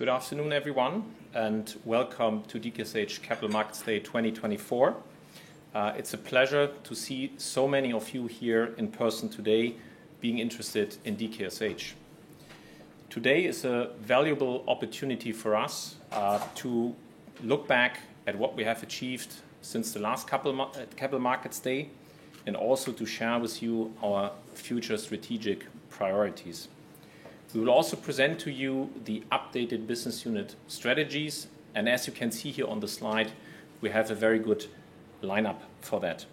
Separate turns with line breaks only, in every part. Good afternoon, everyone, welcome to DKSH Capital Markets Day 2024. It's a pleasure to see so many of you here in person today being interested in DKSH. Today is a valuable opportunity for us, to look back at what we have achieved since the last couple Capital Markets Day, also to share with you our future strategic priorities. We will also present to you the updated business unit strategies. As you can see here on the slide, we have a very good lineup for that.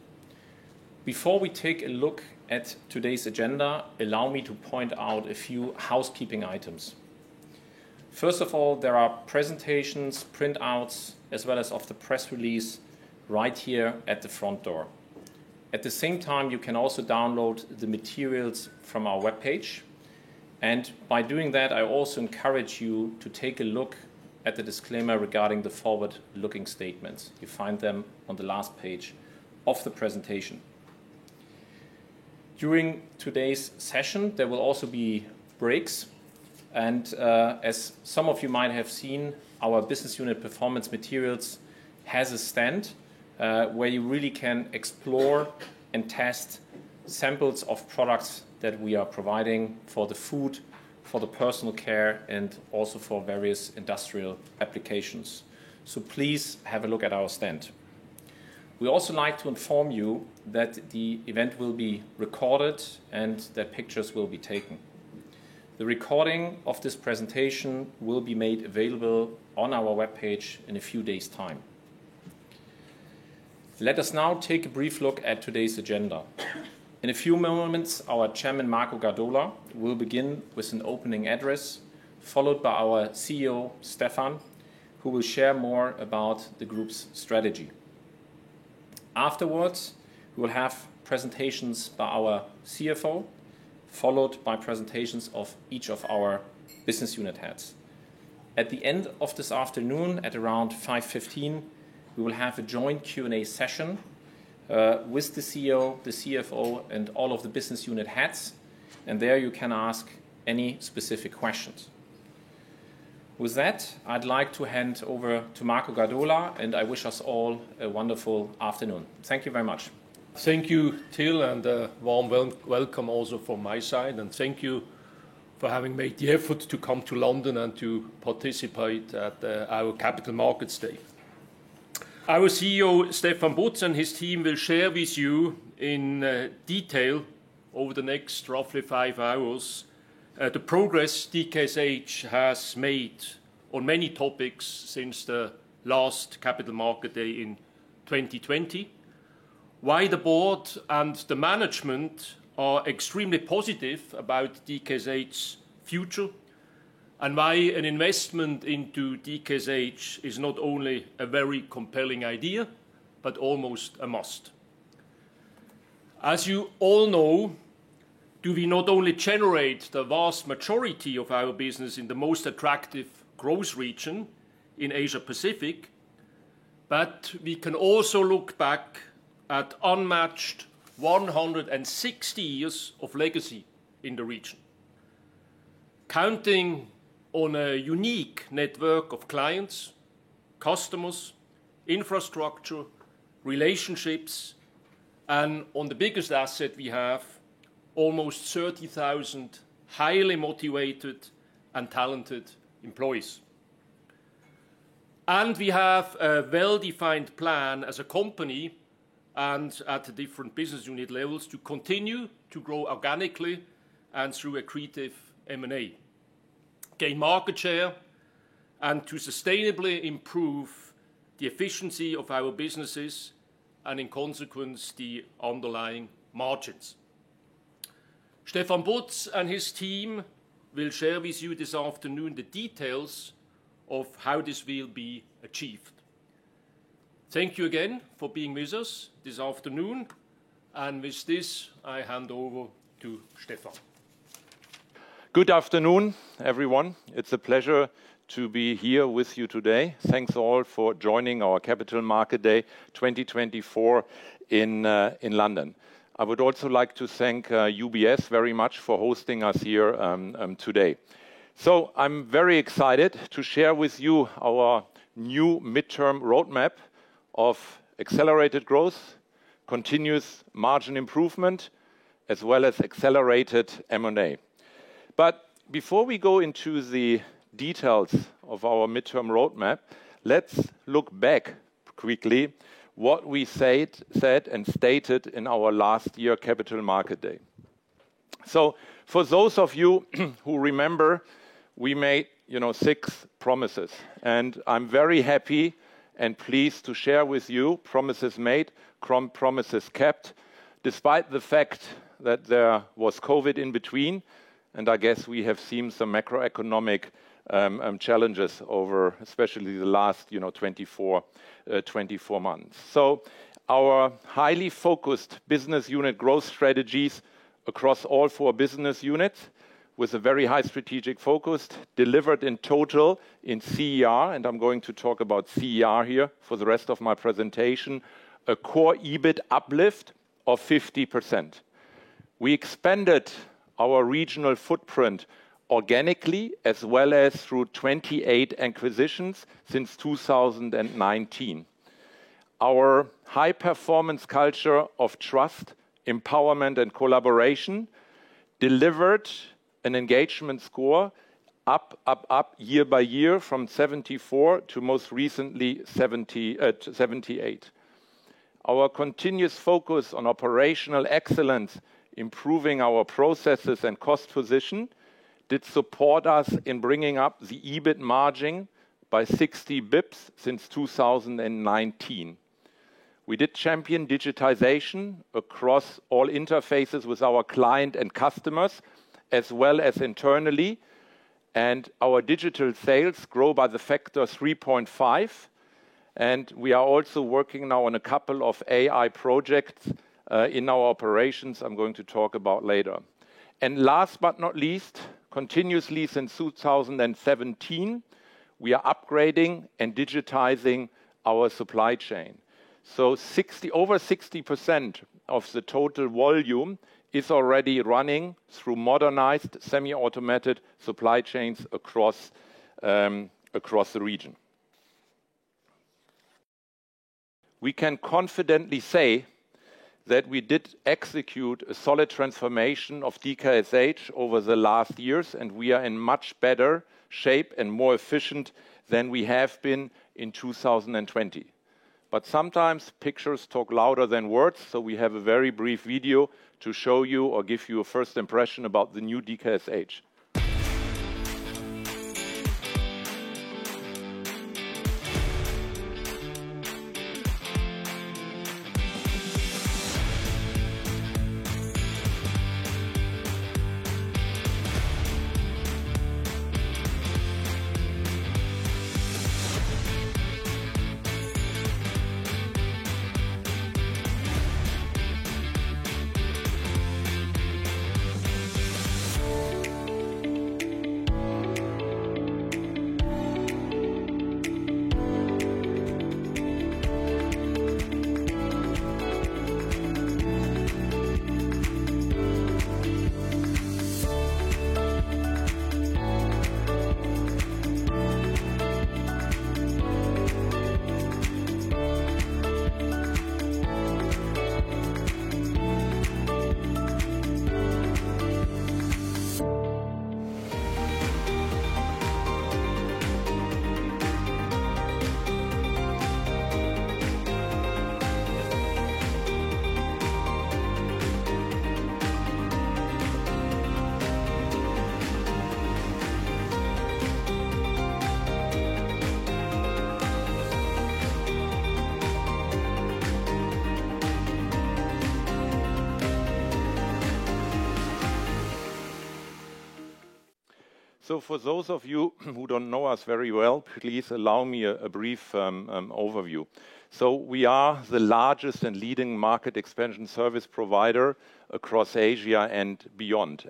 Before we take a look at today's agenda, allow me to point out a few housekeeping items. First of all, there are presentations, printouts, as well as of the press release right here at the front door. At the same time, you can also download the materials from our webpage. By doing that, I also encourage you to take a look at the disclaimer regarding the forward-looking statements. You find them on the last page of the presentation. During today's session, there will also be breaks. As some of you might have seen, our Business Unit Performance Materials has a stand where you really can explore and test samples of products that we are providing for the food, for the personal care, and also for various industrial applications. Please have a look at our stand. We also like to inform you that the event will be recorded and that pictures will be taken. The recording of this presentation will be made available on our webpage in a few days' time. Let us now take a brief look at today's agenda. In a few moments, our Chairman, Marco Gadola, will begin with an opening address, followed by our Chief Executive Officer, Stefan, who will share more about the group's strategy. Afterwards, we will have presentations by our Chief Financial Officer, followed by presentations of each of our Business Unit heads. At the end of this afternoon, at around 5:15 P.M., we will have a joint Q&A session with the Chief Executive Officer, the Chief Financial Officer, and all of the Business Unit heads, and there you can ask any specific questions. With that, I'd like to hand over to Marco Gadola, and I wish us all a wonderful afternoon. Thank you very much.
Thank you, Till, a warm welcome also from my side. Thank you for having made the effort to come to London and to participate at our Capital Markets Day. Our Chief Executive Officer, Stefan Butz, and his team will share with you in detail over the next roughly five hours the progress DKSH has made on many topics since the last Capital Markets Day in 2020, why the board and the management are extremely positive about DKSH's future, and why an investment into DKSH is not only a very compelling idea but almost a must. As you all know, do we not only generate the vast majority of our business in the most attractive growth region in Asia Pacific, but we can also look back at unmatched 160 years of legacy in the region, counting on a unique network of clients, customers, infrastructure, relationships, and on the biggest asset we have, almost 30,000 highly motivated and talented employees. We have a well-defined plan as a company and at the different Business Unit levels to continue to grow organically and through accretive M&A, gain market share, and to sustainably improve the efficiency of our businesses and, in consequence, the underlying margins. Stefan Butz and his team will share with you this afternoon the details of how this will be achieved. Thank you again for being with us this afternoon. With this, I hand over to Stefan.
Good afternoon, everyone. It's a pleasure to be here with you today. Thanks, all, for joining our Capital Market Day 2024 in London. I would also like to thank UBS very much for hosting us here today. I'm very excited to share with you our new midterm roadmap of accelerated growth, continuous margin improvement, as well as accelerated M&A. Before we go into the details of our midterm roadmap, let's look back quickly what we said and stated in our last year Capital Market Day. For those of you who remember, we made, you know, six promises, and I'm very happy and pleased to share with you promises made, promises kept, despite the fact that there was COVID in between, and I guess we have seen some macroeconomic challenges over especially the last, you know, 24 months. Our highly focused business unit growth strategies across all four business units with a very high strategic focus delivered in total in CER, and I'm going to talk about CER here for the rest of my presentation, a core EBIT uplift of 50%. We expanded our regional footprint organically as well as through 28 acquisitions since 2019. Our high-performance culture of trust, empowerment, and collaboration delivered an engagement score up year by year from 74% to most recently 78%. Our continuous focus on operational excellence, improving our processes and cost position did support us in bringing up the EBIT margin by 60 basis points since 2019. We did champion digitization across all interfaces with our client and customers, as well as internally, and our digital sales grow by the factor 3.5x. We are also working now on a couple of AI projects in our operations I'm going to talk about later. Last but not least, continuously since 2017, we are upgrading and digitizing our supply chain. Over 60% of the total volume is already running through modernized semi-automated supply chains across the region. We can confidently say that we did execute a solid transformation of DKSH over the last years. We are in much better shape and more efficient than we have been in 2020. Sometimes pictures talk louder than words. We have a very brief video to show you or give you a first impression about the new DKSH. For those of you who don't know us very well, please allow me a brief overview. We are the largest and leading market expansion service provider across Asia and beyond.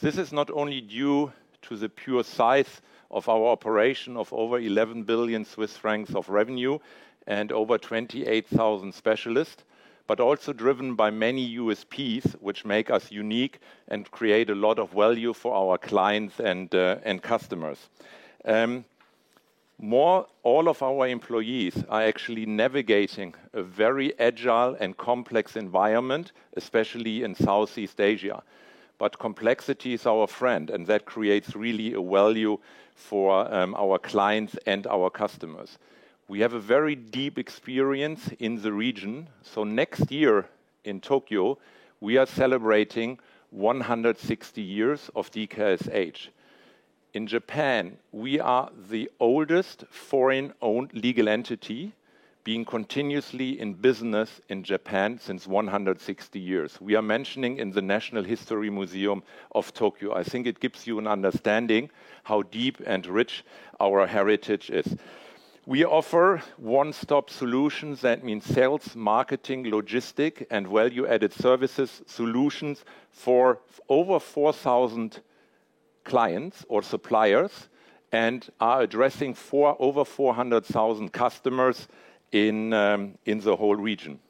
This is not only due to the pure size of our operation of over 11 billion Swiss francs of revenue and over 28,000 specialists, but also driven by many USPs, which make us unique and create a lot of value for our clients and customers. All of our employees are actually navigating a very agile and complex environment, especially in Southeast Asia. Complexity is our friend, and that creates really a value for our clients and our customers. We have a very deep experience in the region. Next year in Tokyo, we are celebrating 160 years of DKSH. In Japan, we are the oldest foreign-owned legal entity being continuously in business in Japan since 160 years. We are mentioning in the Tokyo National Museum. I think it gives you an understanding how deep and rich our heritage is. We offer one-stop solutions. That means sales, marketing, logistic, and value-added services solutions for over 4,000 clients or suppliers and are addressing over 400,000 customers in the whole region.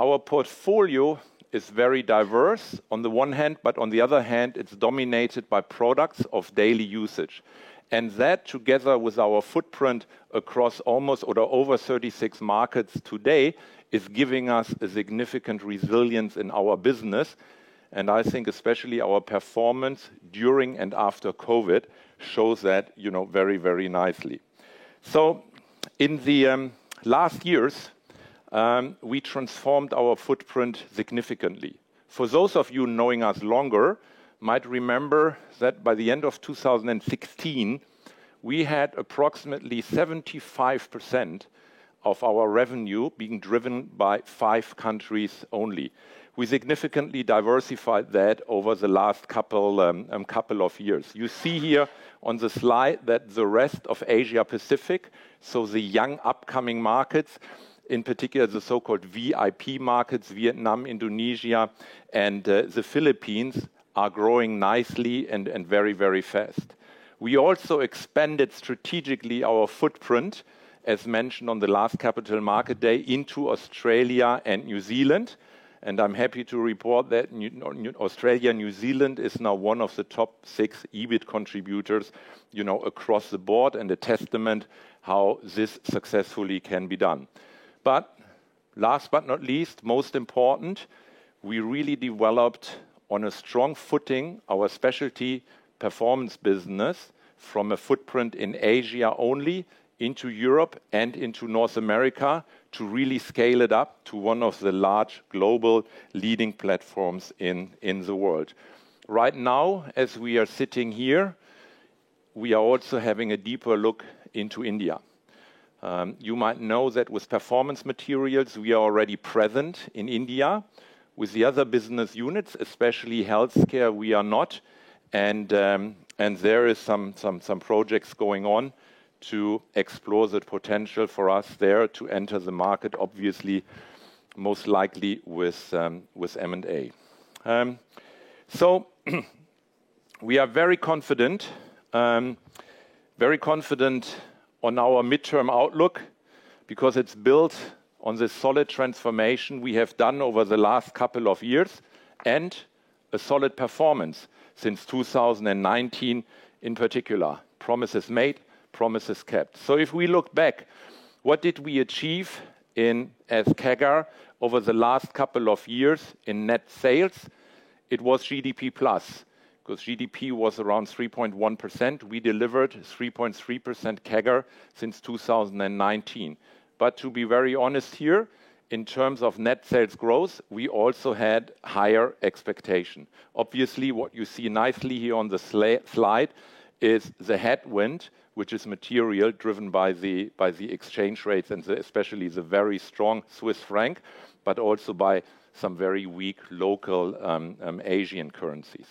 Our portfolio is very diverse on the one hand, but on the other hand, it's dominated by products of daily usage. That, together with our footprint across almost or over 36 markets today, is giving us a significant resilience in our business, and I think especially our performance during and after COVID shows that, you know, very, very nicely. In the last years, we transformed our footprint significantly. For those of you knowing us longer might remember that by the end of 2016, we had approximately 75% of our revenue being driven by five countries only. We significantly diversified that over the last couple of years. You see here on the slide that the rest of Asia Pacific, so the young upcoming markets, in particular, the so-called VIP markets, Vietnam, Indonesia and the Philippines, are growing nicely and very fast. We also expanded strategically our footprint, as mentioned on the last Capital Market Day, into Australia and New Zealand, and I'm happy to report that Australia and New Zealand is now one of the top six EBIT contributors, you know, across the board and a testament how this successfully can be done. Last but not least, most important, we really developed on a strong footing our specialty performance business from a footprint in Asia only into Europe and into North America to really scale it up to one of the large global leading platforms in the world. Right now, as we are sitting here, we are also having a deeper look into India. You might know that with Performance Materials we are already present in India. With the other business units, especially Healthcare, we are not and there is some projects going on to explore the potential for us there to enter the market, obviously most likely with M&A. We are very confident on our midterm outlook because it's built on the solid transformation we have done over the last couple of years and a solid performance since 2019 in particular. Promises made, promises kept. If we look back, what did we achieve in, as CAGR over the last couple of years in net sales? It was GDP+ 'cause GDP was around 3.1%. We delivered 3.3% CAGR since 2019. To be very honest here, in terms of net sales growth, we also had higher expectation. Obviously, what you see nicely here on the slide is the headwind, which is material driven by the, by the exchange rates and the, especially the very strong Swiss franc, but also by some very weak local Asian currencies.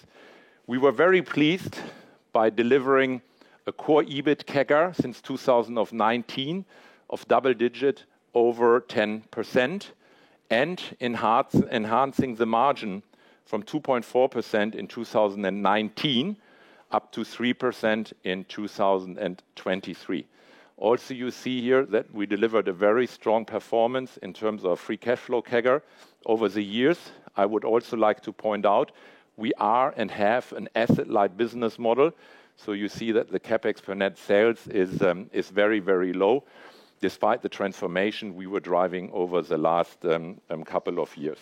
We were very pleased by delivering a core EBIT CAGR since 2019 of double digit over 10% and enhancing the margin from 2.4% in 2019 up to 3% in 2023. Also, you see here that we delivered a very strong performance in terms of free cash flow CAGR over the years. I would also like to point out we are and have an asset-light business model. You see that the CapEx for net sales is very low despite the transformation we were driving over the last two years.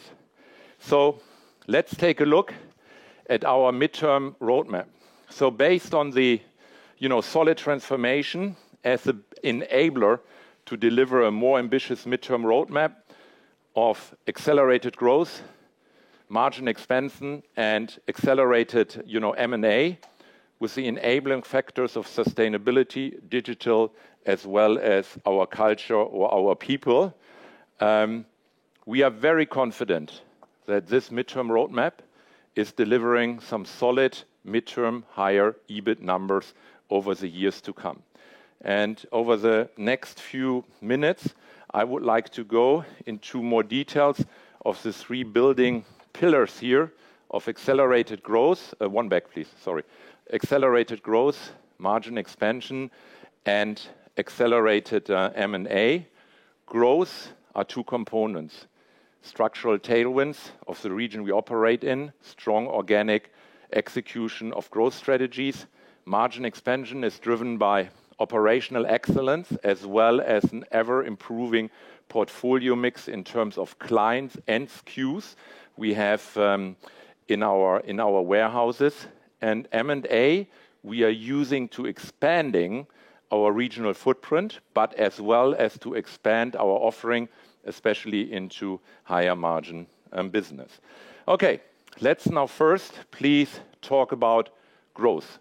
Let's take a look at our midterm roadmap. Based on the, you know, solid transformation as an enabler to deliver a more ambitious midterm roadmap of accelerated growth, margin expansion and accelerated, you know, M&A with the enabling factors of sustainability, digital, as well as our culture or our people, we are very confident that this midterm roadmap is delivering some solid midterm higher EBIT numbers over the years to come. Over the next few minutes, I would like to go into more details of the three building pillars here of accelerated growth. One back, please. Sorry. Accelerated growth, margin expansion and accelerated M&A. Growth are two components: structural tailwinds of the region we operate in, strong organic execution of growth strategies. Margin expansion is driven by operational excellence as well as an ever-improving portfolio mix in terms of clients and SKUs we have in our warehouses. M&A we are using to expanding our regional footprint, but as well as to expand our offering, especially into higher margin business. Okay. Let's now first please talk about growth.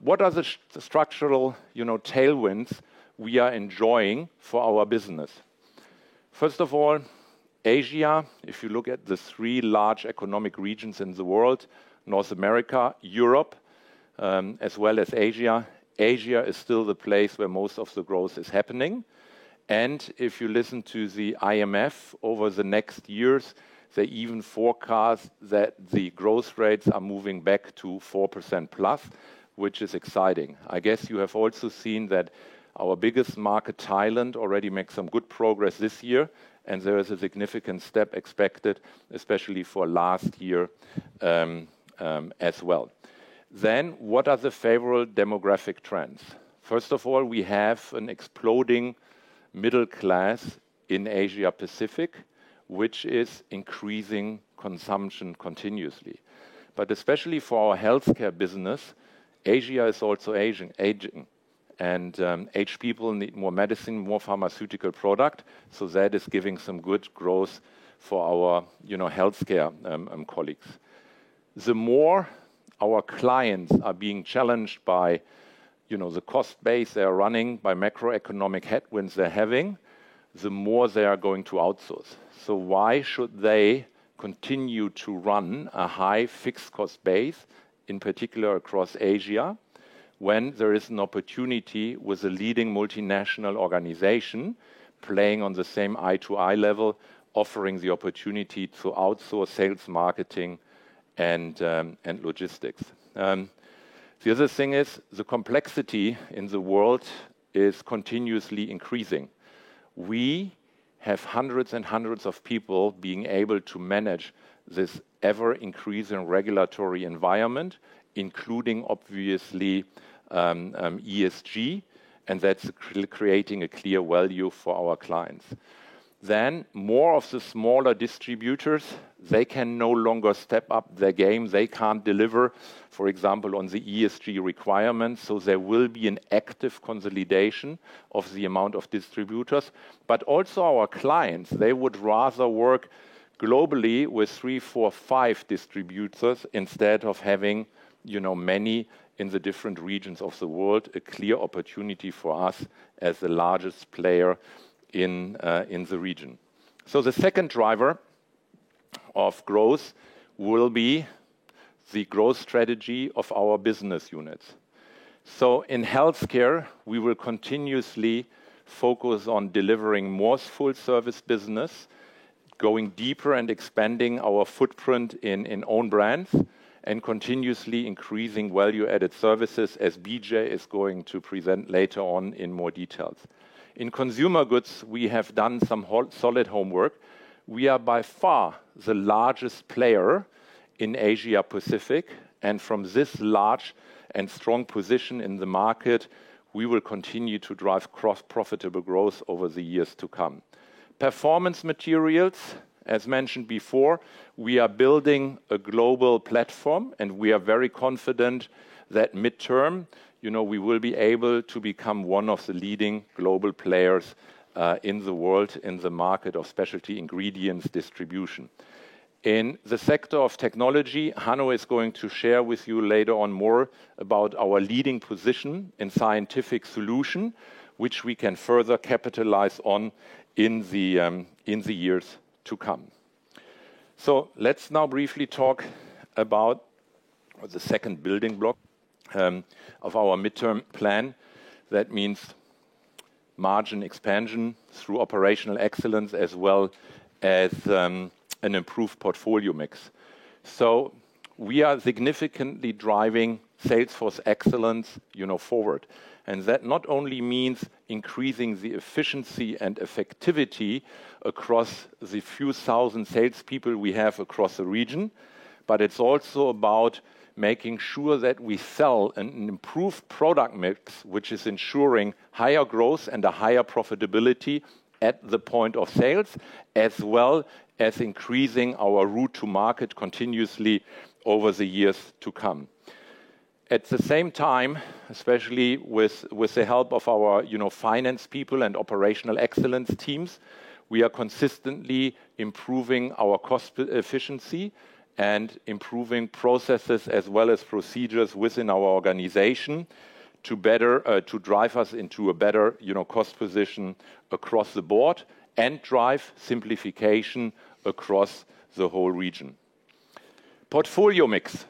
What are the structural, you know, tailwinds we are enjoying for our business? First of all, Asia. If you look at the three large economic regions in the world, North America, Europe, as well as Asia is still the place where most of the growth is happening. If you listen to the IMF over the next years, they even forecast that the growth rates are moving back to 4%+, which is exciting. I guess you have also seen that our biggest market, Thailand, already make some good progress this year, and there is a significant step expected, especially for last year as well. What are the favorable demographic trends? First of all, we have an exploding middle class in Asia-Pacific, which is increasing consumption continuously. Especially for our healthcare business, Asia is also aging. Aged people need more medicine, more pharmaceutical product, so that is giving some good growth for our, you know, healthcare colleagues. The more our clients are being challenged by, you know, the cost base they are running by macroeconomic headwinds they're having, the more they are going to outsource. Why should they continue to run a high fixed cost base, in particular across Asia, when there is an opportunity with a leading multinational organization playing on the same eye-to-eye level, offering the opportunity to outsource sales, marketing and logistics? The other thing is the complexity in the world is continuously increasing. We have hundreds and hundreds of people being able to manage this ever-increasing regulatory environment, including obviously ESG. That's creating a clear value for our clients. More of the smaller distributors, they can no longer step up their game. They can't deliver, for example, on the ESG requirements. There will be an active consolidation of the amount of distributors. Also our clients, they would rather work globally with three, four, five distributors instead of having, you know, many in the different regions of the world, a clear opportunity for us as the largest player in the region. The second driver of growth will be the growth strategy of our business units. In Healthcare, we will continuously focus on delivering more full-service business, going deeper and expanding our footprint in own brands and continuously increasing value-added services as Bijay is going to present later on in more details. In Consumer Goods, we have done some solid homework. We are by far the largest player in Asia Pacific, and from this large and strong position in the market, we will continue to drive cross-profitable growth over the years to come. Performance Materials, as mentioned before, we are building a global platform, and we are very confident that midterm, you know, we will be able to become one of the leading global players in the world, in the market of specialty ingredients distribution. In the sector of Technology, Hanno is going to share with you later on more about our leading position in scientific solution, which we can further capitalize on in the years to come. Let's now briefly talk about the second building block of our midterm plan. That means margin expansion through operational excellence as well as an improved portfolio mix. We are significantly driving sales force excellence, you know, forward. That not only means increasing the efficiency and effectivity across the few thousand salespeople we have across the region, but it's also about making sure that we sell an improved product mix, which is ensuring higher growth and a higher profitability at the point of sale, as well as increasing our route to market continuously over the years to come. At the same time, especially with the help of our, you know, finance people and operational excellence teams, we are consistently improving our cost efficiency and improving processes as well as procedures within our organization to drive us into a better, you know, cost position across the board and drive simplification across the whole region. Portfolio mix.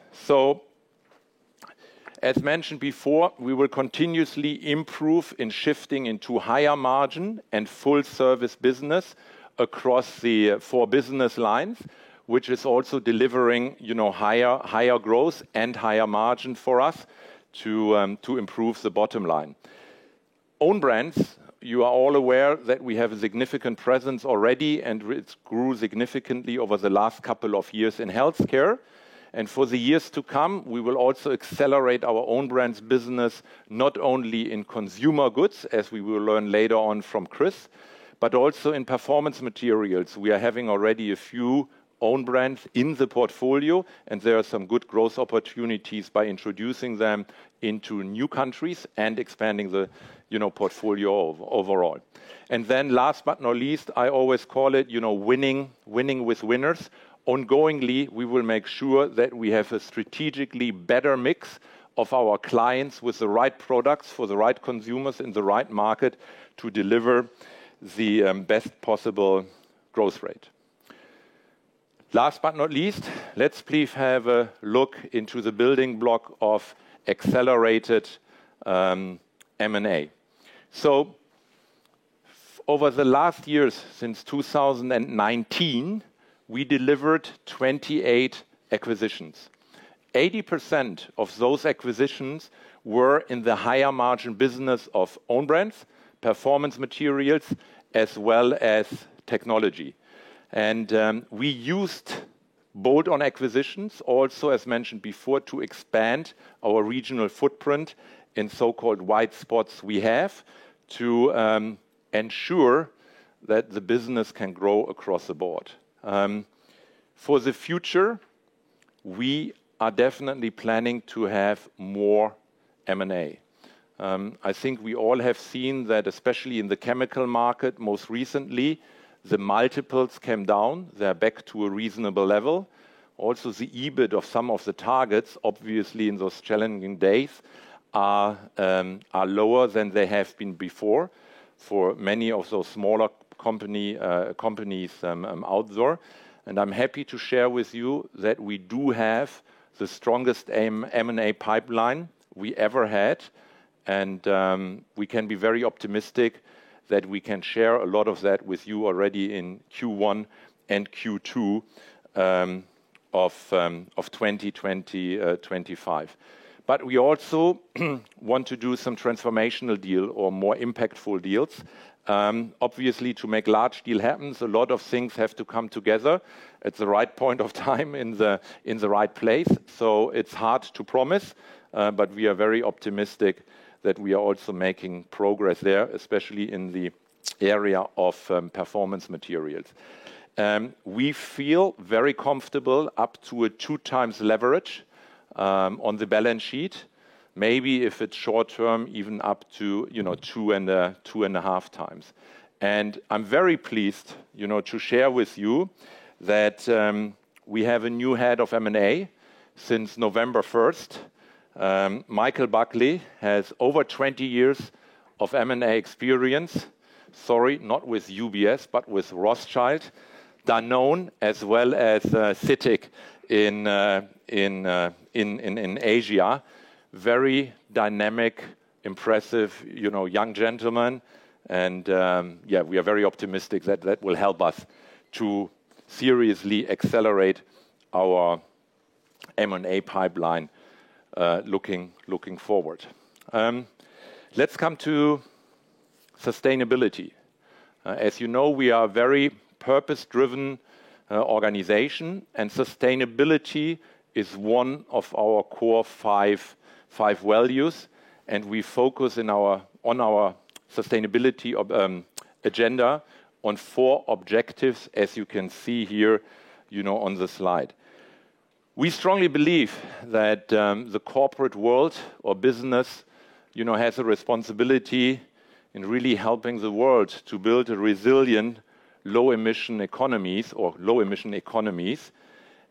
As mentioned before, we will continuously improve in shifting into higher margin and full service business across the four business lines, which is also delivering, you know, higher growth and higher margin for us to improve the bottom line. Own brands, you are all aware that we have a significant presence already, and it's grew significantly over the last couple of years in Healthcare. For the years to come, we will also accelerate our own brands business, not only in Consumer Goods, as we will learn later on from Chris, but also in Performance Materials. We are having already a few own brands in the portfolio, and there are some good growth opportunities by introducing them into new countries and expanding the, you know, portfolio overall. Then last but not least, I always call it, you know, winning with winners. Ongoingly, we will make sure that we have a strategically better mix of our clients with the right products for the right consumers in the right market to deliver the best possible growth rate. Last but not least, let's please have a look into the building block of accelerated M&A. Over the last years, since 2019, we delivered 28 acquisitions. 80% of those acquisitions were in the higher margin business of own brands, Performance Materials, as well as Technology. We used bolt-on acquisitions also, as mentioned before, to expand our regional footprint in so-called white spots we have to ensure that the business can grow across the board. For the future, we are definitely planning to have more M&A. I think we all have seen that, especially in the chemical market, most recently, the multiples came down. They're back to a reasonable level. The EBIT of some of the targets, obviously in those challenging days, are lower than they have been before for many of those smaller companies out there. I'm happy to share with you that we do have the strongest M&A pipeline we ever had, and we can be very optimistic that we can share a lot of that with you already in Q1 and Q2 of 2025. We also want to do some transformational deal or more impactful deals. Obviously, to make large deal happens, a lot of things have to come together at the right point of time in the right place. It's hard to promise, but we are very optimistic that we are also making progress there, especially in the area of Performance Materials. We feel very comfortable up to a 2x leverage on the balance sheet. Maybe if it's short term, even up to, you know, 2.5x. I'm very pleased, you know, to share with you that we have a new Head of M&A since November 1st. Michael Buckley has over 20 years of M&A experience, sorry, not with UBS, but with Rothschild, Danone, as well as CITIC in Asia. Very dynamic, impressive, you know, young gentleman, and we are very optimistic that that will help us to seriously accelerate our M&A pipeline looking forward. Let's come to sustainability. As you know, we are very purpose-driven organization, and sustainability is one of our core five values, and we focus on our sustainability agenda on four objectives, as you can see here, you know, on the slide. We strongly believe that the corporate world or business, you know, has a responsibility in really helping the world to build a resilient low emission economies. We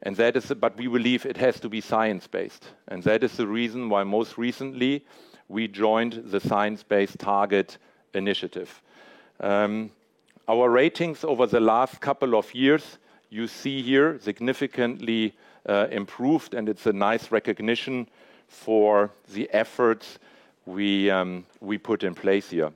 believe it has to be science-based, and that is the reason why most recently we joined the Science Based Targets initiative. Our ratings over the last couple of years, you see here, significantly improved, and it's a nice recognition for the efforts we put in place here.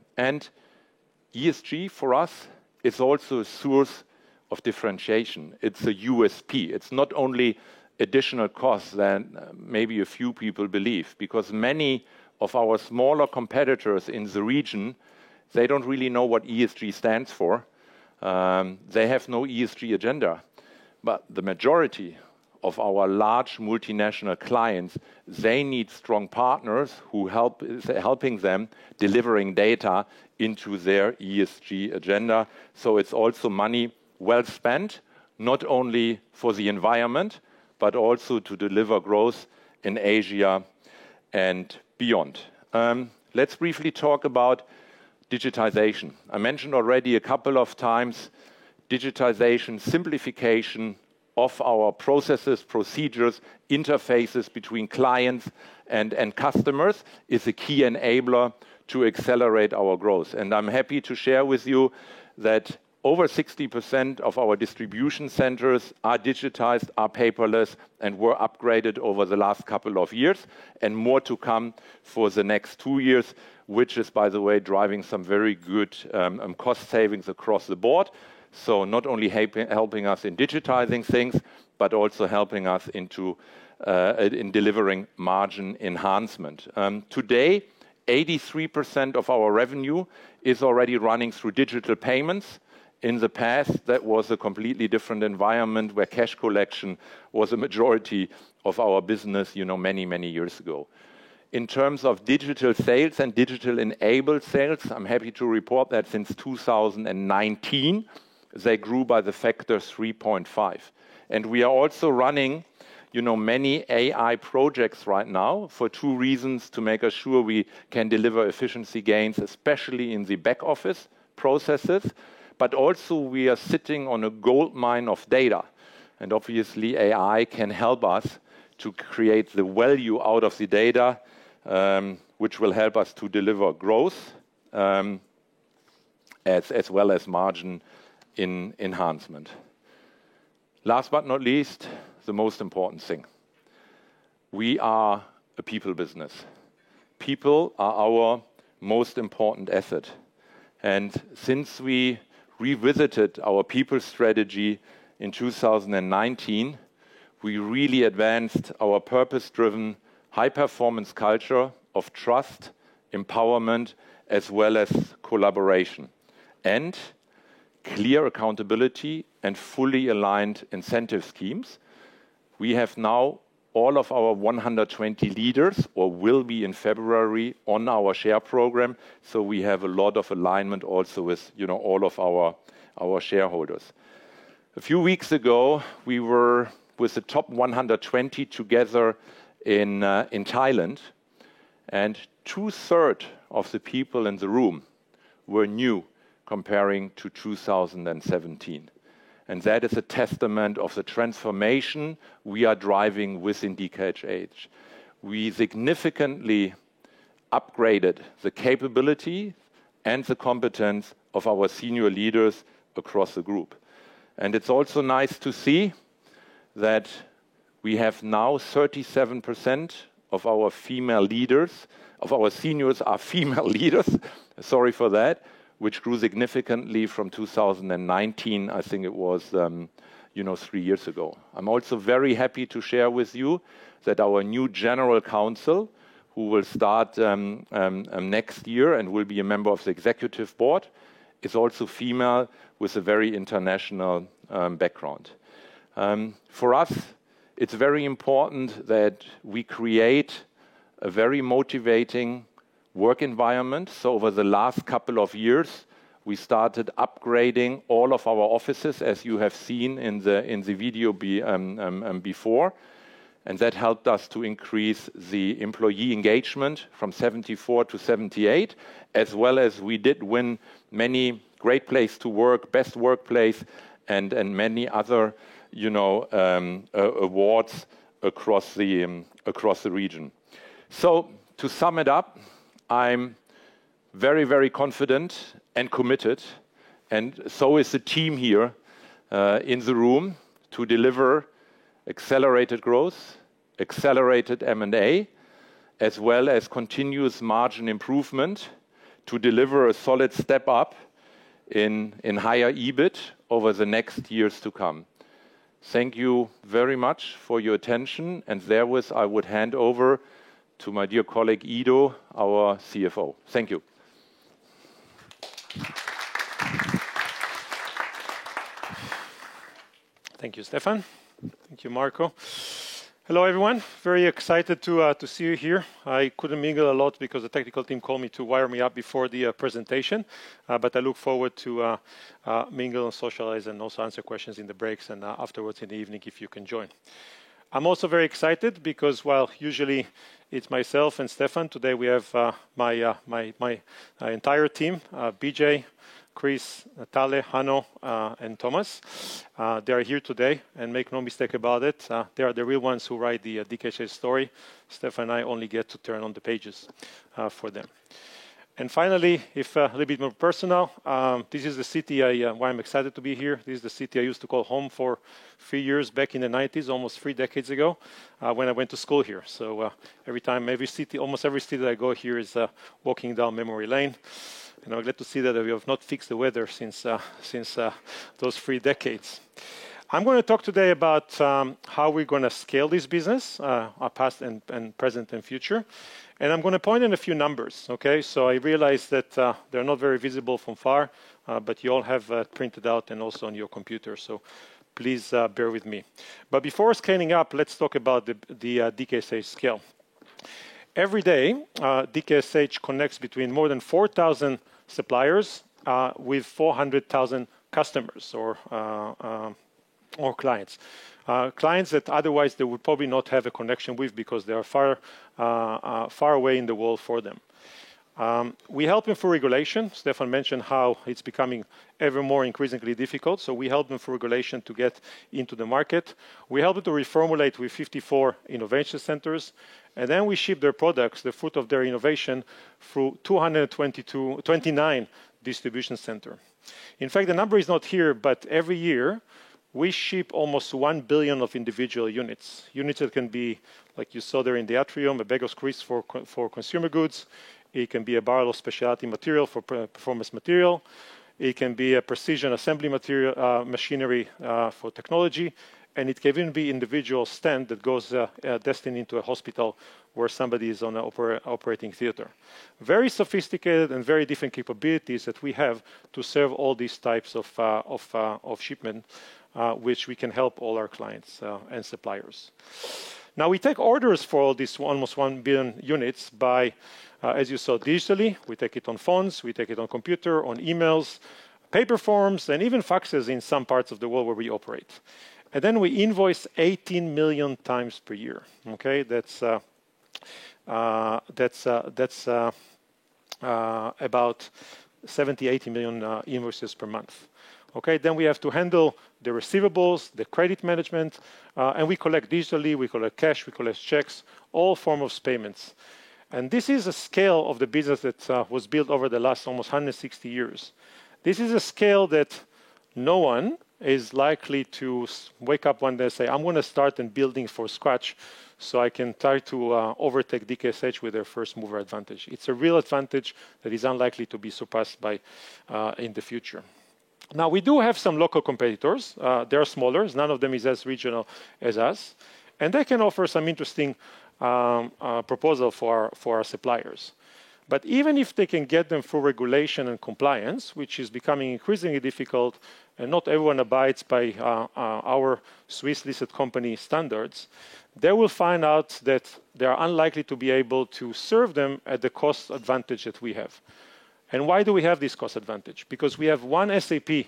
ESG, for us, is also a source of differentiation. It's a USP. It's not only additional costs than maybe a few people believe. Many of our smaller competitors in the region, they don't really know what ESG stands for. They have no ESG agenda. The majority of our large multinational clients, they need strong partners helping them delivering data into their ESG agenda. It's also money well spent, not only for the environment, but also to deliver growth in Asia and beyond. Let's briefly talk about digitization. I mentioned already a couple of times, digitization, simplification of our processes, procedures, interfaces between clients and customers is a key enabler to accelerate our growth. I'm happy to share with you that over 60% of our Distribution Centers are digitized, are paperless, and were upgraded over the last couple of years, and more to come for the next two years, which is, by the way, driving some very good cost savings across the board. Not only helping us in digitizing things, but also helping us into in delivering margin enhancement. Today, 83% of our revenue is already running through digital payments. In the past, that was a completely different environment where cash collection was a majority of our business, you know, many, many years ago. In terms of digital sales and digital-enabled sales, I'm happy to report that since 2019, they grew by the factor 3.5x. We are also running, you know, many AI projects right now for two reasons: to make sure we can deliver efficiency gains, especially in the back office processes, but also we are sitting on a goldmine of data. Obviously, AI can help us to create the value out of the data, which will help us to deliver growth, as well as margin enhancement. Last but not least, the most important thing. We are a people business. People are our most important asset. Since we revisited our people strategy in 2019, we really advanced our purpose-driven high-performance culture of trust, empowerment, as well as collaboration and clear accountability and fully aligned incentive schemes. We have now all of our 120 leaders or will be in February on our Share Program, so we have a lot of alignment also with, you know, all of our shareholders. A few weeks ago, we were with the top 120 leaders together in Thailand. 2/3 of the people in the room were new comparing to 2017. That is a testament of the transformation we are driving within DKSH. We significantly upgraded the capability and the competence of our senior leaders across the group. It's also nice to see that. We have now 37% of our seniors are female leaders, which grew significantly from 2019, I think it was, you know, three years ago. I'm also very happy to share with you that our new general counsel, who will start next year and will be a member of the Executive Board, is also female with a very international background. For us, it's very important that we create a very motivating work environment. Over the last couple of years, we started upgrading all of our offices, as you have seen in the video before. That helped us to increase the employee engagement from 74%-78%, as well as we did win many Great Place to Work, Best Workplace, and many other, you know, awards across the region. To sum it up, I'm very, very confident and committed, and so is the team here in the room to deliver accelerated growth, accelerated M&A, as well as continuous margin improvement to deliver a solid step up in higher EBIT over the next years to come. Thank you very much for your attention, there with I would hand over to my dear colleague, Ido, our Chief Financial Officer. Thank you.
Thank you, Stefan. Thank you, Marco. Hello, everyone. Very excited to see you here. I couldn't mingle a lot because the technical team called me to wire me up before the presentation. I look forward to mingle and socialize and also answer questions in the breaks and afterwards in the evening, if you can join. I'm also very excited because while usually it's myself and Stefan, today we have my entire team, Bijay, Chris, Tale, Hanno, and Thomas. They are here today, and make no mistake about it, they are the real ones who write the DKSH story. Stefan and I only get to turn on the pages for them. Finally, if a little bit more personal, this is the city I why I'm excited to be here. This is the city I used to call home for a few years back in the 1990s, almost three decades ago, when I went to school here. Every time, every city, almost every city that I go here is walking down memory lane. I'm glad to see that we have not fixed the weather since those three decades. I'm gonna talk today about how we're gonna scale this business, our past and present and future. I'm gonna point in a few numbers, okay? I realize that they're not very visible from far, but you all have printed out and also on your computer. Please bear with me. Before scaling up, let's talk about the DKSH scale. Every day, DKSH connects between more than 4,000 suppliers with 400,000 customers or clients. Clients that otherwise they would probably not have a connection with because they are far, far away in the world for them. We help them for regulation. Stefan mentioned how it's becoming ever more increasingly difficult. We help them for regulation to get into the market. We help them to reformulate with 54 innovation centers. We ship their products, the fruit of their innovation, through 229 distribution center. In fact, the number is not here. Every year, we ship almost 1 billion individual units. Units that can be, like you saw there in the atrium, a bag of crisps for consumer goods. It can be a barrel of specialty material for performance material. It can be a precision assembly material, machinery, for technology, and it can even be individual stent that goes destined into a hospital where somebody is on operating theater. Very sophisticated and very different capabilities that we have to serve all these types of, of shipment, which we can help all our clients and suppliers. Now, we take orders for all these almost 1 billion units by, as you saw digitally, we take it on phones, we take it on computer, on emails, paper forms, and even faxes in some parts of the world where we operate. And then we invoice 18 million times per year. Okay? That's, that's, about 70, 80 million invoices per month. Okay? We have to handle the receivables, the credit management, and we collect digitally, we collect cash, we collect checks, all form of payments. This is a scale of the business that was built over the last almost 160 years. This is a scale that no one is likely to wake up one day and say, "I'm gonna start and building from scratch so I can try to overtake DKSH with their first mover advantage." It's a real advantage that is unlikely to be surpassed in the future. We do have some local competitors. They are smaller. None of them is as regional as us, and they can offer some interesting proposal for our suppliers. Even if they can get them for regulation and compliance, which is becoming increasingly difficult and not everyone abides by our Swiss-listed company standards, they will find out that they are unlikely to be able to serve them at the cost advantage that we have. Why do we have this cost advantage? Because we have one SAP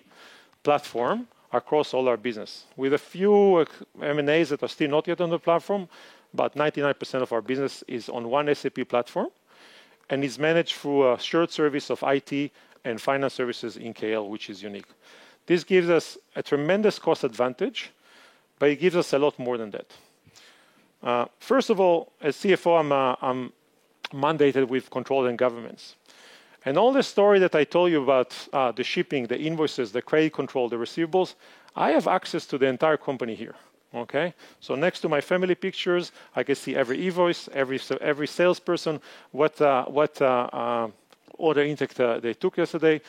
platform across all our business. With a few M&As that are still not yet on the platform, 99% of our business is on one SAP platform and is managed through a shared service of IT and finance services in KL, which is unique. This gives us a tremendous cost advantage, but it gives us a lot more than that. First of all, as Chief Financial Officer, I'm mandated with control and governance. All the story that I told you about the shipping, the invoices, the credit control, the receivables, I have access to the entire company here. Okay? Next to my family pictures, I can see every e-invoice, every salesperson, what what order intake they took yesterday,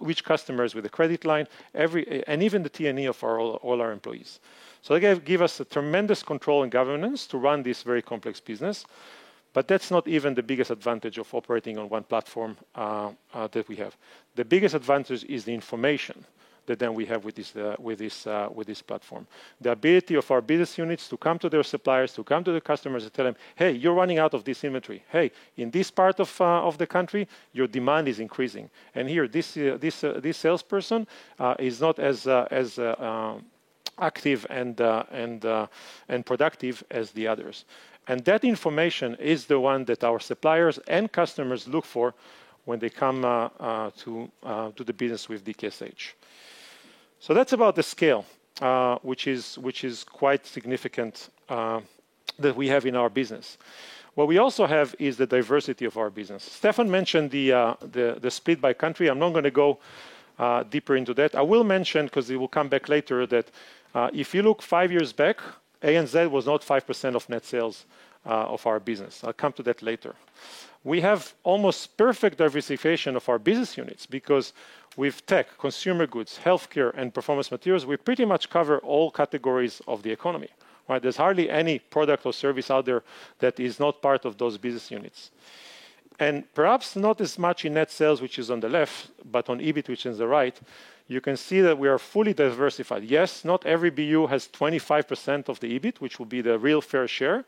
which customers with a credit line, every and even the T&E of all our employees. They give us a tremendous control and governance to run this very complex business, but that's not even the biggest advantage of operating on one platform that we have. The biggest advantage is the information that then we have with this, with this, with this platform. The ability of our business units to come to their suppliers, to come to the customers and tell them, "Hey, you're running out of this inventory. Hey, in this part of the country, your demand is increasing. Here, this salesperson is not as active and productive as the others. That information is the one that our suppliers and customers look for when they come to do business with DKSH. That's about the scale, which is quite significant that we have in our business. What we also have is the diversity of our business. Stefan mentioned the split by country. I'm not gonna go deeper into that. I will mention, 'cause it will come back later, that if you look five years back, ANZ was not 5% of net sales of our business. I'll come to that later. We have almost perfect diversification of our business units because with tech, Consumer Goods, Healthcare, and Performance Materials, we pretty much cover all categories of the economy. Right? There is hardly any product or service out there that is not part of those business units. Perhaps not as much in net sales, which is on the left, but on EBIT, which is the right, you can see that we are fully diversified. Yes, not every BU has 25% of the EBIT, which will be the real fair share.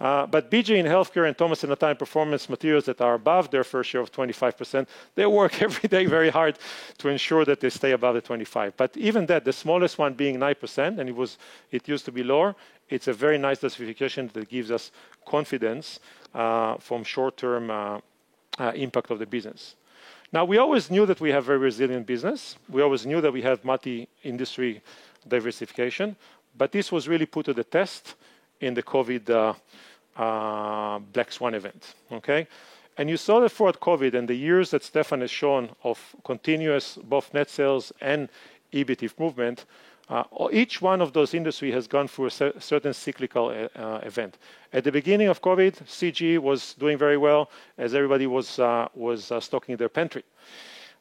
Bijay in Healthcare and Thomas and Natale in Performance Materials that are above their fair share of 25%, they work every day very hard to ensure that they stay above the 25%. Even that, the smallest one being 9%. It used to be lower, it's a very nice diversification that gives us confidence from short-term impact of the business. We always knew that we have very resilient business. We always knew that we have multi-industry diversification, but this was really put to the test in the COVID black swan event. Okay. You saw that for COVID, in the years that Stefan has shown of continuous both net sales and EBIT movement, each one of those industry has gone through a certain cyclical event. At the beginning of COVID, CG was doing very well as everybody was stocking their pantry.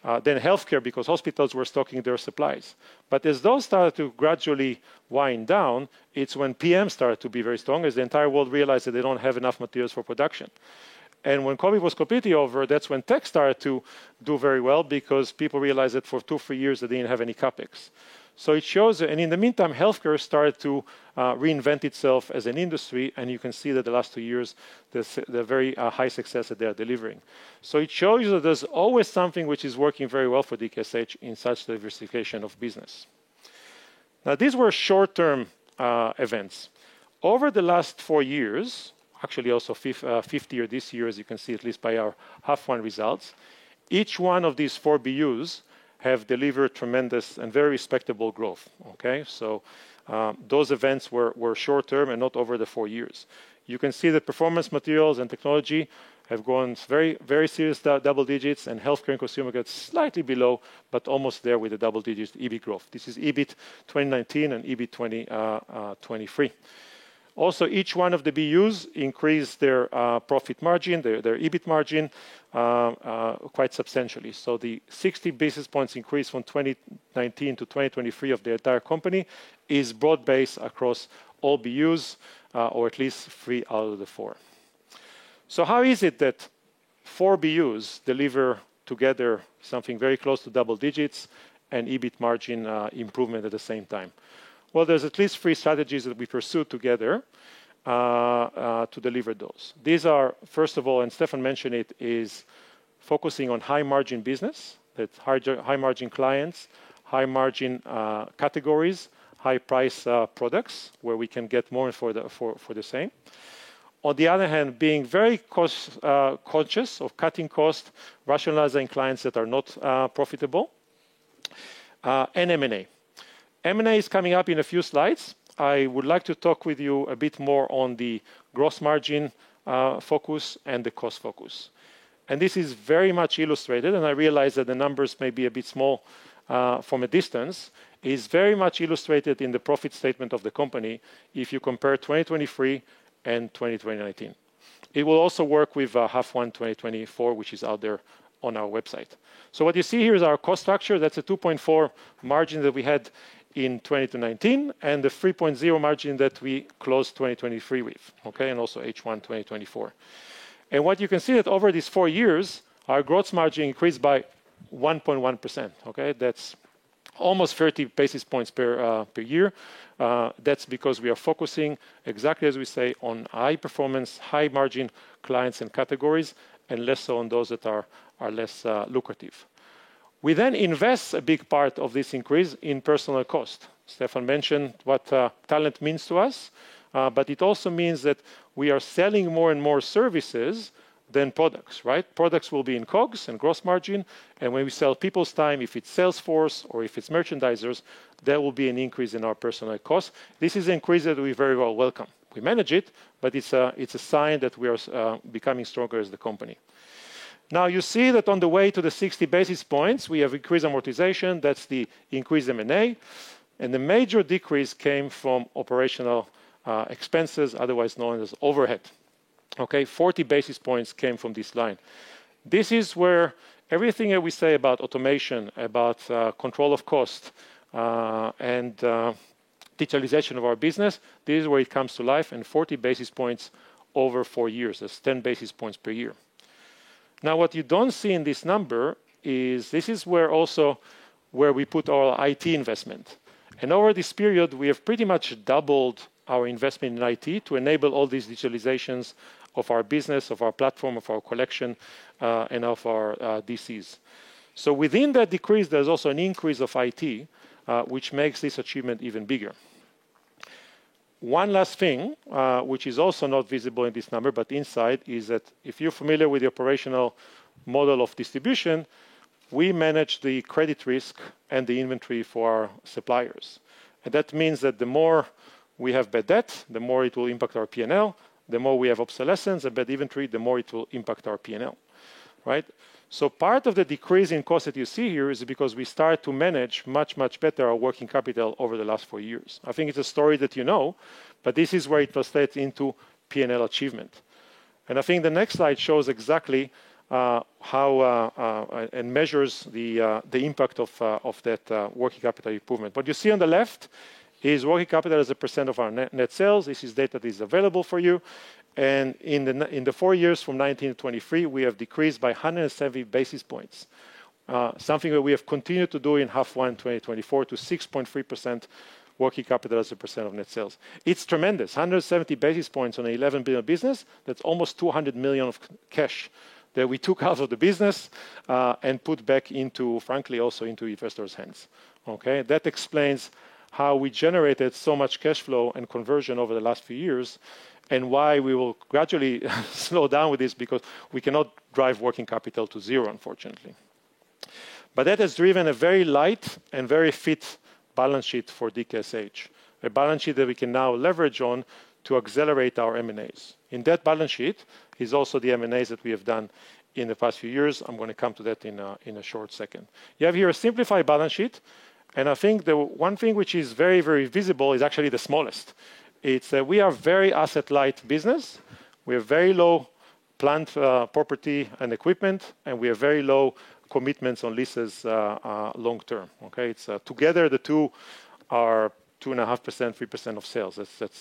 Healthcare because hospitals were stocking their supplies. As those started to gradually wind down, it's when PM started to be very strong, as the entire world realized that they don't have enough materials for production. When COVID was completely over, that's when tech started to do very well because people realized that for two, three years, they didn't have any CapEx. It shows. In the meantime, healthcare started to reinvent itself as an industry, you can see that the last two years, the very high success that they are delivering. It shows you that there's always something which is working very well for DKSH in such diversification of business. Now, these were short-term events. Over the last four years, actually also fifth year, this year, as you can see at least by our half one results, each one of these four BUs have delivered tremendous and very respectable growth. Okay? Those events were short-term and not over the four years. You can see that performance materials and technology have gone very, very serious double digits, and healthcare and consumer goods slightly below, but almost there with the double digits EBIT growth. This is EBIT 2019 and EBIT 2023. Each one of the BUs increased their profit margin, their EBIT margin, quite substantially. The 60 basis points increase from 2019-2023 of the entire company is broad-based across all BUs, or at least three out of the four. How is it that four BUs deliver together something very close to double digits and EBIT margin improvement at the same time? There's at least three strategies that we pursue together to deliver those. These are, first of all, and Stefan mentioned it, is focusing on high-margin business. That's high-margin clients, high-margin categories, high-price products where we can get more for the same. On the other hand, being very cost conscious of cutting costs, rationalizing clients that are not profitable, and M&A. M&A is coming up in a few slides. I would like to talk with you a bit more on the gross margin focus and the cost focus. This is very much illustrated, and I realize that the numbers may be a bit small from a distance. It's very much illustrated in the profit statement of the company if you compare 2023 and 2019. It will also work with H1 2024, which is out there on our website. What you see here is our cost structure. That's a 2.4x margin that we had in 2019, and the 3.0x margin that we closed 2023 with, and also H1 2024. What you can see that over these four years, our gross margin increased by 1.1%. That's almost 30 basis points per year. That's because we are focusing, exactly as we say, on high performance, high margin clients and categories, and less so on those that are less lucrative. We invest a big part of this increase in personnel cost. Stefan mentioned what talent means to us, but it also means that we are selling more and more services than products, right? Products will be in COGS and gross margin, and when we sell people's time, if it's Sales force or if it's merchandisers, there will be an increase in our personnel cost. This is an increase that we very well welcome. We manage it, but it's a sign that we are becoming stronger as the company. You see that on the way to the 60 basis points, we have increased amortization, that's the increased M&A. The major decrease came from operational expenses, otherwise known as overhead. Okay, 40 basis points came from this line. This is where everything that we say about automation, about control of cost, and digitalization of our business, this is where it comes to life, and 40 basis points over four years. That's 10 basis points per year. What you don't see in this number is this is where also where we put all our IT investment. Over this period, we have pretty much doubled our investment in IT to enable all these digitalizations of our business, of our platform, of our collection, and of our DCs. Within that decrease, there's also an increase of IT, which makes this achievement even bigger. One last thing, which is also not visible in this number, but inside is that if you're familiar with the operational model of distribution, we manage the credit risk and the inventory for our suppliers. That means that the more we have bad debt, the more it will impact our P&L, the more we have obsolescence and bad inventory, the more it will impact our P&L, right? Part of the decrease in cost that you see here is because we start to manage much, much better our working capital over the last four years. I think it's a story that you know, but this is where it translates into P&L achievement. I think the next slide shows exactly how and measures the impact of that working capital improvement. What you see on the left is working capital as a percent of our net sales. This is data that is available for you. In the four years from 2023, we have decreased by 170 basis points, something that we have continued to do in H1 2024 to 6.3% working capital as a percent of net sales. It's tremendous. 170 basis points on 11 billion business, that's almost 200 million of cash that we took out of the business and put back into, frankly, also into investors' hands, okay? That explains how we generated so much cash flow and conversion over the last few years, and why we will gradually slow down with this because we cannot drive working capital to zero, unfortunately. That has driven a very light and very fit balance sheet for DKSH, a balance sheet that we can now leverage on to accelerate our M&As. In that balance sheet is also the M&As that we have done in the past few years. I'm going to come to that in a short second. You have here a simplified balance sheet, and I think the one thing which is very, very visible is actually the smallest. It's that we are very asset-light business. We are very low plant, property and equipment, and we are very low commitments on leases, long term, okay? It's, together, the two are 2.5%, 3% of sales.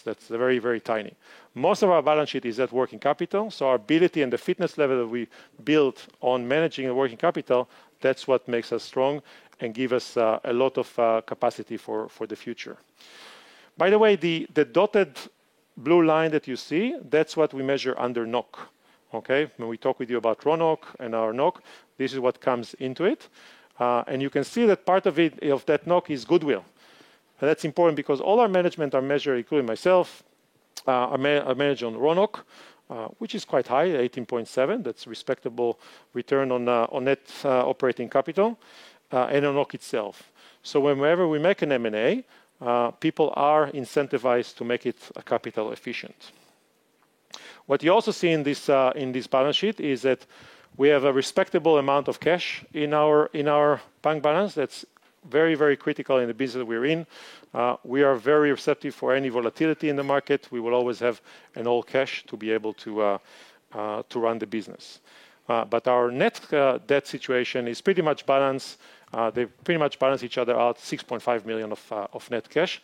That's very, very tiny. Most of our balance sheet is at working capital, so our ability and the fitness level that we built on managing a working capital, that's what makes us strong and give us a lot of capacity for the future. By the way, the dotted blue line that you see, that's what we measure under NOC, okay? When we talk with you about RONOC and our NOC, this is what comes into it. And you can see that part of it, of that NOC is goodwill. That's important because all our management are measured, including myself, are measured on RONOC, which is quite high, at 18.7%. That's respectable return on net operating capital and on NOC itself. Whenever we make an M&A, people are incentivized to make it a capital efficient. What you also see in this, in this balance sheet is that we have a respectable amount of cash in our bank balance. That's very, very critical in the business we're in. We are very receptive for any volatility in the market. We will always have an all-cash to be able to run the business. Our net debt situation is pretty much balanced. They pretty much balance each other out, 6.5 million of net cash.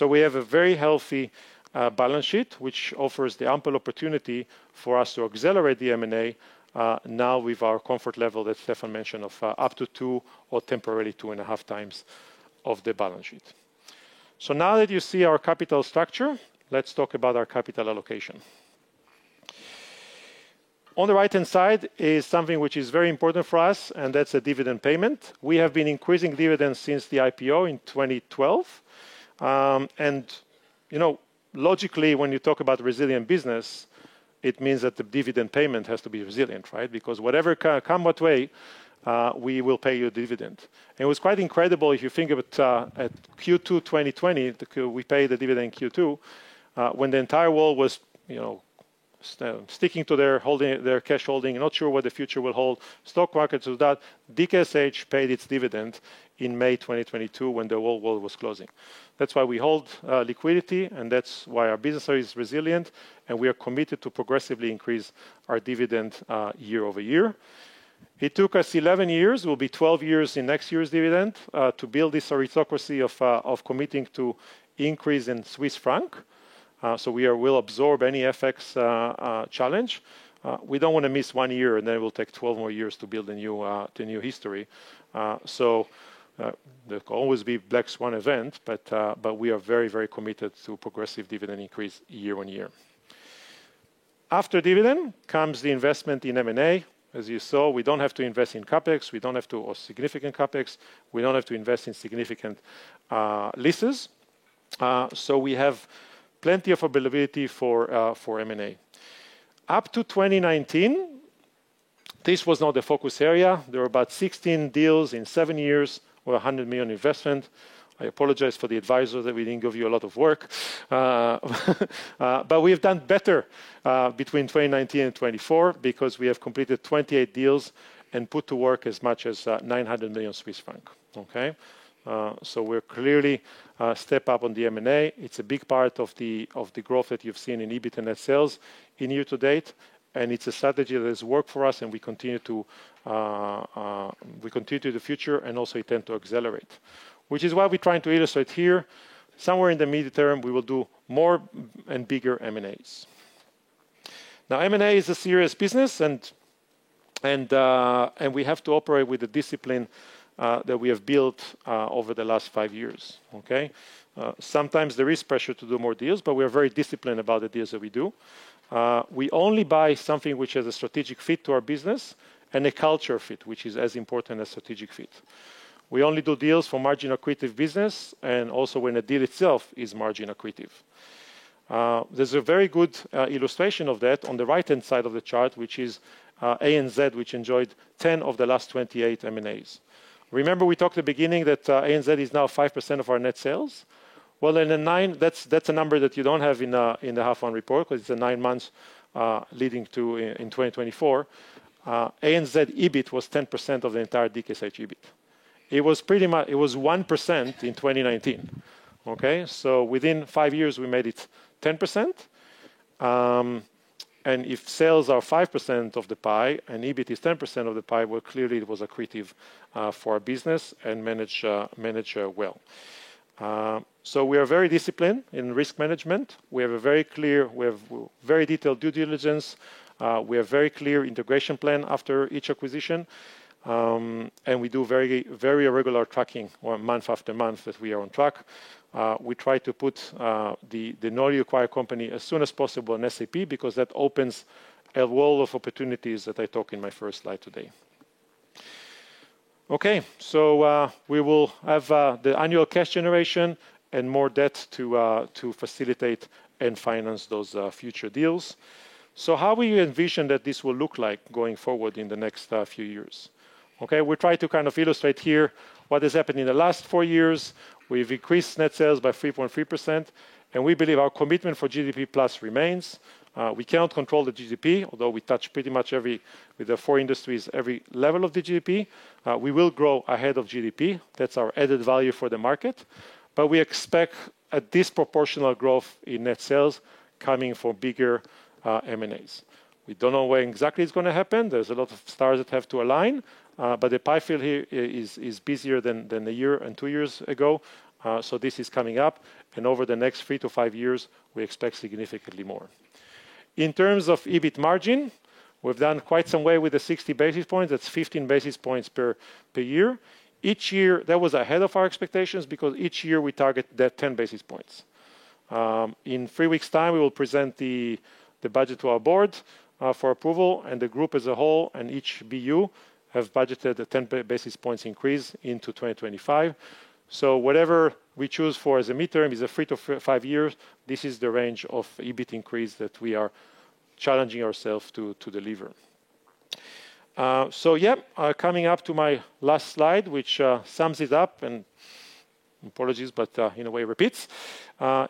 We have a very healthy balance sheet, which offers the ample opportunity for us to accelerate the M&A now with our comfort level that Stefan mentioned of up to 2x or temporarily 2.5x of the balance sheet. Now that you see our capital structure, let's talk about our capital allocation. On the right-hand side is something which is very important for us, and that's the dividend payment. We have been increasing dividends since the IPO in 2012. You know, logically, when you talk about resilient business, it means that the dividend payment has to be resilient, right? Because whatever come what way, we will pay you a dividend. It was quite incredible if you think of it, at Q2 2020, we paid the dividend Q2, when the entire world was, you know, sticking to their holding, their cash holding, not sure what the future will hold. Stock markets was down. DKSH paid its dividend in May 2022 when the whole world was closing. That's why we hold liquidity, and that's why our business is resilient, and we are committed to progressively increase our dividend year over year. It took us 11 years, it will be 12 years in next year's dividend, to build this aristocracy of committing to increase in Swiss franc, so we'll absorb any FX challenge. We don't wanna miss one year, and then it will take 12 more years to build a new, the new history. There could always be black swan event, but we are very, very committed to progressive dividend increase year on year. After dividend comes the investment in M&A. As you saw, we don't have to invest in CapEx. We don't have to or significant CapEx. We don't have to invest in significant leases. We have plenty of availability for M&A. Up to 2019 this was not the focus area. There were about 16 deals in seven years with a 100 million investment. I apologize for the advisor that we didn't give you a lot of work. We have done better between 2019 and 2024 because we have completed 28 deals and put to work as much as 900 million Swiss francs. Okay? We're clearly step up on the M&A. It's a big part of the growth that you've seen in EBIT and net sales in year to date. It's a strategy that has worked for us. We continue to the future, also intend to accelerate, which is why we're trying to illustrate here. Somewhere in the medium term, we will do more and bigger M&As. M&A is a serious business and we have to operate with the discipline that we have built over the last five years. Okay? Sometimes there is pressure to do more deals, but we are very disciplined about the deals that we do. We only buy something which has a strategic fit to our business and a culture fit, which is as important as strategic fit. We only do deals for margin-accretive business and also when a deal itself is margin accretive. There's a very good illustration of that on the right-hand side of the chart, which is ANZ, which enjoyed 10 M&As of the last 28 M&As. Remember we talked at the beginning that ANZ is now 5% of our net sales? That's a number that you don't have in the H1 report because it's a nine months leading to in 2024. ANZ EBIT was 10% of the entire DKSH EBIT. It was 1% in 2019. Okay? Within five years, we made it 10%. If sales are 5% of the pie and EBIT is 10% of the pie, well, clearly it was accretive for our business and manage well. So we are very disciplined in risk management. We have very detailed due diligence. We have very clear integration plan after each acquisition. And we do very, very regular tracking or month after month that we are on track. We try to put the newly acquired company as soon as possible in SAP because that opens a world of opportunities that I talk in my first slide today. So, we will have the annual cash generation and more debt to facilitate and finance those future deals. How will you envision that this will look like going forward in the next few years? We try to illustrate here what has happened in the last four years. We've increased net sales by 3.3%, and we believe our commitment for GDP+ remains. We cannot control the GDP, although we touch pretty much every, with the four industries, every level of the GDP. We will grow ahead of GDP. That's our added value for the market. We expect a disproportional growth in net sales coming from bigger M&As. We don't know where exactly it's gonna happen. There's a lot of stars that have to align, but the pipe field here is busier than a year and two years ago. This is coming up, and over the next three to five years, we expect significantly more. In terms of EBIT margin, we've done quite some way with the 60 basis points. That's 15 basis points per year. Each year, that was ahead of our expectations because each year we target that 10 basis points. In three weeks' time, we will present the budget to our board for approval and the group as a whole and each BU have budgeted a 10 basis points increase into 2025. Whatever we choose for as a midterm is a three to five years. This is the range of EBIT increase that we are challenging ourselves to deliver. Coming up to my last slide, which sums it up and apologies, in a way repeats.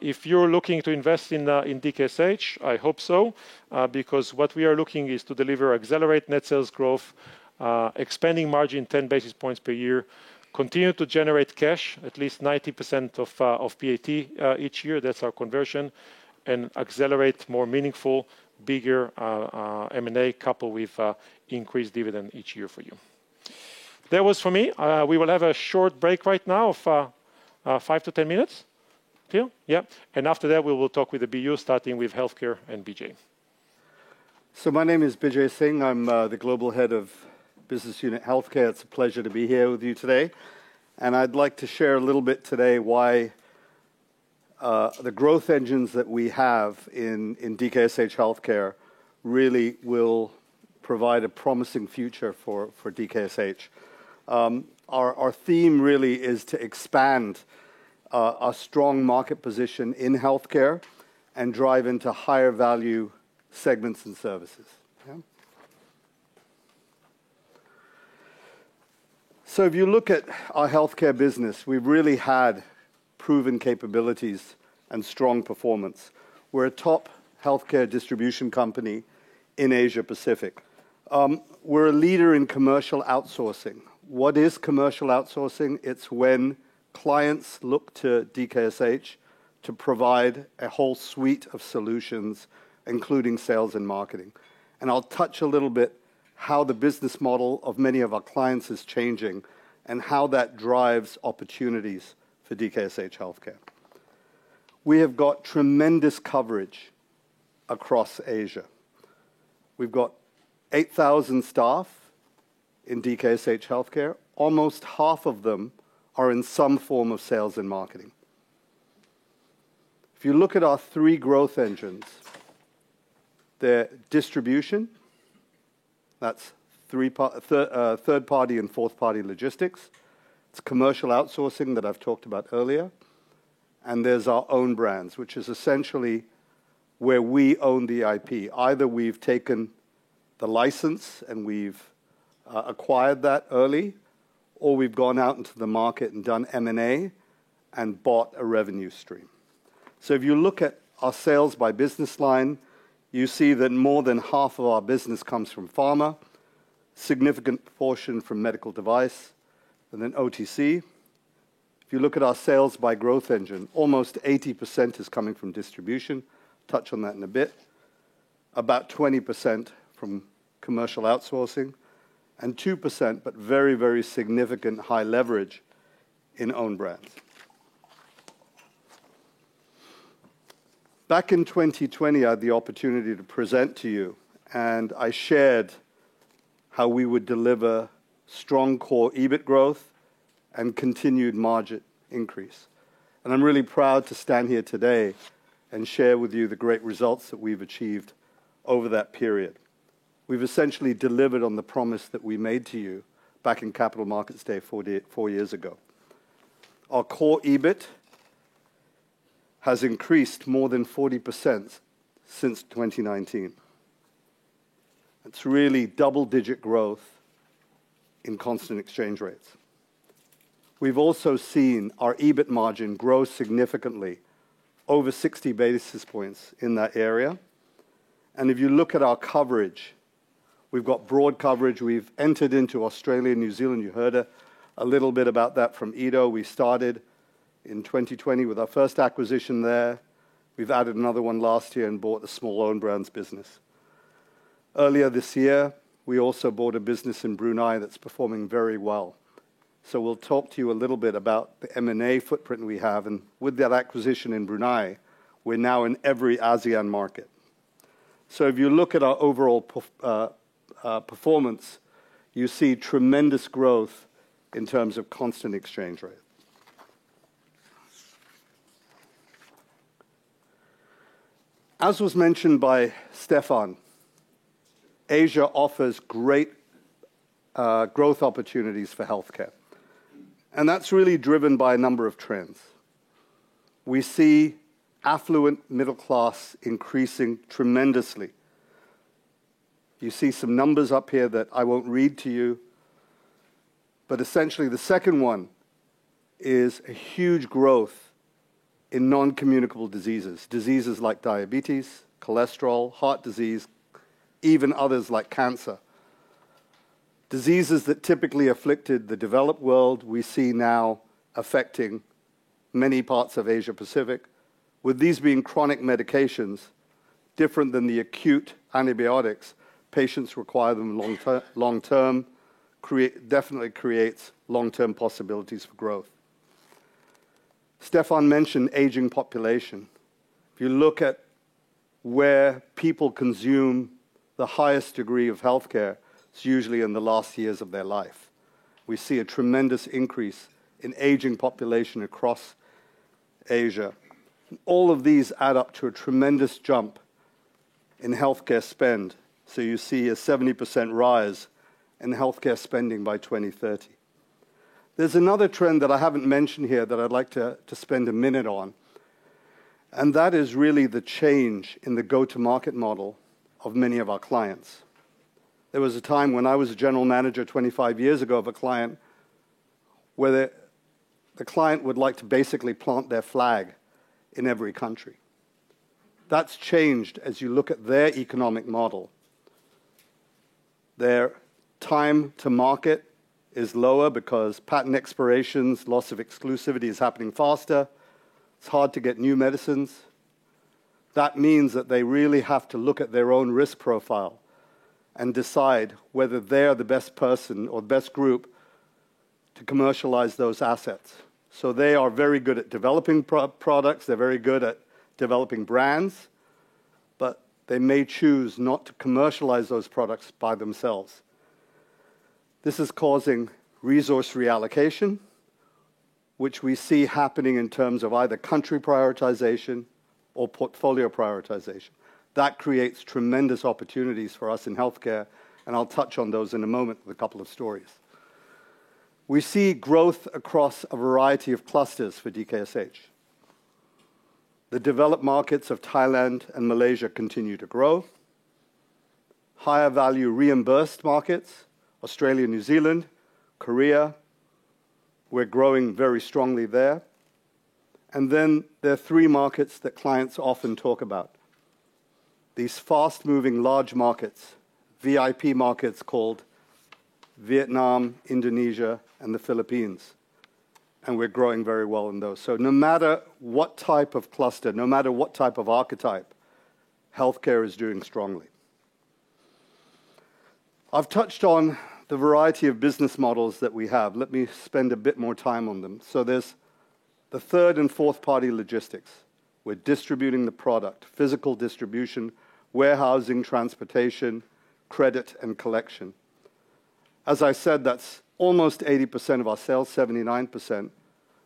If you're looking to invest in DKSH, I hope so, because what we are looking is to deliver accelerated net sales growth, expanding margin 10 basis points per year, continue to generate cash at least 90% of PAT each year, that's our conversion, and accelerate more meaningful, bigger M&A coupled with increased dividend each year for you. That was for me. We will have a short break right now of five to 10 minutes. Theo? Yeah. After that, we will talk with the BU, starting with healthcare and Bijay.
My name is Bijay Singh. I'm the Global Head of Business Unit Healthcare. It's a pleasure to be here with you today. I'd like to share a little bit today why the growth engines that we have in DKSH Healthcare really will provide a promising future for DKSH. Our theme really is to expand our strong market position in healthcare and drive into higher value segments and services. Yeah. If you look at our healthcare business, we've really had proven capabilities and strong performance. We're a top healthcare distribution company in Asia Pacific. We're a leader in commercial outsourcing. What is commercial outsourcing? It's when clients look to DKSH to provide a whole suite of solutions, including sales and marketing. I'll touch a little bit how the business model of many of our clients is changing and how that drives opportunities for DKSH Healthcare. We have got tremendous coverage across Asia. We've got 8,000 staff in DKSH Healthcare. Almost half of them are in some form of sales and marketing. If you look at our three growth engines, they're distribution. That's third party and fourth party logistics. It's commercial outsourcing that I've talked about earlier. There's our own brands, which is essentially where we own the IP. Either we've taken the license and we've acquired that early, or we've gone out into the market and done M&A and bought a revenue stream. If you look at our sales by business line, you see that more than half of our business comes from pharma, significant portion from medical device, and then OTC. If you look at our sales by growth engine, almost 80% is coming from distribution. Touch on that in a bit. About 20% from commercial outsourcing, and 2%, but very, very significant high leverage in own brands. Back in 2020, I had the opportunity to present to you, I shared how we would deliver strong core EBIT growth and continued margin increase. I'm really proud to stand here today and share with you the great results that we've achieved over that period. We've essentially delivered on the promise that we made to you back in Capital Markets Day four years ago. Our core EBIT has increased more than 40% since 2019. It's really double-digit growth in constant exchange rates. We've also seen our EBIT margin grow significantly, over 60 basis points in that area. If you look at our coverage, we've got broad coverage. We've entered into Australia, New Zealand. You heard a little bit about that from Ido. We started in 2020 with our first acquisition there. We've added another one last year and bought a small own brands business. Earlier this year, we also bought a business in Brunei that's performing very well. We'll talk to you a little bit about the M&A footprint we have, and with that acquisition in Brunei, we're now in every ASEAN market. If you look at our overall performance, you see tremendous growth in terms of constant exchange rate. As was mentioned by Stefan, Asia offers great growth opportunities for healthcare, and that's really driven by a number of trends. We see affluent middle class increasing tremendously. You see some numbers up here that I won't read to you. Essentially, the second one is a huge growth in non-communicable diseases. Diseases like diabetes, cholesterol, heart disease, even others like cancer. Diseases that typically afflicted the developed world we see now affecting many parts of Asia-Pacific. With these being chronic medications different than the acute antibiotics, patients require them long term, definitely creates long-term possibilities for growth. Stefan mentioned aging population. If you look at where people consume the highest degree of healthcare, it's usually in the last years of their life. We see a tremendous increase in aging population across Asia. All of these add up to a tremendous jump in healthcare spend. You see a 70% rise in healthcare spending by 2030. There's another trend that I haven't mentioned here that I'd like to spend a minute on. That is really the change in the go-to-market model of many of our clients. There was a time when I was a general manager 25 years ago of a client, where the client would like to basically plant their flag in every country. That's changed as you look at their economic model. Their time to market is lower because patent expirations, loss of exclusivity is happening faster. It's hard to get new medicines. That means that they really have to look at their own risk profile and decide whether they're the best person or best group to commercialize those assets. They are very good at developing products, they're very good at developing brands, they may choose not to commercialize those products by themselves. This is causing resource reallocation, which we see happening in terms of either country prioritization or portfolio prioritization. That creates tremendous opportunities for us in Healthcare, and I'll touch on those in a moment with a couple of stories. We see growth across a variety of clusters for DKSH. The developed markets of Thailand and Malaysia continue to grow. Higher value reimbursed markets, Australia, New Zealand, Korea, we're growing very strongly there. There are three markets that clients often talk about. These fast-moving large markets, VIP markets called Vietnam, Indonesia, and the Philippines, and we're growing very well in those. No matter what type of cluster, no matter what type of archetype, Healthcare is doing strongly. I've touched on the variety of business models that we have. Let me spend a bit more time on them. There's the third and fourth party logistics. We're distributing the product, physical distribution, warehousing, transportation, credit, and collection. As I said, that's almost 80% of our sales, 79%,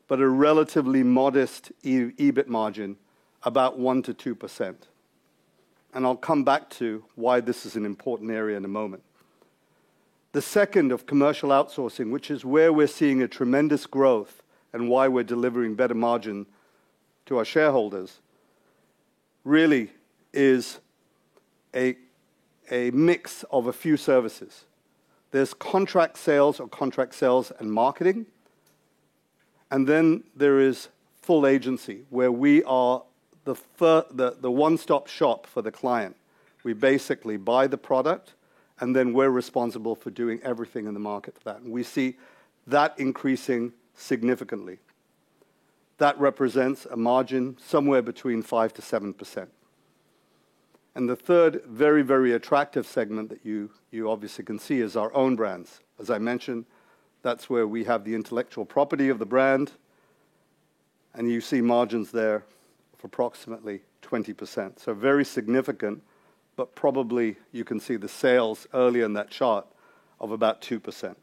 but a relatively modest EBIT margin, about 1%-2%. I'll come back to why this is an important area in a moment. The second of commercial outsourcing, which is where we're seeing a tremendous growth and why we're delivering better margin to our shareholders, really is a mix of a few services. There's contract sales or contract sales and marketing, and then there is full agency, where we are the one-stop shop for the client. We basically buy the product, and then we're responsible for doing everything in the market for that, and we see that increasing significantly. That represents a margin somewhere between 5%-7%. The third very, very attractive segment that you obviously can see is our own brands. As I mentioned, that's where we have the intellectual property of the brand, and you see margins there of approximately 20%. Very significant, but probably you can see the sales earlier in that chart of about 2%.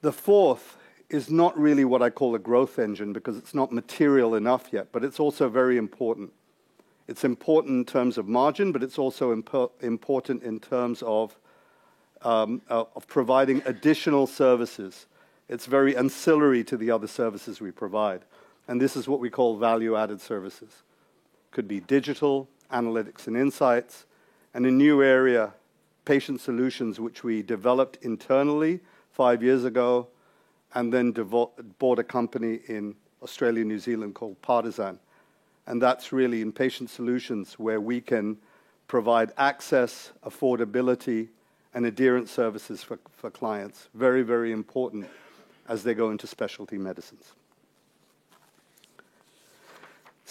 The fourth is not really what I call a growth engine because it's not material enough yet, but it's also very important. It's important in terms of margin, but it's also important in terms of providing additional services. It's very ancillary to the other services we provide, and this is what we call value-added services. Could be digital, analytics and insights, and a new area, patient solutions, which we developed internally five years ago and then bought a company in Australia, New Zealand called Partizan. That's really in patient solutions where we can provide access, affordability, and adherence services for clients. Very, very important as they go into specialty medicines.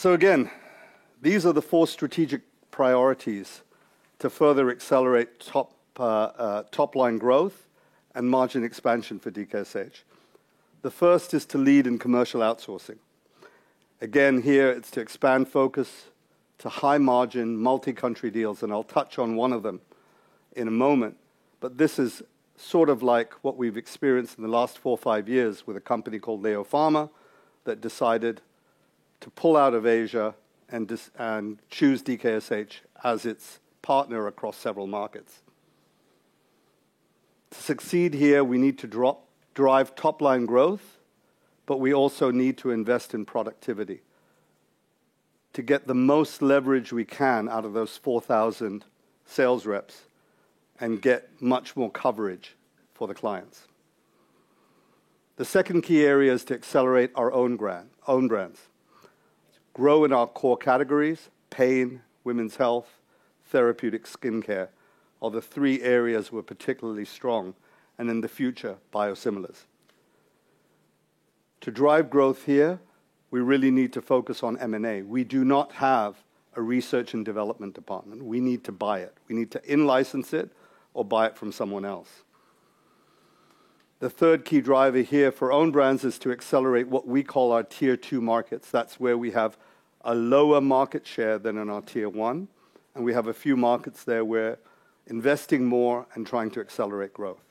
Again, these are the four strategic priorities to further accelerate top-line growth and margin expansion for DKSH. The first is to lead in commercial outsourcing. Again, here it's to expand focus to high-margin, multi-country deals, and I'll touch on one of them in a moment. This is sort of like what we've experienced in the last four or five years with a company called LEO Pharma that decided to pull out of Asia and choose DKSH as its partner across several markets. To succeed here, we need to drive top-line growth, we also need to invest in productivity to get the most leverage we can out of those 4,000 sales reps and get much more coverage for the clients. The second key area is to accelerate our own brands. Grow in our core categories, pain, women's health, therapeutic skincare, are the three areas we're particularly strong, and in the future, biosimilars. To drive growth here, we really need to focus on M&A. We do not have a research and development department. We need to buy it. We need to in-license it or buy it from someone else. The third key driver here for own brands is to accelerate what we call our tier 2 markets. That's where we have a lower market share than in our tier one, and we have a few markets there we're investing more and trying to accelerate growth.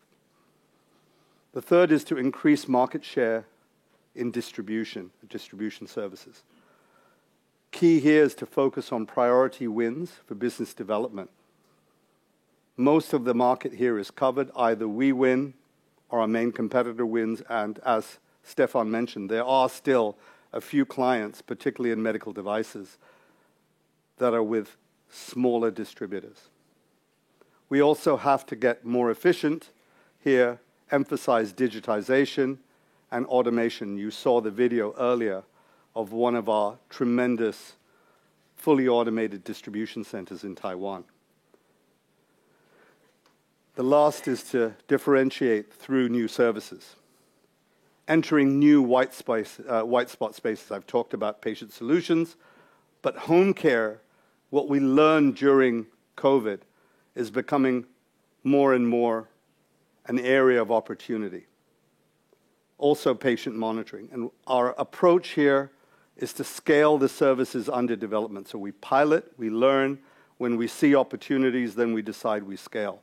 The third is to increase market share in distribution services. Key here is to focus on priority wins for business development. Most of the market here is covered. Either we win or our main competitor wins. As Stefan mentioned, there are still a few clients, particularly in medical devices, that are with smaller distributors. We also have to get more efficient here, emphasize digitization and automation. You saw the video earlier of one of our tremendous fully automated Distribution Centers in Taiwan. The last is to differentiate through new services. Entering new white space, white spot spaces. I've talked about patient solutions. Home care, what we learned during COVID, is becoming more and more an area of opportunity. Also patient monitoring. Our approach here is to scale the services under development. We pilot, we learn. When we see opportunities, then we decide we scale.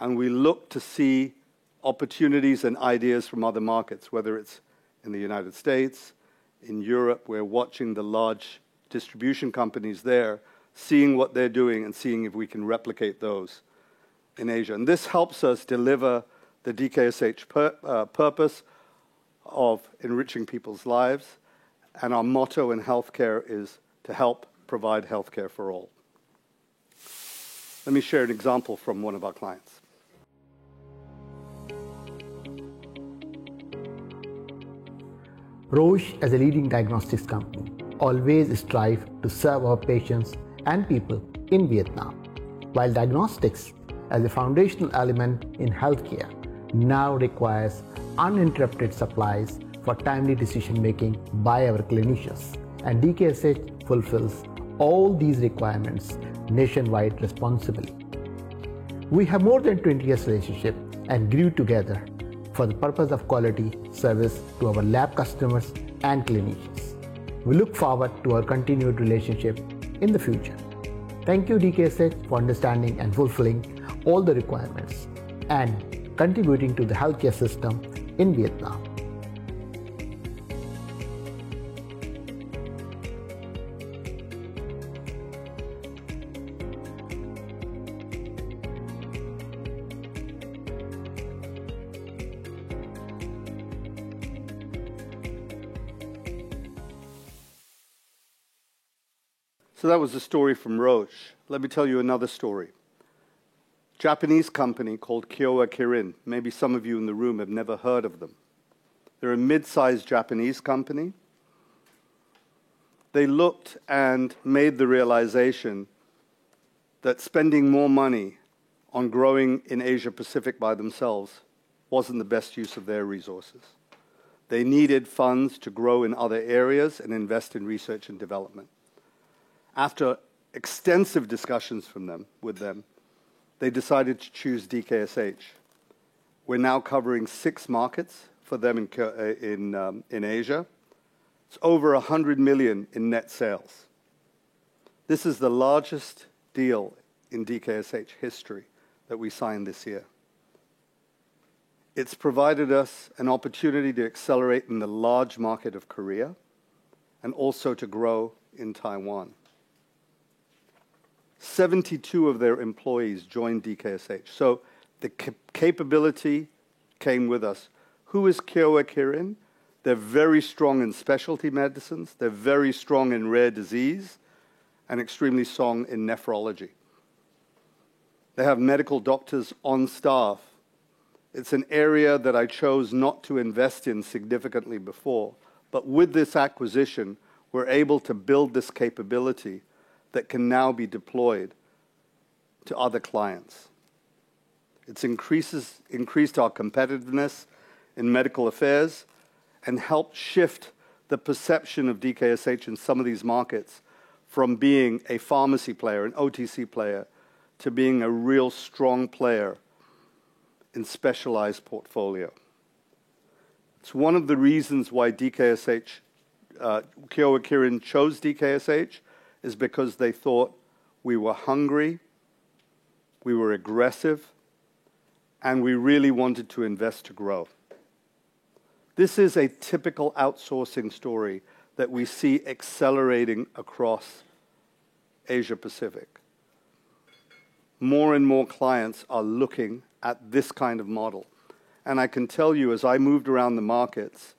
We look to see opportunities and ideas from other markets, whether it's in the U.S., in Europe. We're watching the large distribution companies there, seeing what they're doing and seeing if we can replicate those in Asia. This helps us deliver the DKSH purpose of enriching people's lives, and our motto in healthcare is to help provide healthcare for all. Let me share an example from one of our clients.
Roche, as a leading diagnostics company, always strive to serve our patients and people in Vietnam. While diagnostics, as a foundational element in healthcare, now requires uninterrupted supplies for timely decision-making by our clinicians. DKSH fulfills all these requirements nationwide responsibly. We have more than 20 years relationship and grew together for the purpose of quality service to our lab customers and clinicians. We look forward to our continued relationship in the future. Thank you, DKSH, for understanding and fulfilling all the requirements and contributing to the healthcare system in Vietnam.
That was the story from Roche. Let me tell you another story. Japanese company called Kyowa Kirin. Maybe some of you in the room have never heard of them. They're a mid-sized Japanese company. They looked and made the realization that spending more money on growing in Asia-Pacific by themselves wasn't the best use of their resources. They needed funds to grow in other areas and invest in research and development. After extensive discussions with them, they decided to choose DKSH. We're now covering six markets for them in Asia. It's over 100 million in net sales. This is the largest deal in DKSH history that we signed this year. It's provided us an opportunity to accelerate in the large market of Korea and also to grow in Taiwan. 72 of their employees joined DKSH, the capability came with us. Who is Kyowa Kirin? They're very strong in specialty medicines. They're very strong in rare disease and extremely strong in nephrology. They have medical doctors on staff. It's an area that I chose not to invest in significantly before, but with this acquisition, we're able to build this capability that can now be deployed to other clients. It's increased our competitiveness in medical affairs and helped shift the perception of DKSH in some of these markets from being a pharmacy player, an OTC player, to being a real strong player in specialized portfolio. It's one of the reasons why DKSH, Kyowa Kirin chose DKSH, is because they thought we were hungry, we were aggressive, and we really wanted to invest to grow. This is a typical outsourcing story that we see accelerating across Asia-Pacific. More and more clients are looking at this kind of model. I can tell you, as I moved around the markets,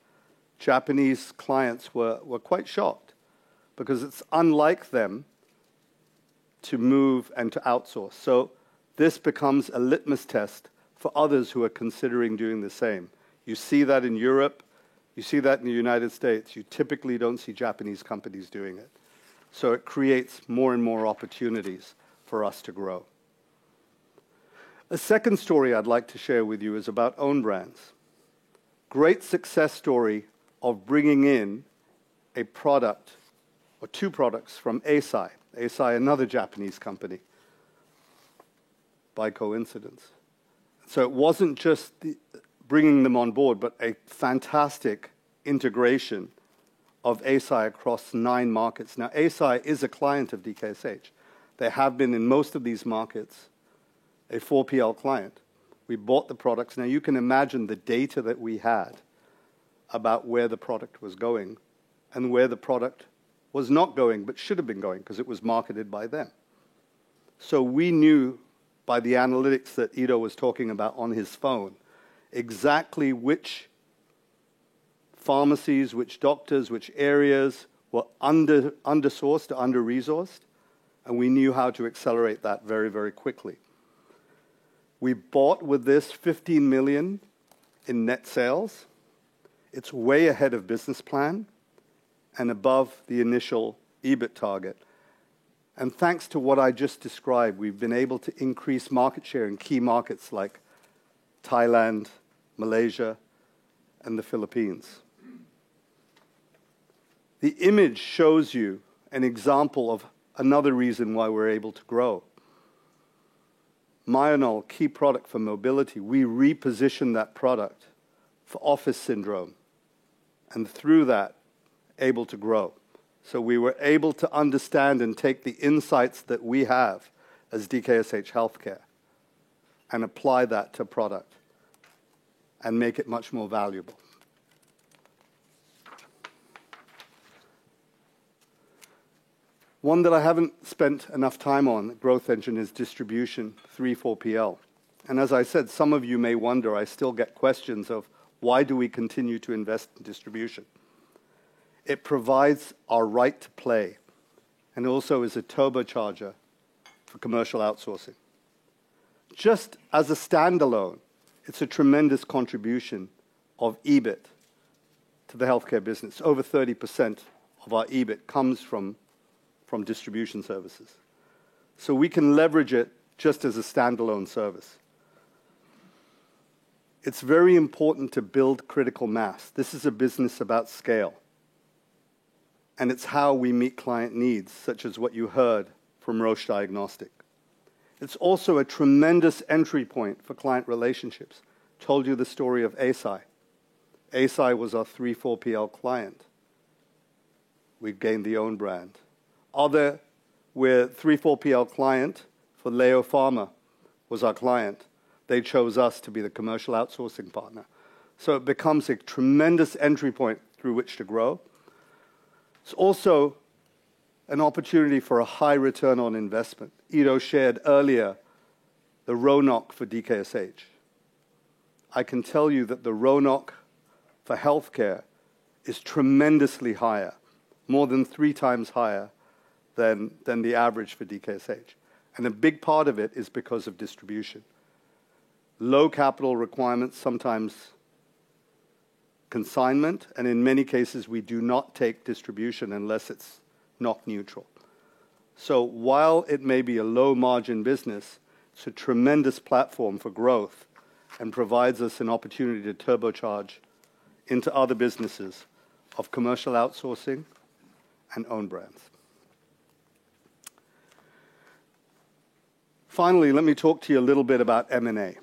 Japanese clients were quite shocked because it's unlike them to move and to outsource. This becomes a litmus test for others who are considering doing the same. You see that in Europe. You see that in the U.S. You typically don't see Japanese companies doing it. It creates more and more opportunities for us to grow. A second story I'd like to share with you is about own brands. Great success story of bringing in a product or two products from Eisai. Eisai, another Japanese company by coincidence. It wasn't just bringing them on board, but a fantastic integration of Eisai across nine markets. Now, Eisai is a client of DKSH. They have been in most of these markets, a 4PL client. We bought the products. You can imagine the data that we had about where the product was going and where the product was not going but should have been going because it was marketed by them. We knew by the analytics that Ido was talking about on his phone exactly which pharmacies, which doctors, which areas were under-sourced or under-resourced, and we knew how to accelerate that very, very quickly. We bought with this 50 million in net sales. It's way ahead of business plan and above the initial EBIT target. Thanks to what I just described, we've been able to increase market share in key markets like Thailand, Malaysia, and the Philippines. The image shows you an example of another reason why we're able to grow. Myonal, key product for mobility, we repositioned that product for office syndrome, and through that, able to grow. We were able to understand and take the insights that we have as DKSH Healthcare and apply that to product and make it much more valuable. One that I haven't spent enough time on, growth engine, is distribution, 3PL, 4PL. As I said, some of you may wonder, I still get questions of why do we continue to invest in distribution. It provides our right to play and also is a turbocharger for commercial outsourcing. Just as a standalone, it's a tremendous contribution of EBIT to the Healthcare business. Over 30% of our EBIT comes from distribution services. We can leverage it just as a standalone service. It's very important to build critical mass. This is a business about scale, and it's how we meet client needs, such as what you heard from Roche Diagnostics. It's also a tremendous entry point for client relationships. Told you the story of Eisai. Eisai was our 3PL, 4PL client. We've gained the own brand. Other, we're 3PL, 4PL client for LEO Pharma was our client. They chose us to be the commercial outsourcing partner. It becomes a tremendous entry point through which to grow. It's also an opportunity for a high return on investment. Ido shared earlier the RONOC for DKSH. I can tell you that the RONOC for healthcare is tremendously higher, more than 3x higher than the average for DKSH. A big part of it is because of distribution. Low capital requirements, sometimes consignment, and in many cases, we do not take distribution unless it's not neutral. While it may be a low margin business, it's a tremendous platform for growth and provides us an opportunity to turbocharge into other businesses of commercial outsourcing and own brands. Finally, let me talk to you a little bit about M&A.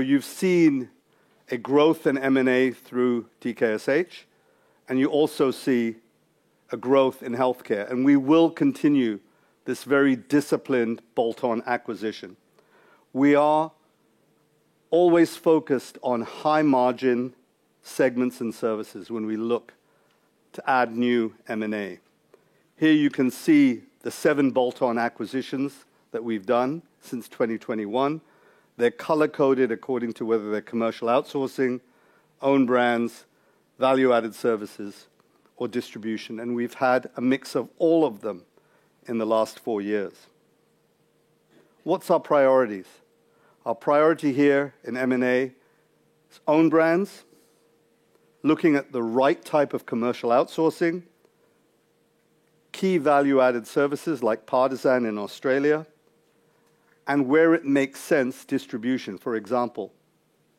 You've seen a growth in M&A through DKSH, and you also see a growth in healthcare, and we will continue this very disciplined bolt-on acquisition. We are always focused on high margin segments and services when we look to add new M&A. Here you can see the seven bolt-on acquisitions that we've done since 2021. They're color-coded according to whether they're commercial outsourcing, own brands, value-added services or distribution, and we've had a mix of all of them in the last four years. What's our priorities? Our priority here in M&A is own brands, looking at the right type of commercial outsourcing, key value-added services like Partizan in Australia, and where it makes sense, distribution. For example,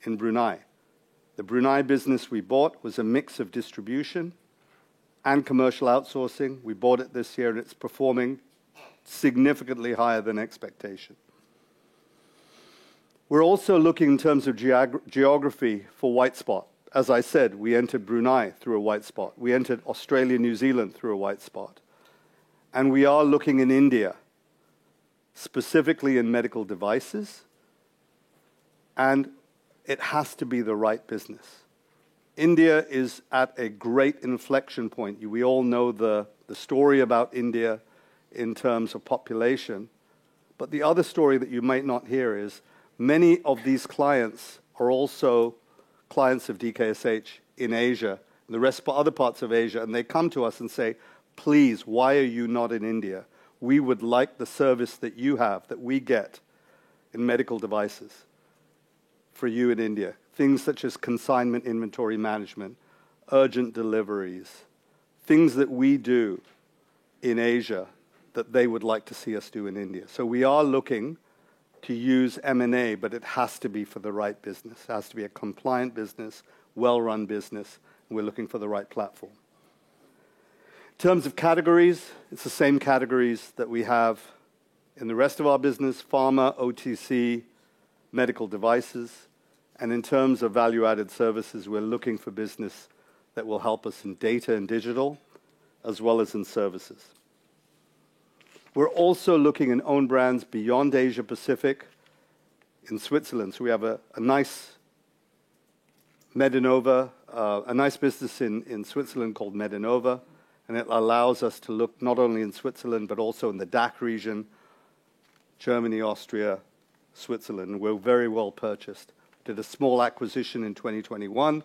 in Brunei. The Brunei business we bought was a mix of distribution and commercial outsourcing. We bought it this year, and it's performing significantly higher than expectation. We're also looking in terms of geography for white spot. As I said, we entered Brunei through a white spot. We entered Australia, New Zealand through a white spot. We are looking in India, specifically in medical devices, and it has to be the right business. India is at a great inflection point. We all know the story about India in terms of population. The other story that you might not hear is many of these clients are also clients of DKSH in Asia, other parts of Asia, and they come to us and say, "Please, why are you not in India? We would like the service that you have, that we get in medical devices for you in India." Things such as consignment inventory management, urgent deliveries, things that we do in Asia that they would like to see us do in India. We are looking to use M&A, but it has to be for the right business. It has to be a compliant business, well-run business, and we're looking for the right platform. In terms of categories, it's the same categories that we have in the rest of our business, pharma, OTC, medical devices, and in terms of value-added services, we're looking for business that will help us in data and digital as well as in services. We're also looking in own brands beyond Asia-Pacific in Switzerland. We have a nice Medinova, a nice business in Switzerland called Medinova, and it allows us to look not only in Switzerland but also in the DACH region, Germany, Austria, Switzerland. We're very well-purchased. Did a small acquisition in 2021,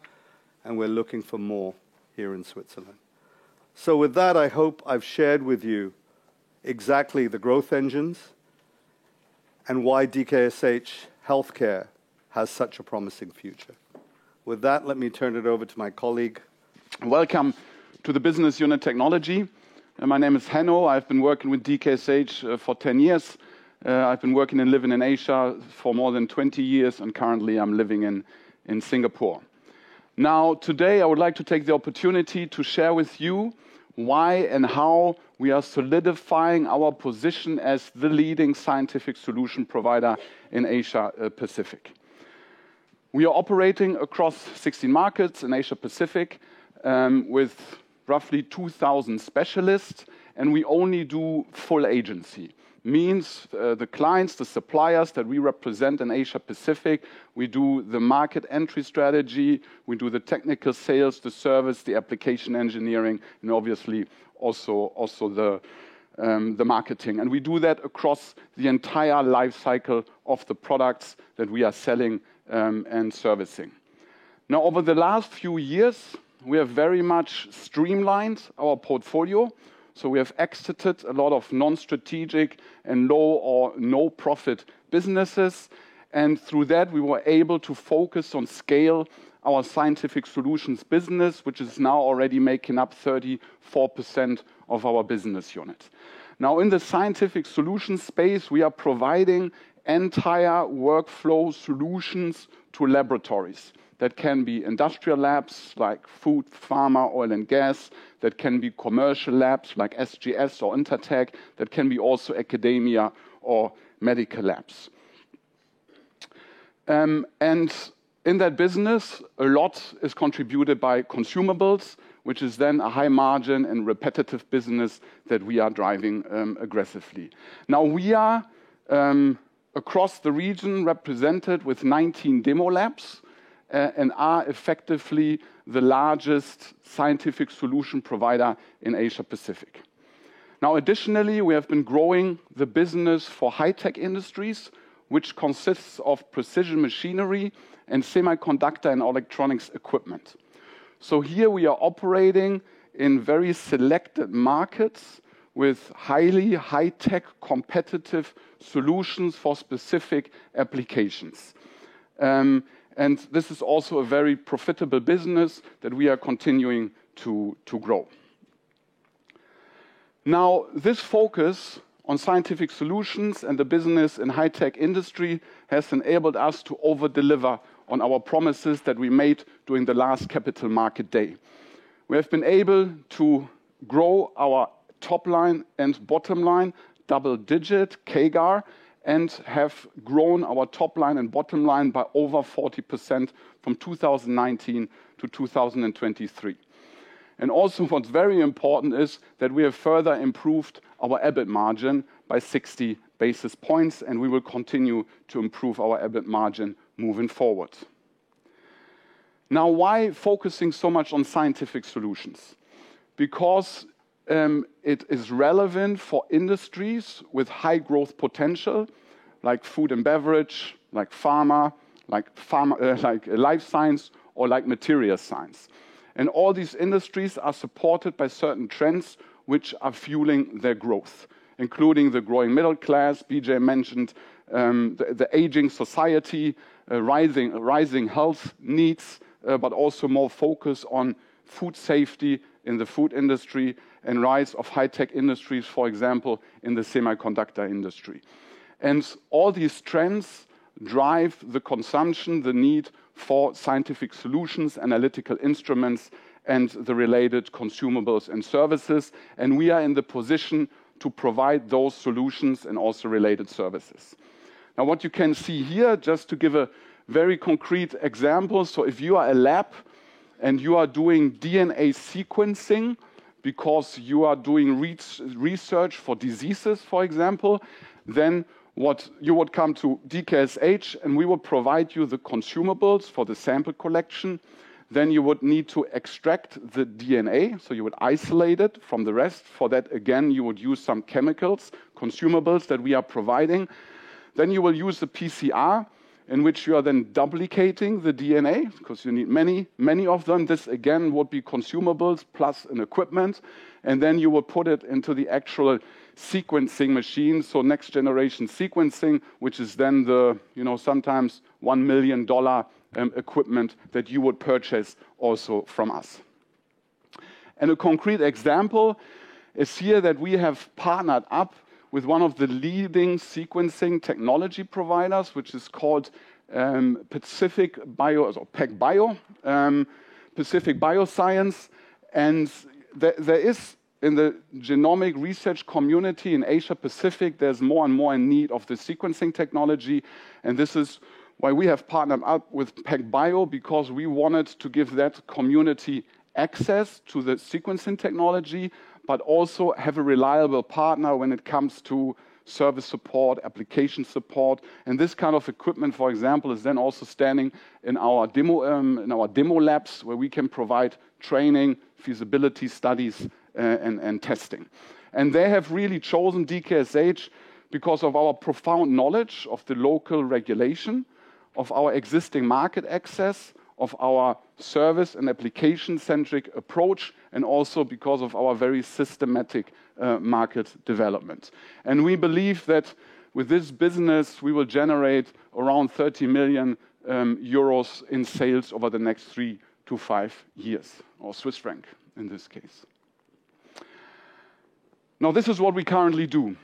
and we're looking for more here in Switzerland. With that, I hope I've shared with you exactly the growth engines and why DKSH Healthcare has such a promising future. With that, let me turn it over to my colleague.
Welcome to the Business Unit Technology. My name is Hanno. I've been working with DKSH for 10 years. I've been working and living in Asia for more than 20 years, and currently I'm living in Singapore. Today, I would like to take the opportunity to share with you why and how we are solidifying our position as the leading scientific solution provider in Asia Pacific. We are operating across 60 markets in Asia Pacific, with roughly 2,000 specialists, and we only do full agency. Means, the clients, the suppliers that we represent in Asia Pacific, we do the market entry strategy, we do the technical sales, the service, the application engineering, and obviously also the marketing. We do that across the entire life cycle of the products that we are selling and servicing. Over the last few years, we have very much streamlined our portfolio. We have exited a lot of non-strategic and low or no profit businesses. Through that, we were able to focus on scale our Scientific Solutions business, which is now already making up 34% of our BU. In the Scientific Solutions space, we are providing entire workflow solutions to laboratories. That can be industrial labs like food, pharma, oil and gas. That can be commercial labs like SGS or Intertek. That can be also academia or medical labs. In that business, a lot is contributed by consumables, which is then a high margin and repetitive business that we are driving aggressively. We are across the region represented with 19 demo labs and are effectively the largest Scientific Solutions provider in Asia-Pacific. Additionally, we have been growing the business for High-Tech Industries, which consists of precision machinery and semiconductor and electronics equipment. Here we are operating in very selected markets with highly High-Tech competitive solutions for specific applications. This is also a very profitable business that we are continuing to grow. This focus on scientific solutions and the business in High-Tech Industries has enabled us to over-deliver on our promises that we made during the last capital market day. We have been able to grow our top line and bottom line double-digit CAGR and have grown our top line and bottom line by over 40% from 2019-2023. Also what's very important is that we have further improved our EBIT margin by 60 basis points, and we will continue to improve our EBIT margin moving forward. Why focusing so much on scientific solutions? Because it is relevant for industries with high growth potential, like food and beverage, like pharma, like life science or like material science. All these industries are supported by certain trends which are fueling their growth, including the growing middle class. Bijay mentioned the aging society, rising health needs, but also more focus on food safety in the food industry and rise of high-tech industries, for example, in the semiconductor industry. All these trends drive the consumption, the need for scientific solutions, analytical instruments and the related consumables and services. We are in the position to provide those solutions and also related services. What you can see here, just to give a very concrete example. If you are a lab and you are doing DNA sequencing because you are doing research for diseases, for example, you would come to DKSH, and we will provide you the consumables for the sample collection. You would need to extract the DNA, so you would isolate it from the rest. For that, again, you would use some chemicals, consumables that we are providing. You will use the PCR, in which you are then duplicating the DNA because you need many of them. This again would be consumables plus an equipment. You will put it into the actual sequencing machine. Next-generation sequencing, which is then the, you know, sometimes CHF 1 million equipment that you would purchase also from us. A concrete example is here that we have partnered up with one of the leading sequencing technology providers, which is called Pacific Bio or PacBio, Pacific Biosciences. There is in the genomic research community in Asia-Pacific, there's more and more in need of the sequencing technology. This is why we have partnered up with PacBio because we wanted to give that community access to the sequencing technology, but also have a reliable partner when it comes to service support, application support. This kind of equipment, for example, is then also standing in our demo labs, where we can provide training, feasibility studies, and testing. They have really chosen DKSH because of our profound knowledge of the local regulation, of our existing market access, of our service and application-centric approach, and also because of our very systematic market development. We believe that with this business, we will generate around 30 million euros in sales over the next three to five years, or CHF in this case. This is what we currently do.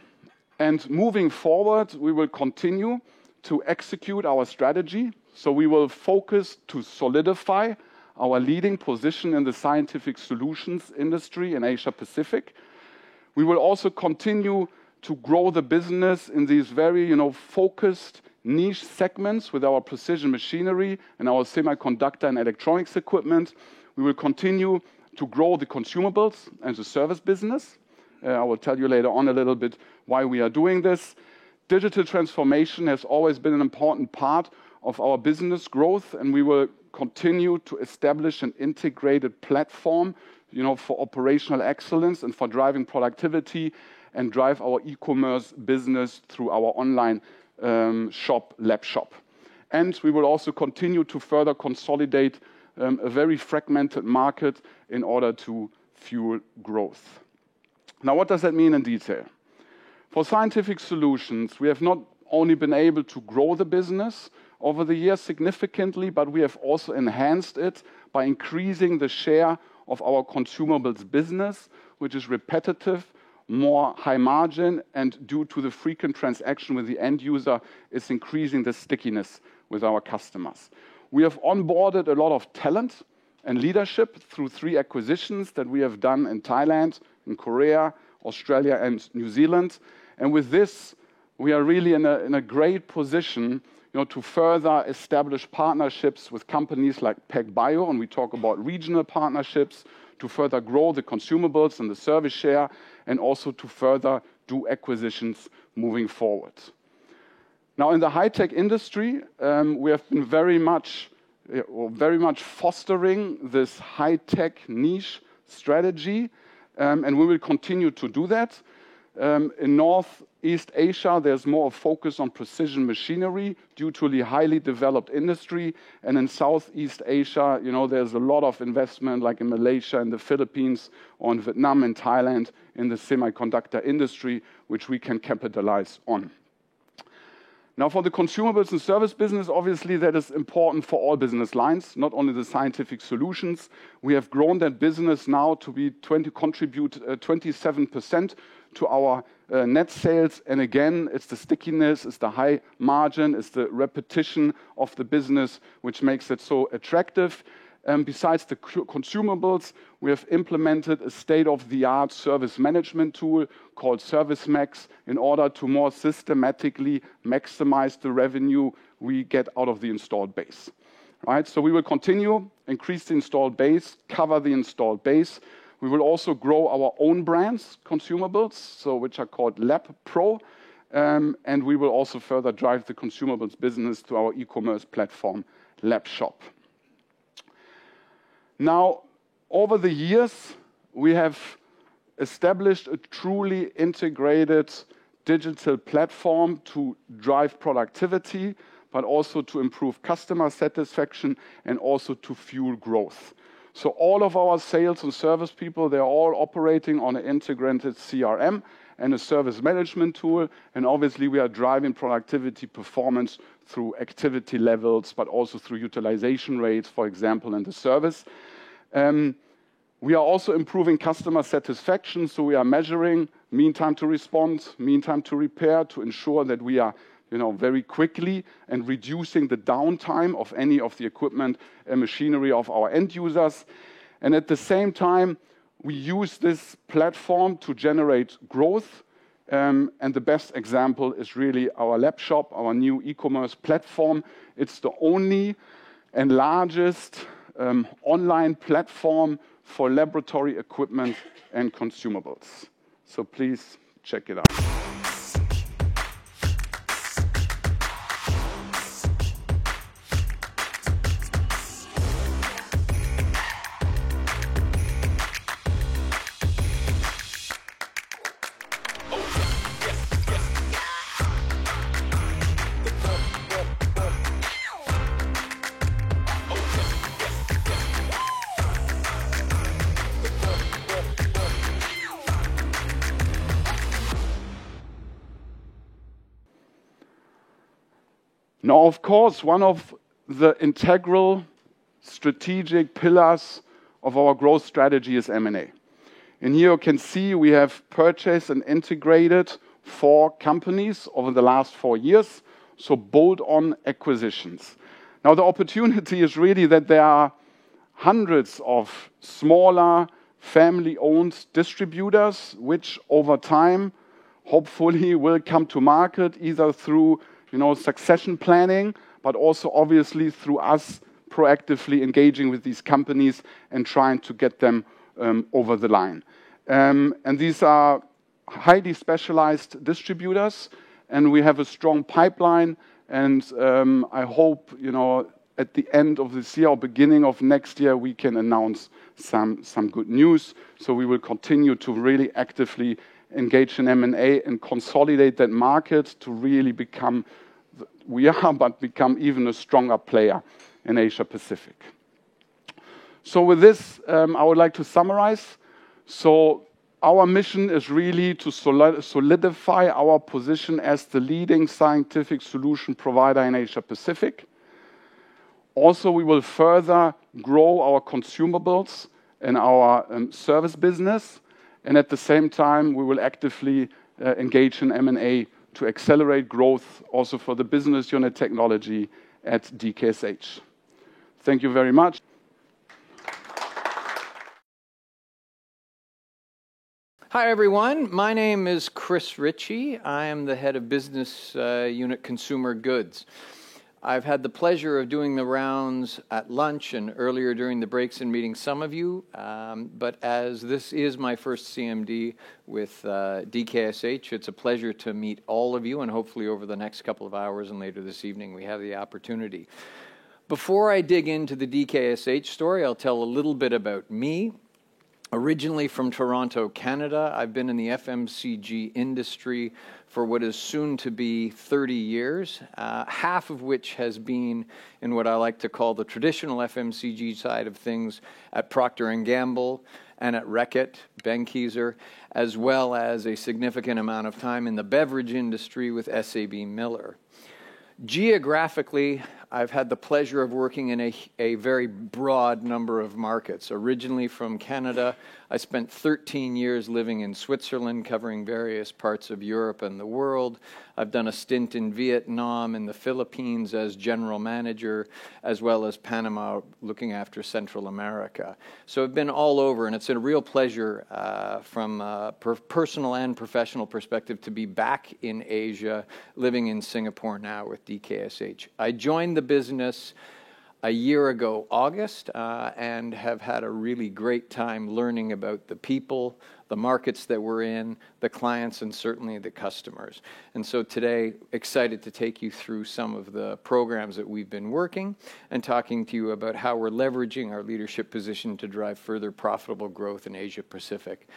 Moving forward, we will continue to execute our strategy, so we will focus to solidify our leading position in the scientific solutions industry in Asia-Pacific. We will also continue to grow the business in these very, you know, focused niche segments with our precision machinery and our semiconductor and electronics equipment. We will continue to grow the consumables and the service business. I will tell you later on a little bit why we are doing this. Digital transformation has always been an important part of our business growth, and we will continue to establish an integrated platform, you know, for operational excellence and for driving productivity and drive our e-commerce business through our online shop, LabShop. We will also continue to further consolidate a very fragmented market in order to fuel growth. Now, what does that mean in detail? For scientific solutions, we have not only been able to grow the business over the years significantly, but we have also enhanced it by increasing the share of our consumables business, which is repetitive, more high margin, and due to the frequent transaction with the end user, is increasing the stickiness with our customers. We have onboarded a lot of talent and leadership through three acquisitions that we have done in Thailand, in Korea, Australia, and New Zealand. With this, we are really in a great position, you know, to further establish partnerships with companies like PacBio, and we talk about regional partnerships to further grow the consumables and the service share, and also to further do acquisitions moving forward. Now, in the high-tech industry, we have been very much fostering this high-tech niche strategy, and we will continue to do that. In Northeast Asia, there's more focus on precision machinery due to the highly developed industry. In Southeast Asia, you know, there's a lot of investment, like in Malaysia and the Philippines or in Vietnam and Thailand in the semiconductor industry, which we can capitalize on. For the consumables and service business, obviously that is important for all business lines, not only the scientific solutions. We have grown that business now to contribute 27% to our net sales, and again, it's the stickiness, it's the high margin, it's the repetition of the business which makes it so attractive. Besides the consumables, we have implemented a state-of-the-art service management tool called ServiceMax in order to more systematically maximize the revenue we get out of the installed base. Right? We will continue, increase the installed base, cover the installed base. We will also grow our own brands, consumables, so which are called LabPRO, and we will also further drive the consumables business to our e-commerce platform, LabShop. Over the years, we have established a truly integrated digital platform to drive productivity, but also to improve customer satisfaction and also to fuel growth. All of our sales and service people, they're all operating on an integrated CRM and a service management tool, and obviously we are driving productivity performance through activity levels, but also through utilization rates, for example, in the service. We are also improving customer satisfaction, so we are measuring mean time to respond, mean time to repair, to ensure that we are, you know, very quickly and reducing the downtime of any of the equipment and machinery of our end users. At the same time, we use this platform to generate growth, and the best example is really our LabShop, our new e-commerce platform. It's the only and largest online platform for laboratory equipment and consumables. Please check it out. Now, of course, one of the integral strategic pillars of our growth strategy is M&A. Here you can see we have purchased and integrated four companies over the last four years, so bolt-on acquisitions. The opportunity is really that there are hundreds of smaller family-owned distributors which over time hopefully will come to market either through, you know, succession planning, but also obviously through us proactively engaging with these companies and trying to get them over the line. These are highly specialized distributors, and we have a strong pipeline, and I hope, you know, at the end of this year or beginning of next year, we can announce some good news. We will continue to really actively engage in M&A and consolidate that market to really become, we are, but become even a stronger player in Asia-Pacific. With this, I would like to summarize. Our mission is really to solidify our position as the leading scientific solution provider in Asia-Pacific. Also, we will further grow our consumables and our service business, and at the same time, we will actively engage in M&A to accelerate growth also for the Business Unit Technology at DKSH. Thank you very much.
Hi, everyone. My name is Chris Ritchie. I am the Head of Business Unit Consumer Goods. I've had the pleasure of doing the rounds at lunch and earlier during the breaks and meeting some of you, but as this is my first CMD with DKSH, it's a pleasure to meet all of you, and hopefully over the next couple of hours and later this evening, we have the opportunity. Before I dig into the DKSH story, I'll tell a little bit about me. Originally from Toronto, Canada, I've been in the FMCG industry for what is soon to be 30 years, half of which has been in what I like to call the traditional FMCG side of things at Procter & Gamble and at Reckitt Benckiser, as well as a significant amount of time in the beverage industry with SABMiller. Geographically, I've had the pleasure of working in a very broad number of markets. Originally from Canada, I spent 13 years living in Switzerland covering various parts of Europe and the world. I've done a stint in Vietnam and the Philippines as general manager, as well as Panama, looking after Central America. I've been all over, and it's been a real pleasure, from a personal and professional perspective to be back in Asia, living in Singapore now with DKSH. I joined the business 1 year ago August, and have had a really great time learning about the people, the markets that we're in, the clients, and certainly the customers. Today, excited to take you through some of the programs that we've been working and talking to you about how we're leveraging our leadership position to drive further profitable growth in Asia Pacific.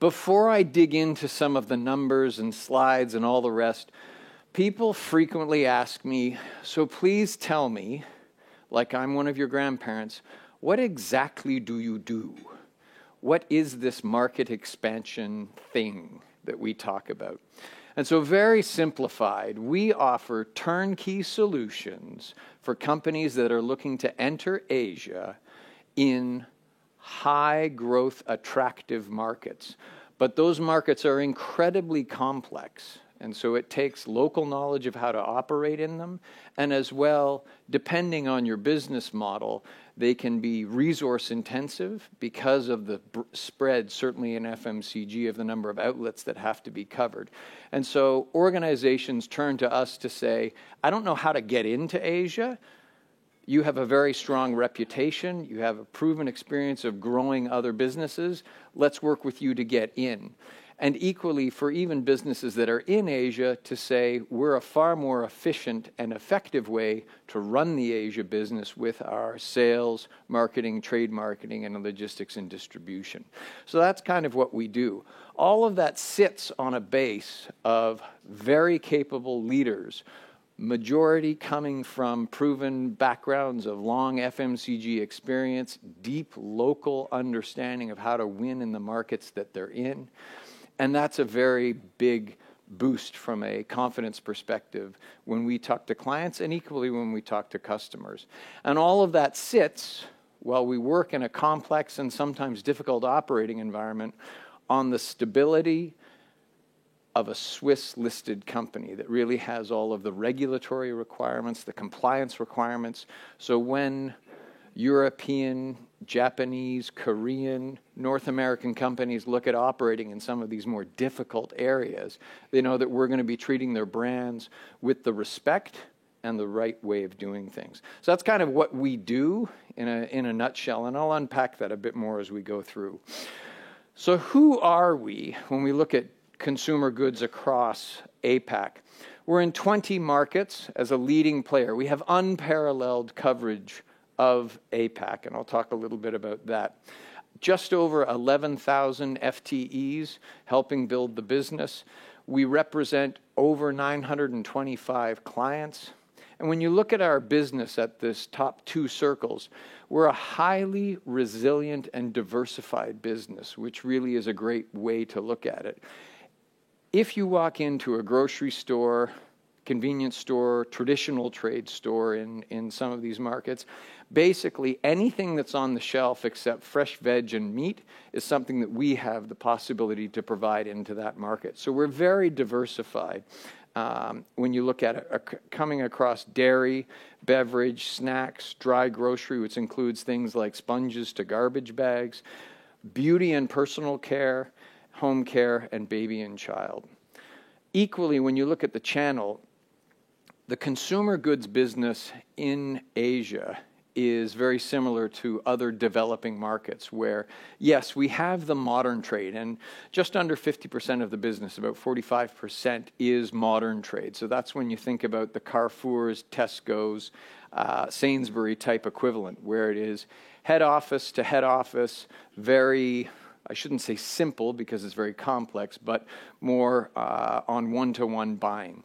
Before I dig into some of the numbers and slides and all the rest, people frequently ask me, "Please tell me, like I'm one of your grandparents, what exactly do you do? What is this market expansion thing that we talk about?" Very simplified, we offer turnkey solutions for companies that are looking to enter Asia in high-growth, attractive markets. Those markets are incredibly complex, and so it takes local knowledge of how to operate in them. As well, depending on your business model, they can be resource intensive because of the spread, certainly in FMCG, of the number of outlets that have to be covered. Organizations turn to us to say, "I don't know how to get into Asia. You have a very strong reputation. You have a proven experience of growing other businesses. Let's work with you to get in." Equally, for even businesses that are in Asia to say we're a far more efficient and effective way to run the Asia business with our sales, marketing, trade marketing, and the logistics and distribution. That's kind of what we do. All of that sits on a base of very capable leaders, majority coming from proven backgrounds of long FMCG experience, deep local understanding of how to win in the markets that they're in. That's a very big boost from a confidence perspective when we talk to clients and equally when we talk to customers. All of that sits while we work in a complex and sometimes difficult operating environment on the stability of a Swiss-listed company that really has all of the regulatory requirements, the compliance requirements. When European, Japanese, Korean, North American companies look at operating in some of these more difficult areas, they know that we're gonna be treating their brands with the respect and the right way of doing things. That's kind of what we do in a, in a nutshell, and I'll unpack that a bit more as we go through. Who are we when we look at consumer goods across APAC? We're in 20 markets as a leading player. We have unparalleled coverage of APAC, and I'll talk a little bit about that. Just over 11,000 FTEs helping build the business. We represent over 925 clients. When you look at our business at this top two circles, we're a highly resilient and diversified business, which really is a great way to look at it. If you walk into a grocery store, convenience store, traditional trade store in some of these markets, basically anything that's on the shelf except fresh veg and meat is something that we have the possibility to provide into that market. We're very diversified, when you look at coming across dairy, beverage, snacks, dry grocery, which includes things like sponges to garbage bags, beauty and personal care, home care, and baby and child. Equally, when you look at the channel, the consumer goods business in Asia is very similar to other developing markets where, yes, we have the modern trade, and just under 50% of the business, about 45%, is modern trade. That's when you think about the Carrefours, Tescos, Sainsbury's-type equivalent, where it is head office to head office, very, I shouldn't say simple, because it's very complex, but more on 1:1 buying.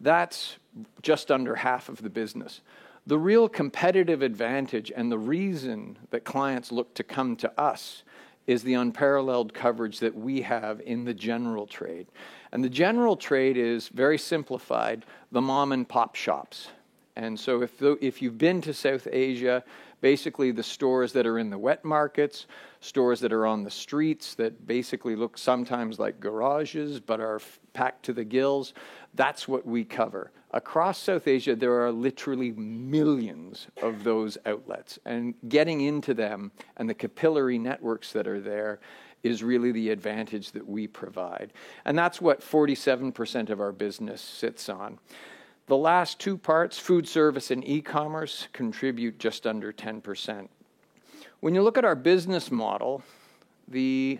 That's just under half of the business. The real competitive advantage and the reason that clients look to come to us is the unparalleled coverage that we have in the general trade. The general trade is very simplified, the mom-and-pop shops. If you've been to South Asia, basically the stores that are in the wet markets, stores that are on the streets that basically look sometimes like garages but are packed to the gills, that's what we cover. Across South Asia, there are literally millions of those outlets, and getting into them and the capillary networks that are there is really the advantage that we provide. That's what 47% of our business sits on. The last two parts, food service and e-commerce, contribute just under 10%. When you look at our business model, the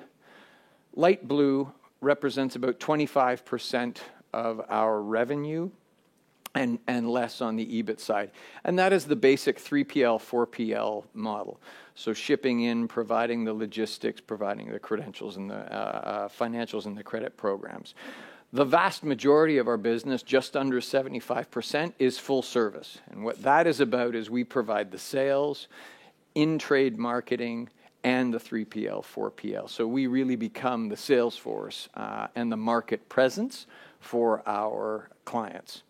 light blue represents about 25% of our revenue and less on the EBIT side. That is the basic 3PL, 4PL model. Shipping in, providing the logistics, providing the credentials and the financials and the credit programs. The vast majority of our business, just under 75%, is full service. What that is about is we provide the sales in trade marketing and the 3PL, 4PL. We really become the sales force and the market presence for our clients.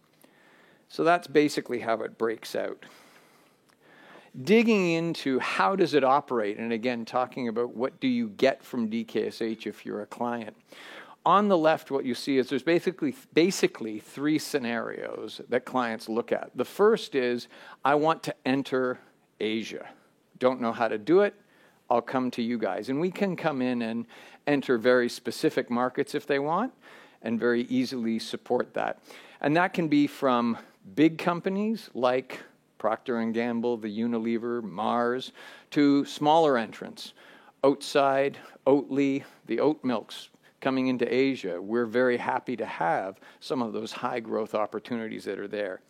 That's basically how it breaks out. Digging into how does it operate, and again, talking about what do you get from DKSH if you're a client. On the left, what you see is there's basically three scenarios that clients look at. The first is, "I want to enter Asia. Don't know how to do it. I'll come to you guys." We can come in and enter very specific markets if they want and very easily support that. That can be from big companies like Procter & Gamble, Unilever, Mars, to smaller entrants, Oatside, Oatly, the oat milks coming into Asia. We're very happy to have some of those high growth opportunities that are there.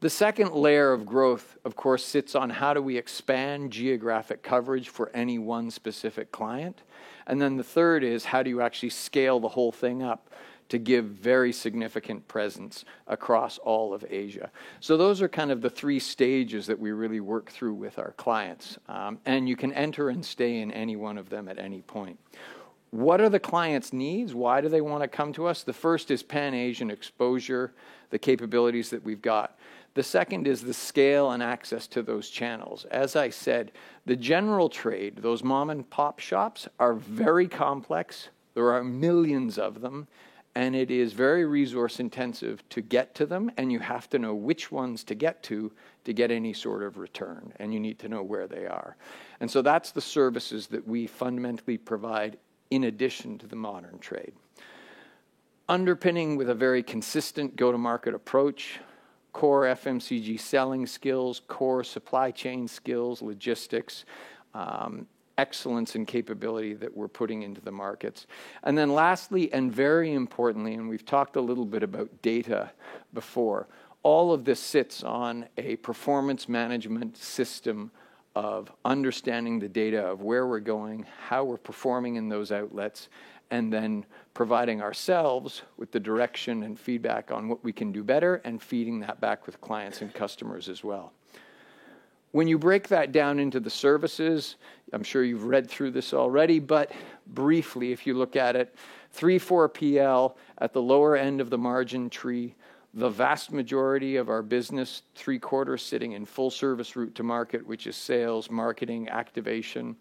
The second layer of growth, of course, sits on how do we expand geographic coverage for any one specific client. The third is how do you actually scale the whole thing up to give very significant presence across all of Asia? Those are kind of the three stages that we really work through with our clients. You can enter and stay in any one of them at any point. What are the client's needs? Why do they wanna come to us? The first is Pan-Asian exposure, the capabilities that we've got. The second is the scale and access to those channels. As I said, the general trade, those mom-and-pop shops are very complex. There are millions of them, and it is very resource-intensive to get to them, and you have to know which ones to get to get any sort of return, and you need to know where they are. That's the services that we fundamentally provide in addition to the modern trade. Underpinning with a very consistent go-to-market approach, core FMCG selling skills, core supply chain skills, logistics, excellence and capability that we're putting into the markets. Lastly, and very importantly, and we've talked a little bit about data before, all of this sits on a performance management system of understanding the data of where we're going, how we're performing in those outlets, and then providing ourselves with the direction and feedback on what we can do better and feeding that back with clients and customers as well. When you break that down into the services, I'm sure you've read through this already, but briefly, if you look at it, 3PL, 4PL at the lower end of the margin tree, the vast majority of our business, three-quarters sitting in full service route to market, which is sales, marketing, activation,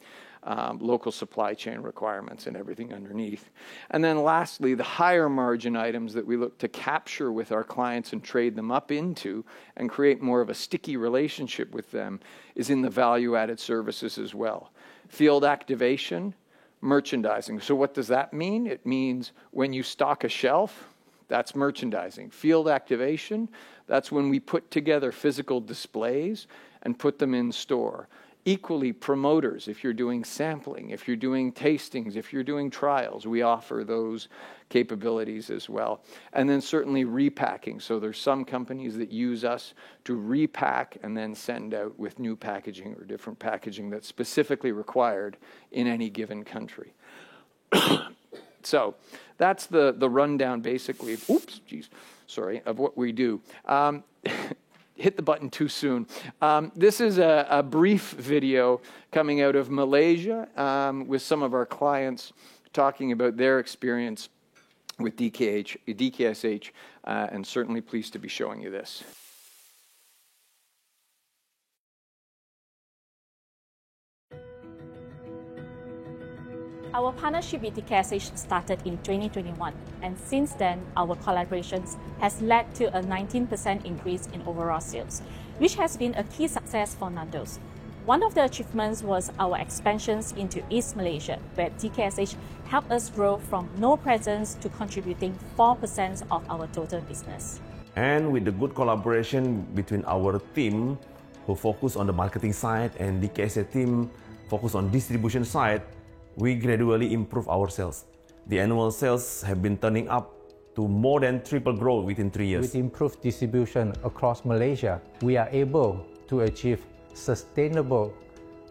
local supply chain requirements and everything underneath. Lastly, the higher margin items that we look to capture with our clients and trade them up into and create more of a sticky relationship with them is in the value-added services as well. Field activation, merchandising. What does that mean? It means when you stock a shelf, that's merchandising. Field activation, that's when we put together physical displays and put them in store. Equally, promoters, if you're doing sampling, if you're doing tastings, if you're doing trials, we offer those capabilities as well. Certainly repacking. There's some companies that use us to repack and then send out with new packaging or different packaging that's specifically required in any given country. That's the rundown, basically Oops. Geez. Sorry. Of what we do. hit the button too soon. This is a brief video coming out of Malaysia with some of our clients talking about their experience with DKSH and certainly pleased to be showing you this.
Our partnership with DKSH started in 2021, and since then, our collaborations has led to a 19% increase in overall sales, which has been a key success for Nando's. One of the achievements was our expansions into East Malaysia, where DKSH helped us grow from no presence to contributing 4% of our total business.
With the good collaboration between our team, who focus on the marketing side, and DKSH team focus on distribution side, we gradually improve our sales. The annual sales have been turning up to more than triple growth within three years. With improved distribution across Malaysia, we are able to achieve sustainable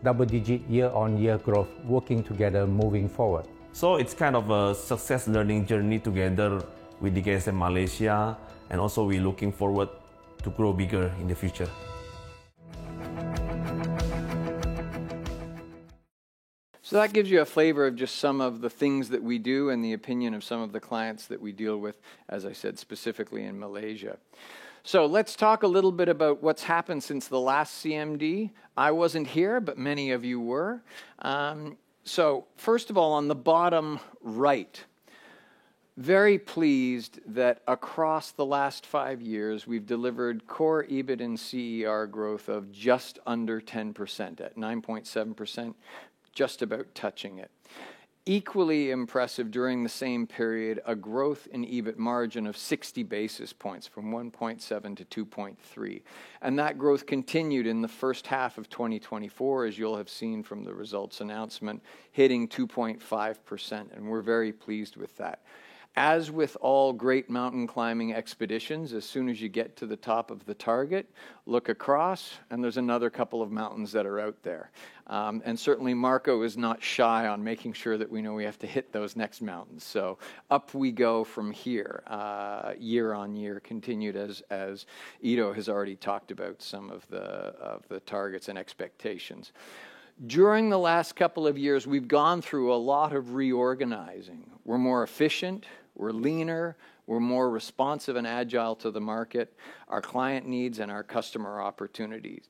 double-digit year-on-year growth working together moving forward. It's kind of a success learning journey together with DKSH Malaysia, and also we're looking forward to grow bigger in the future.
That gives you a flavor of just some of the things that we do and the opinion of some of the clients that we deal with, as I said, specifically in Malaysia. Let's talk a little bit about what's happened since the last CMD. I wasn't here, but many of you were. First of all, on the bottom right, very pleased that across the last five years, we've delivered core EBIT and CER growth of just under 10%, at 9.7%, just about touching it. Equally impressive during the same period, a growth in EBIT margin of 60 basis points from 1.7x-2.3x. That growth continued in the first half of 2024, as you'll have seen from the results announcement, hitting 2.5%, and we're very pleased with that. As with all great mountain climbing expeditions, as soon as you get to the top of the target, look across, and there's another couple of mountains that are out there. Certainly Marco is not shy on making sure that we know we have to hit those next mountains. Up we go from here, year on year, continued as Ido has already talked about some of the targets and expectations. During the last couple of years, we've gone through a lot of reorganizing. We're more efficient, we're leaner, we're more responsive and agile to the market, our client needs, and our customer opportunities.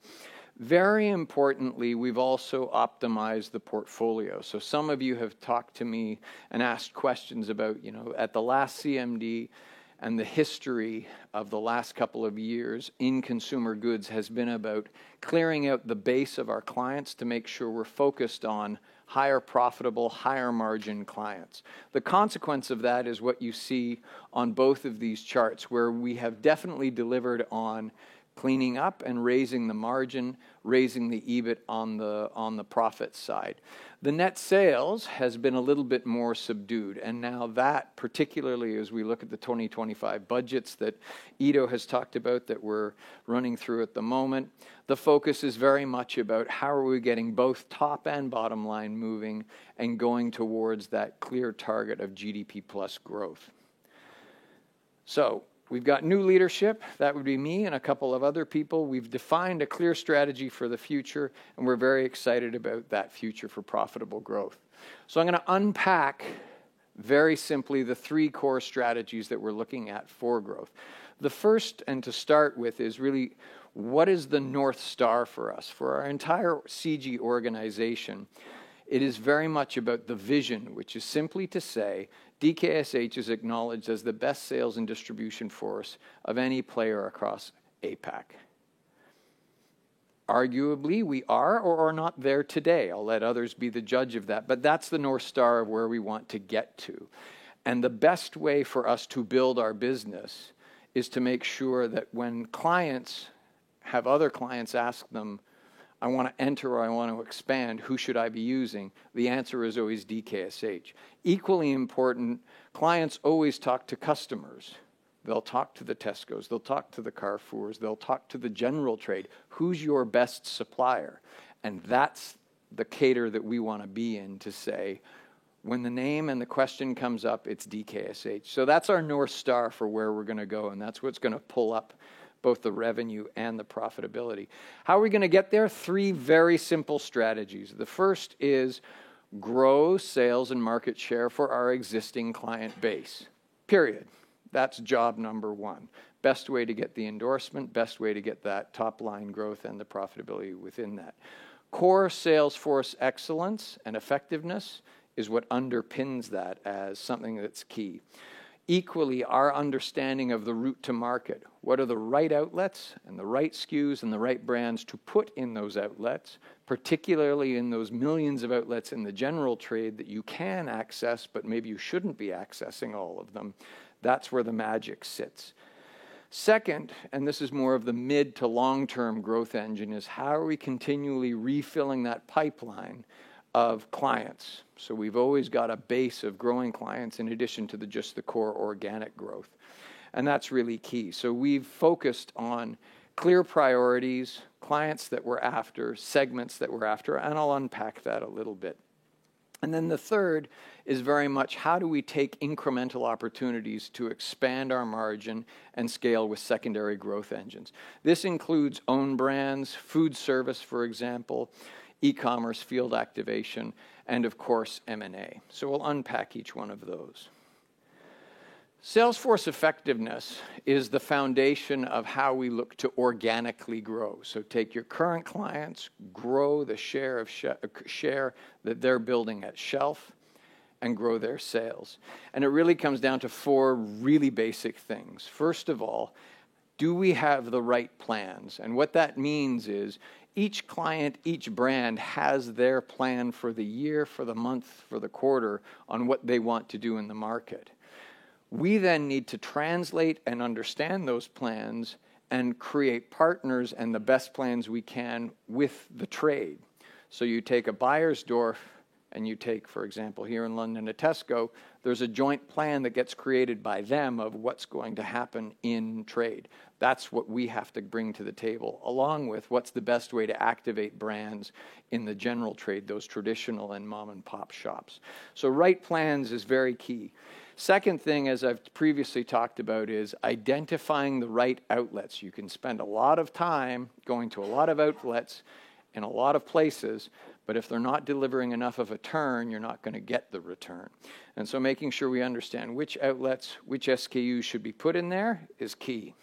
Very importantly, we've also optimized the portfolio. Some of you have talked to me and asked questions about, you know, at the last CMD and the history of the last couple of years in consumer goods has been about clearing out the base of our clients to make sure we're focused on higher profitable, higher margin clients. The consequence of that is what you see on both of these charts, where we have definitely delivered on cleaning up and raising the margin, raising the EBIT on the, on the profit side. The net sales has been a little bit more subdued, and now that particularly as we look at the 2025 budgets that Ido has talked about that we're running through at the moment, the focus is very much about how are we getting both top and bottom line moving and going towards that clear target of GDP plus growth. We've got new leadership, that would be me and a couple of other people. We've defined a clear strategy for the future, and we're very excited about that future for profitable growth. I'm gonna unpack very simply the three core strategies that we're looking at for growth. The first, and to start with, is really what is the North Star for us? For our entire CG organization, it is very much about the vision, which is simply to say, DKSH is acknowledged as the best sales and distribution force of any player across APAC. Arguably, we are or are not there today. I'll let others be the judge of that, but that's the North Star of where we want to get to. The best way for us to build our business is to make sure that when clients have other clients ask them, "I wanna enter or I want to expand, who should I be using?" The answer is always DKSH. Equally important, clients always talk to customers. They'll talk to the Tesco, they'll talk to the Carrefour, they'll talk to the general trade, "Who's your best supplier?" That's the cadre that we wanna be in to say, when the name and the question comes up, it's DKSH. That's our North Star for where we're gonna go, and that's what's gonna pull up both the revenue and the profitability. How are we gonna get there? Three very simple strategies. The first is grow sales and market share for our existing client base, period. That's job number one. Best way to get the endorsement, best way to get that top line growth and the profitability within that. Core sales force excellence and effectiveness is what underpins that as something that's key. Equally, our understanding of the route to market. What are the right outlets and the right SKUs and the right brands to put in those outlets, particularly in those millions of outlets in the general trade that you can access, but maybe you shouldn't be accessing all of them. That's where the magic sits. Second, this is more of the mid to long-term growth engine, is how are we continually refilling that pipeline of clients? We've always got a base of growing clients in addition to the just the core organic growth, and that's really key. We've focused on clear priorities, clients that we're after, segments that we're after, and I'll unpack that a little bit. The third is very much how do we take incremental opportunities to expand our margin and scale with secondary growth engines? This includes own brands, food service, for example, e-commerce, field activation, and of course, M&A. We'll unpack each one of those. Salesforce effectiveness is the foundation of how we look to organically grow. Take your current clients, grow the share of shelf that they're building at shelf, and grow their sales. It really comes down to four really basic things. First of all, do we have the right plans? What that means is each client, each brand has their plan for the year, for the month, for the quarter on what they want to do in the market. We then need to translate and understand those plans and create partners and the best plans we can with the trade. You take a Beiersdorf and you take, for example, here in London, a Tesco, there's a joint plan that gets created by them of what's going to happen in trade. That's what we have to bring to the table, along with what's the best way to activate brands in the general trade, those traditional and mom-and-pop shops. Right plans is very key. Second thing, as I've previously talked about, is identifying the right outlets. You can spend a lot of time going to a lot of outlets in a lot of places, but if they're not delivering enough of a turn, you're not gonna get the return. Making sure we understand which outlets, which SKUs should be put in there is key.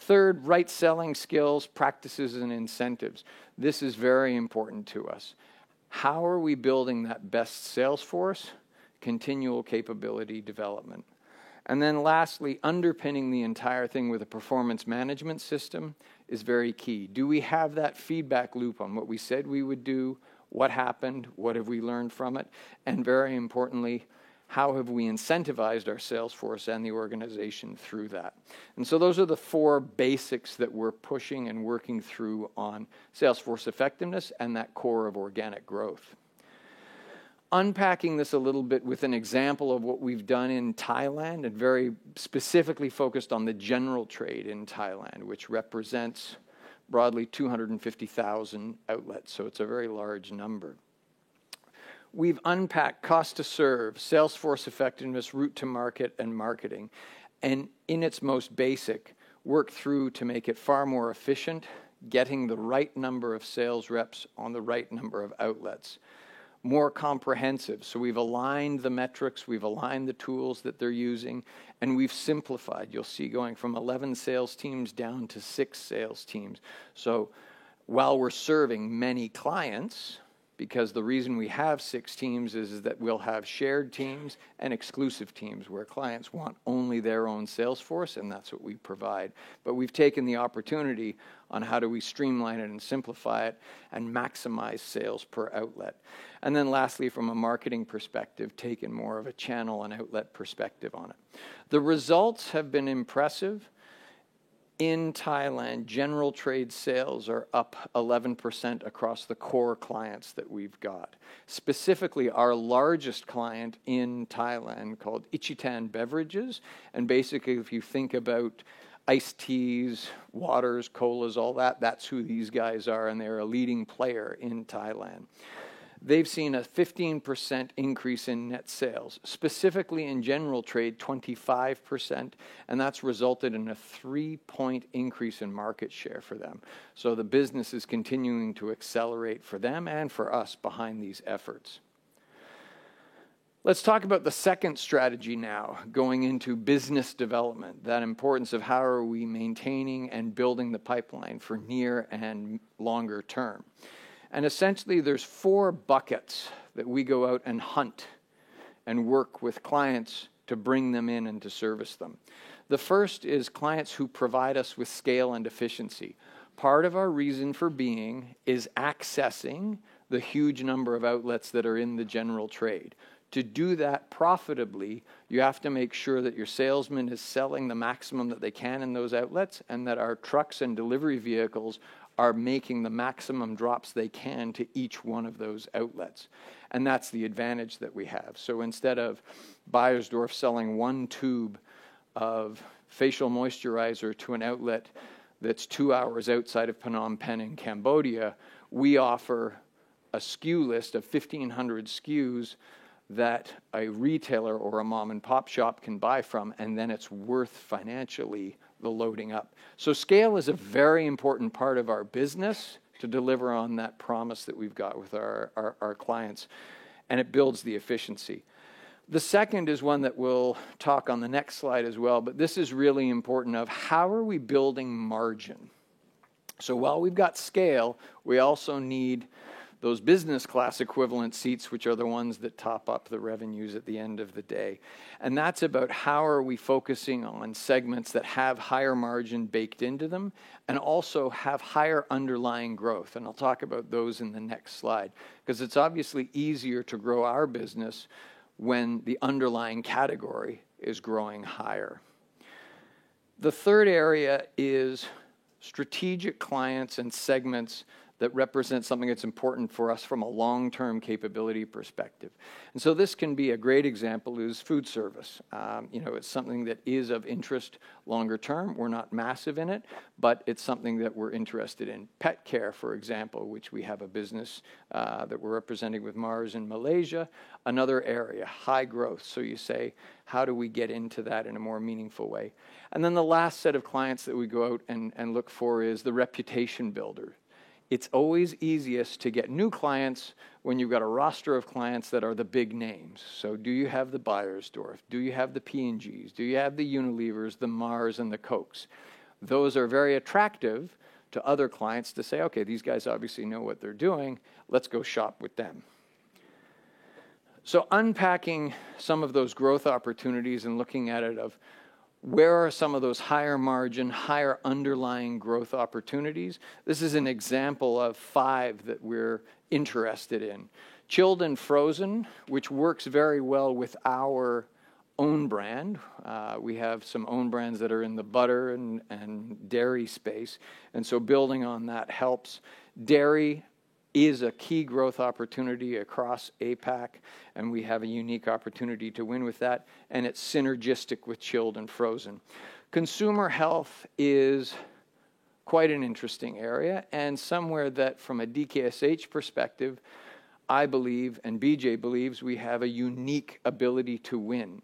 Third, right selling skills, practices, and incentives. This is very important to us. How are we building that best sales force? Continual capability development. Lastly, underpinning the entire thing with a performance management system is very key. Do we have that feedback loop on what we said we would do? What happened? What have we learned from it? Very importantly, how have we incentivized our sales force and the organization through that? Those are the four basics that we're pushing and working through on sales force effectiveness and that core of organic growth. Unpacking this a little bit with an example of what we've done in Thailand, and very specifically focused on the general trade in Thailand, which represents broadly 250,000 outlets, so it's a very large number. We've unpacked cost to serve, sales force effectiveness, route to market, and marketing. In its most basic, worked through to make it far more efficient, getting the right number of sales reps on the right number of outlets. More comprehensive, so we've aligned the metrics, we've aligned the tools that they're using, and we've simplified. You'll see going from 11 sales teams down to six sales teams. While we're serving many clients, because the reason we have six teams is that we'll have shared teams and exclusive teams where clients want only their own salesforce, and that's what we provide. We've taken the opportunity on how do we streamline it and simplify it and maximize sales per outlet. Then lastly, from a marketing perspective, taken more of a channel and outlet perspective on it. The results have been impressive. In Thailand, general trade sales are up 11% across the core clients that we've got. Specifically, our largest client in Thailand, called Ichitan Group. Basically if you think about iced teas, waters, colas, all that's who these guys are. They're a leading player in Thailand. They've seen a 15% increase in net sales, specifically in general trade, 25%, that's resulted in a 3-point increase in market share for them. The business is continuing to accelerate for them and for us behind these efforts. Let's talk about the second strategy now, going into business development, that importance of how are we maintaining and building the pipeline for near and longer term. Essentially, there's four buckets that we go out and hunt and work with clients to bring them in and to service them. The first is clients who provide us with scale and efficiency. Part of our reason for being is accessing the huge number of outlets that are in the general trade. To do that profitably, you have to make sure that your salesman is selling the maximum that they can in those outlets and that our trucks and delivery vehicles are making the maximum drops they can to each one of those outlets. That's the advantage that we have. Instead of Beiersdorf selling one tube of facial moisturizer to an outlet that's two hours outside of Phnom Penh in Cambodia, we offer a SKU list of 1,500 SKUs that a retailer or a mom-and-pop shop can buy from, and then it's worth financially the loading up. Scale is a very important part of our business to deliver on that promise that we've got with our clients, and it builds the efficiency. The second is one that we'll talk on the next slide as well, but this is really important of how are we building margin? While we've got scale, we also need those business class equivalent seats, which are the ones that top up the revenues at the end of the day. That's about how are we focusing on segments that have higher margin baked into them and also have higher underlying growth, and I'll talk about those in the next slide. It's obviously easier to grow our business when the underlying category is growing higher. The third area is strategic clients and segments that represent something that's important for us from a long-term capability perspective. You know, it's something that is of interest longer term. We're not massive in it, but it's something that we're interested in. Pet care, for example, which we have a business that we're representing with Mars in Malaysia, another area, high growth. You say, "How do we get into that in a more meaningful way?" The last set of clients that we go out and look for is the reputation builder. It's always easiest to get new clients when you've got a roster of clients that are the big names. Do you have the Beiersdorf? Do you have the P&Gs? Do you have the Unilevers, the Mars, and the Coca-Cola? Those are very attractive to other clients to say, "Okay, these guys obviously know what they're doing. Let's go shop with them." Unpacking some of those growth opportunities and looking at it of where are some of those higher margin, higher underlying growth opportunities, this is an example of 5 that we're interested in. Chilled and frozen, which works very well with our own brand. We have some own brands that are in the butter and dairy space, building on that helps. Dairy is a key growth opportunity across APAC, and we have a unique opportunity to win with that, and it's synergistic with chilled and frozen. Consumer health is quite an interesting area and somewhere that, from a DKSH perspective, I believe, and Bijay believes, we have a unique ability to win.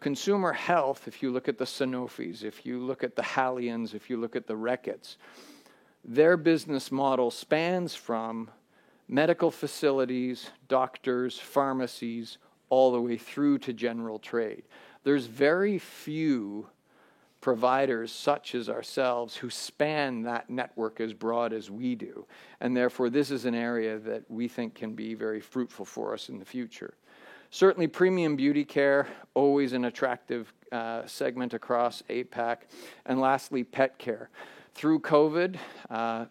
Consumer health, if you look at the Sanofis, if you look at the Haleon, if you look at the Reckitt, their business model spans from medical facilities, doctors, pharmacies, all the way through to general trade. There's very few providers such as ourselves who span that network as broad as we do, and therefore, this is an area that we think can be very fruitful for us in the future. Certainly premium beauty care, always an attractive segment across APAC. Lastly, pet care. Through COVID,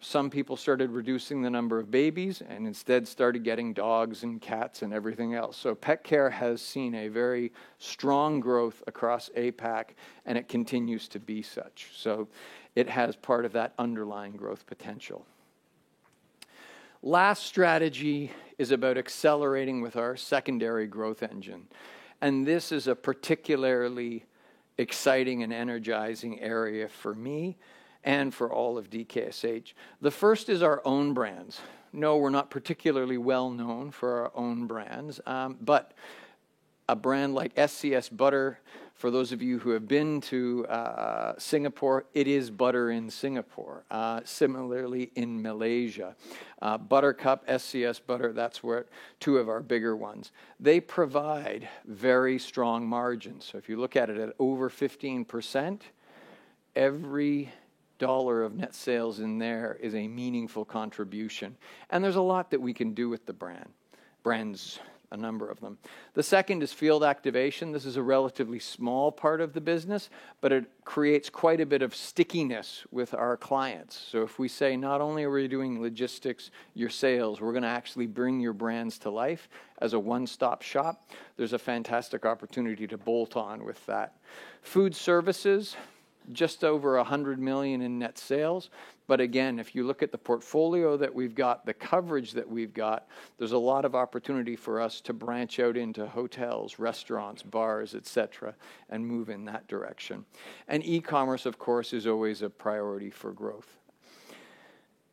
some people started reducing the number of babies and instead started getting dogs and cats and everything else. Pet care has seen a very strong growth across APAC, and it continues to be such. It has part of that underlying growth potential. Last strategy is about accelerating with our secondary growth engine. This is a particularly exciting and energizing area for me and for all of DKSH. The first is our own brands. We are not particularly well known for our own brands, but a brand like SCS Butter, for those of you who have been to Singapore, it is butter in Singapore. Similarly in Malaysia. Buttercup, SCS Butter, that's where two of our bigger ones. They provide very strong margins. If you look at it at over 15%, every CHF of net sales in there is a meaningful contribution, and there's a lot that we can do with the brands, a number of them. The second is field activation. This is a relatively small part of the business, but it creates quite a bit of stickiness with our clients. If we say, "Not only are we doing logistics, your sales, we're gonna actually bring your brands to life as a one-stop shop," there's a fantastic opportunity to bolt on with that. Food services, just over 100 million in net sales, again, if you look at the portfolio that we've got, the coverage that we've got, there's a lot of opportunity for us to branch out into hotels, restaurants, bars, et cetera, and move in that direction. E-commerce, of course, is always a priority for growth.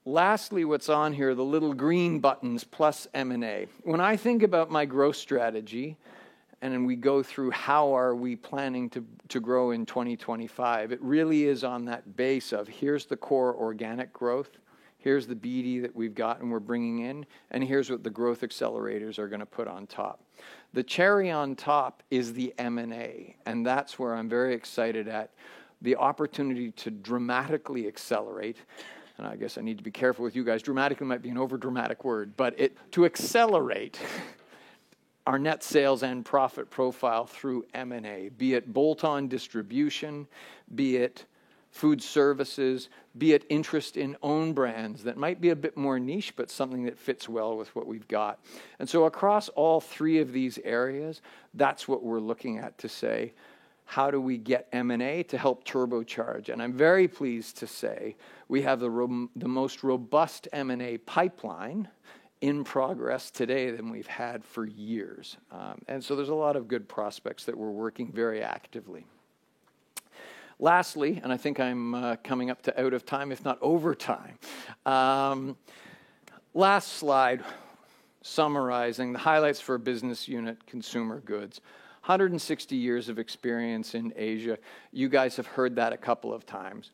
Lastly, what's on here, the little green buttons, plus M&A. When I think about my growth strategy, we go through how are we planning to grow in 2025, it really is on that base of here's the core organic growth, here's the BD that we've got and we're bringing in, and here's what the growth accelerators are gonna put on top. The cherry on top is the M&A, That's where I'm very excited at the opportunity to dramatically accelerate. I guess I need to be careful with you guys. Dramatically might be an over-dramatic word, but to accelerate our net sales and profit profile through M&A, be it bolt-on distribution, be it food services, be it interest in own brands that might be a bit more niche, but something that fits well with what we've got. Across all three of these areas, that's what we're looking at to say, "How do we get M&A to help turbocharge?" I'm very pleased to say we have the most robust M&A pipeline in progress today than we've had for years. There's a lot of good prospects that we're working very actively. Lastly, I think I'm coming up to out of time, if not over time. Last slide summarizing the highlights for Business Unit Consumer Goods. 160 years of experience in Asia. You guys have heard that a couple of times.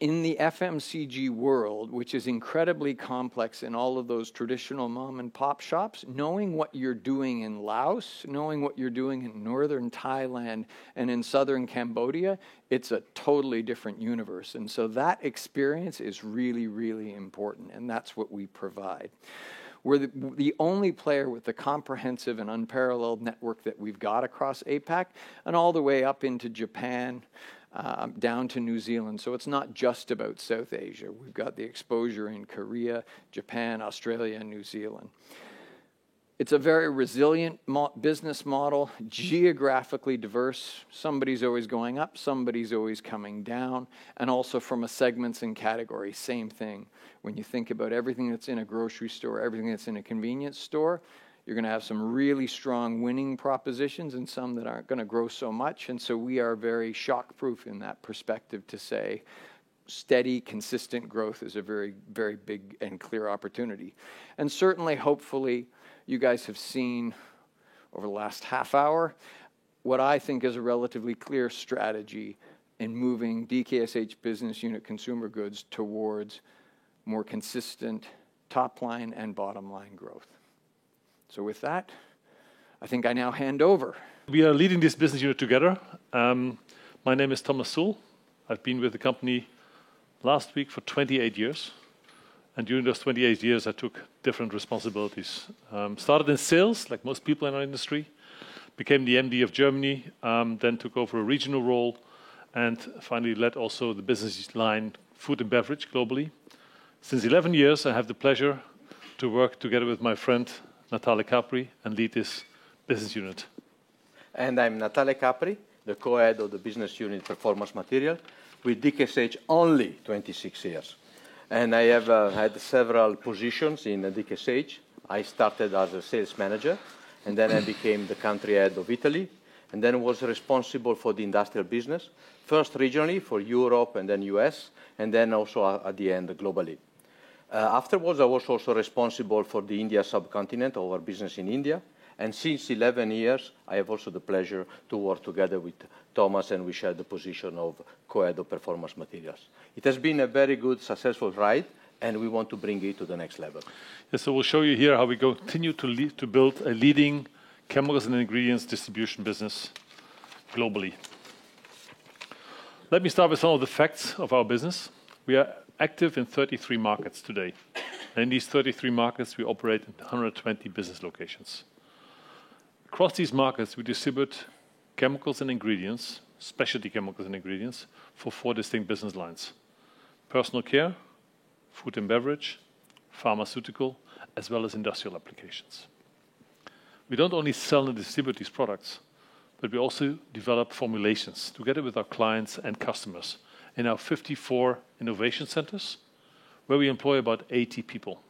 In the FMCG world, which is incredibly complex in all of those traditional mom-and-pop shops, knowing what you're doing in Laos, knowing what you're doing in northern Thailand and in southern Cambodia, it's a totally different universe. That experience is really important, and that's what we provide. We're the only player with the comprehensive and unparalleled network that we've got across APAC and all the way up into Japan, down to New Zealand, so it's not just about South Asia. We've got the exposure in Korea, Japan, Australia, and New Zealand. It's a very resilient business model, geographically diverse. Somebody's always going up, somebody's always coming down. From a segments and category, same thing. When you think about everything that's in a grocery store, everything that's in a convenience store, you're going to have some really strong winning propositions and some that aren't going to grow so much. We are very shockproof in that perspective to say steady, consistent growth is a very big and clear opportunity. Certainly, hopefully, you guys have seen over the last 30 minutes what I think is a relatively clear strategy in moving DKSH Business Unit Consumer Goods towards more consistent top line and bottom line growth. With that, I think I now hand over.
We are leading this business unit together. My name is Thomas Sul. I've been with the company last week for 28 years, and during those 28 years, I took different responsibilities. Started in sales, like most people in our industry, became the MD of Germany, then took over a regional role, and finally led also the business line food and beverage globally. Since 11 years, I have the pleasure to work together with my friend, Natale Capri, and lead this business unit.
I'm Natale Capri, the co-head of the Business Unit Performance Materials with DKSH only 26 years. I have had several positions in DKSH. I started as a sales manager, then I became the country head of Italy, then was responsible for the industrial business, first regionally for Europe and then U.S., then also at the end globally. Afterwards, I was also responsible for the India subcontinent, our business in India, since 11 years, I have also the pleasure to work together with Thomas, and we share the position of co-head of Performance Materials. It has been a very good, successful ride, and we want to bring it to the next level.
We'll show you here how we continue to build a leading chemicals and ingredients distribution business globally. Let me start with some of the facts of our business. We are active in 33 markets today. In these 33 markets, we operate at 120 business locations. Across these markets, we distribute chemicals and ingredients, specialty chemicals and ingredients, for four distinct business lines: personal care, food and beverage, pharmaceutical, as well as industrial applications. We don't only sell and distribute these products, but we also develop formulations together with our clients and customers in our 54 innovation centers, where we employ about 80 people.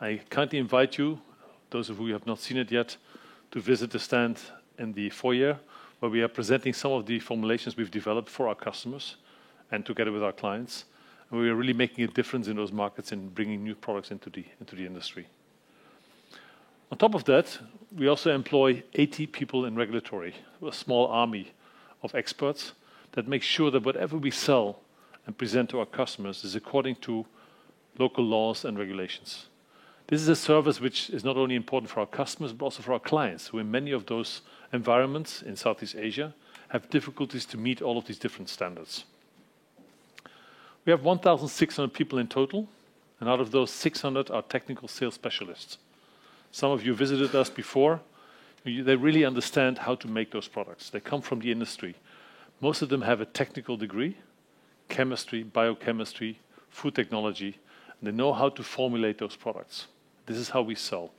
I kindly invite you, those of you who have not seen it yet, to visit the stand in the foyer, where we are presenting some of the formulations we've developed for our customers and together with our clients. We are really making a difference in those markets and bringing new products into the, into the industry. On top of that, we also employ 80 people in regulatory, a small army of experts that make sure that whatever we sell and present to our customers is according to local laws and regulations. This is a service which is not only important for our customers, but also for our clients, who in many of those environments in Southeast Asia have difficulties to meet all of these different standards. We have 1,600 people in total, and out of those, 600 are technical sales specialists. Some of you visited us before. They really understand how to make those products. They come from the industry. Most of them have a technical degree, chemistry, biochemistry, food technology, and they know how to formulate those products. This is how we sell.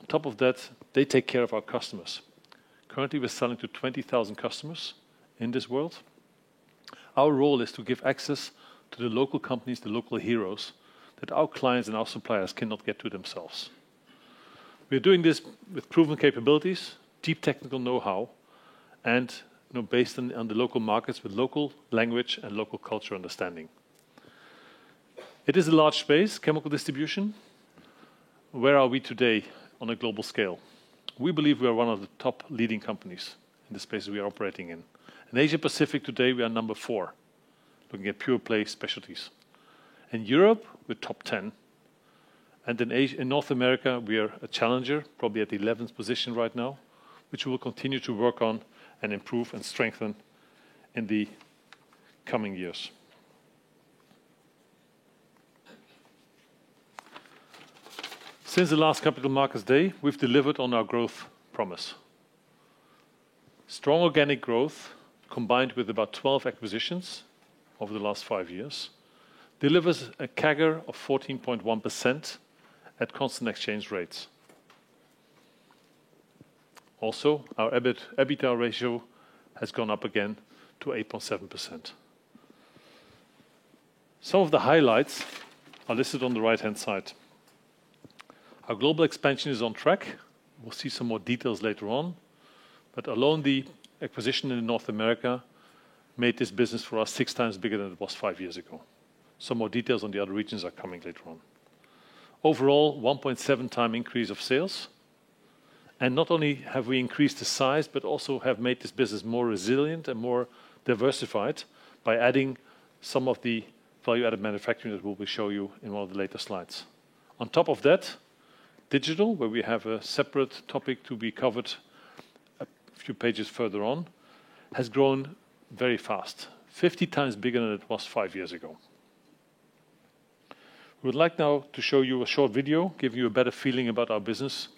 On top of that, they take care of our customers. Currently, we're selling to 20,000 customers in this world. Our role is to give access to the local companies, the local heroes, that our clients and our suppliers cannot get to themselves. We are doing this with proven capabilities, deep technical know-how, and, you know, based on the local markets with local language and local culture understanding. It is a large space, chemical distribution. Where are we today on a global scale? We believe we are 1 of the top leading companies in the space we are operating in. In Asia-Pacific today, we are number four. Looking at pure-play specialties. In Europe, we're top 10. In North America, we are a challenger, probably at the eleventh position right now, which we will continue to work on and improve and strengthen in the coming years. Since the last Capital Markets Day, we've delivered on our growth promise. Strong organic growth, combined with about 12 acquisitions over the last five years, delivers a CAGR of 14.1% at constant exchange rates. Our EBIT, EBITDA ratio has gone up again to 8.7%. Some of the highlights are listed on the right-hand side. Our global expansion is on track. We'll see some more details later on. Alone, the acquisition in North America made this business for us 6x bigger than it was five years ago. Some more details on the other regions are coming later on. Overall, 1.7x increase of sales. Not only have we increased the size, but also have made this business more resilient and more diversified by adding some of the value-added manufacturing that we will show you in one of the later slides. On top of that, digital, where we have a separate topic to be covered a few pages further on, has grown very fast, 50x bigger than it was five years ago. We would like now to show you a short video, give you a better feeling about our business.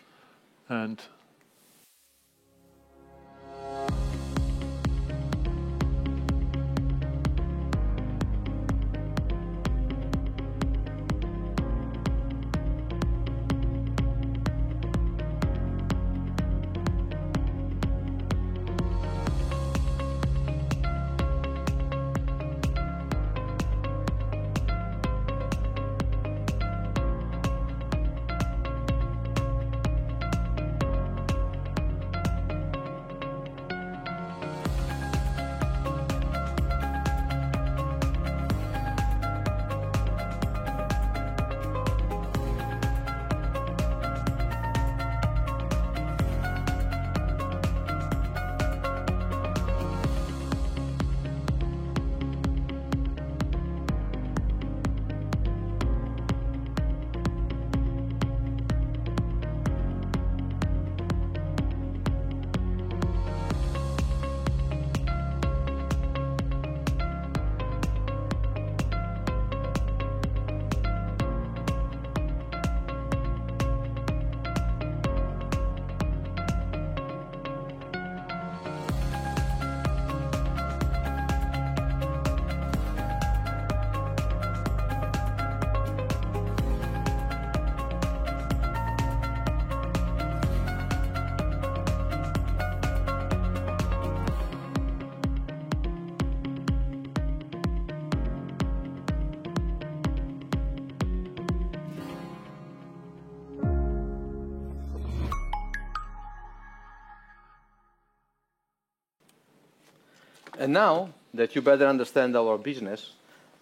Now that you better understand our business,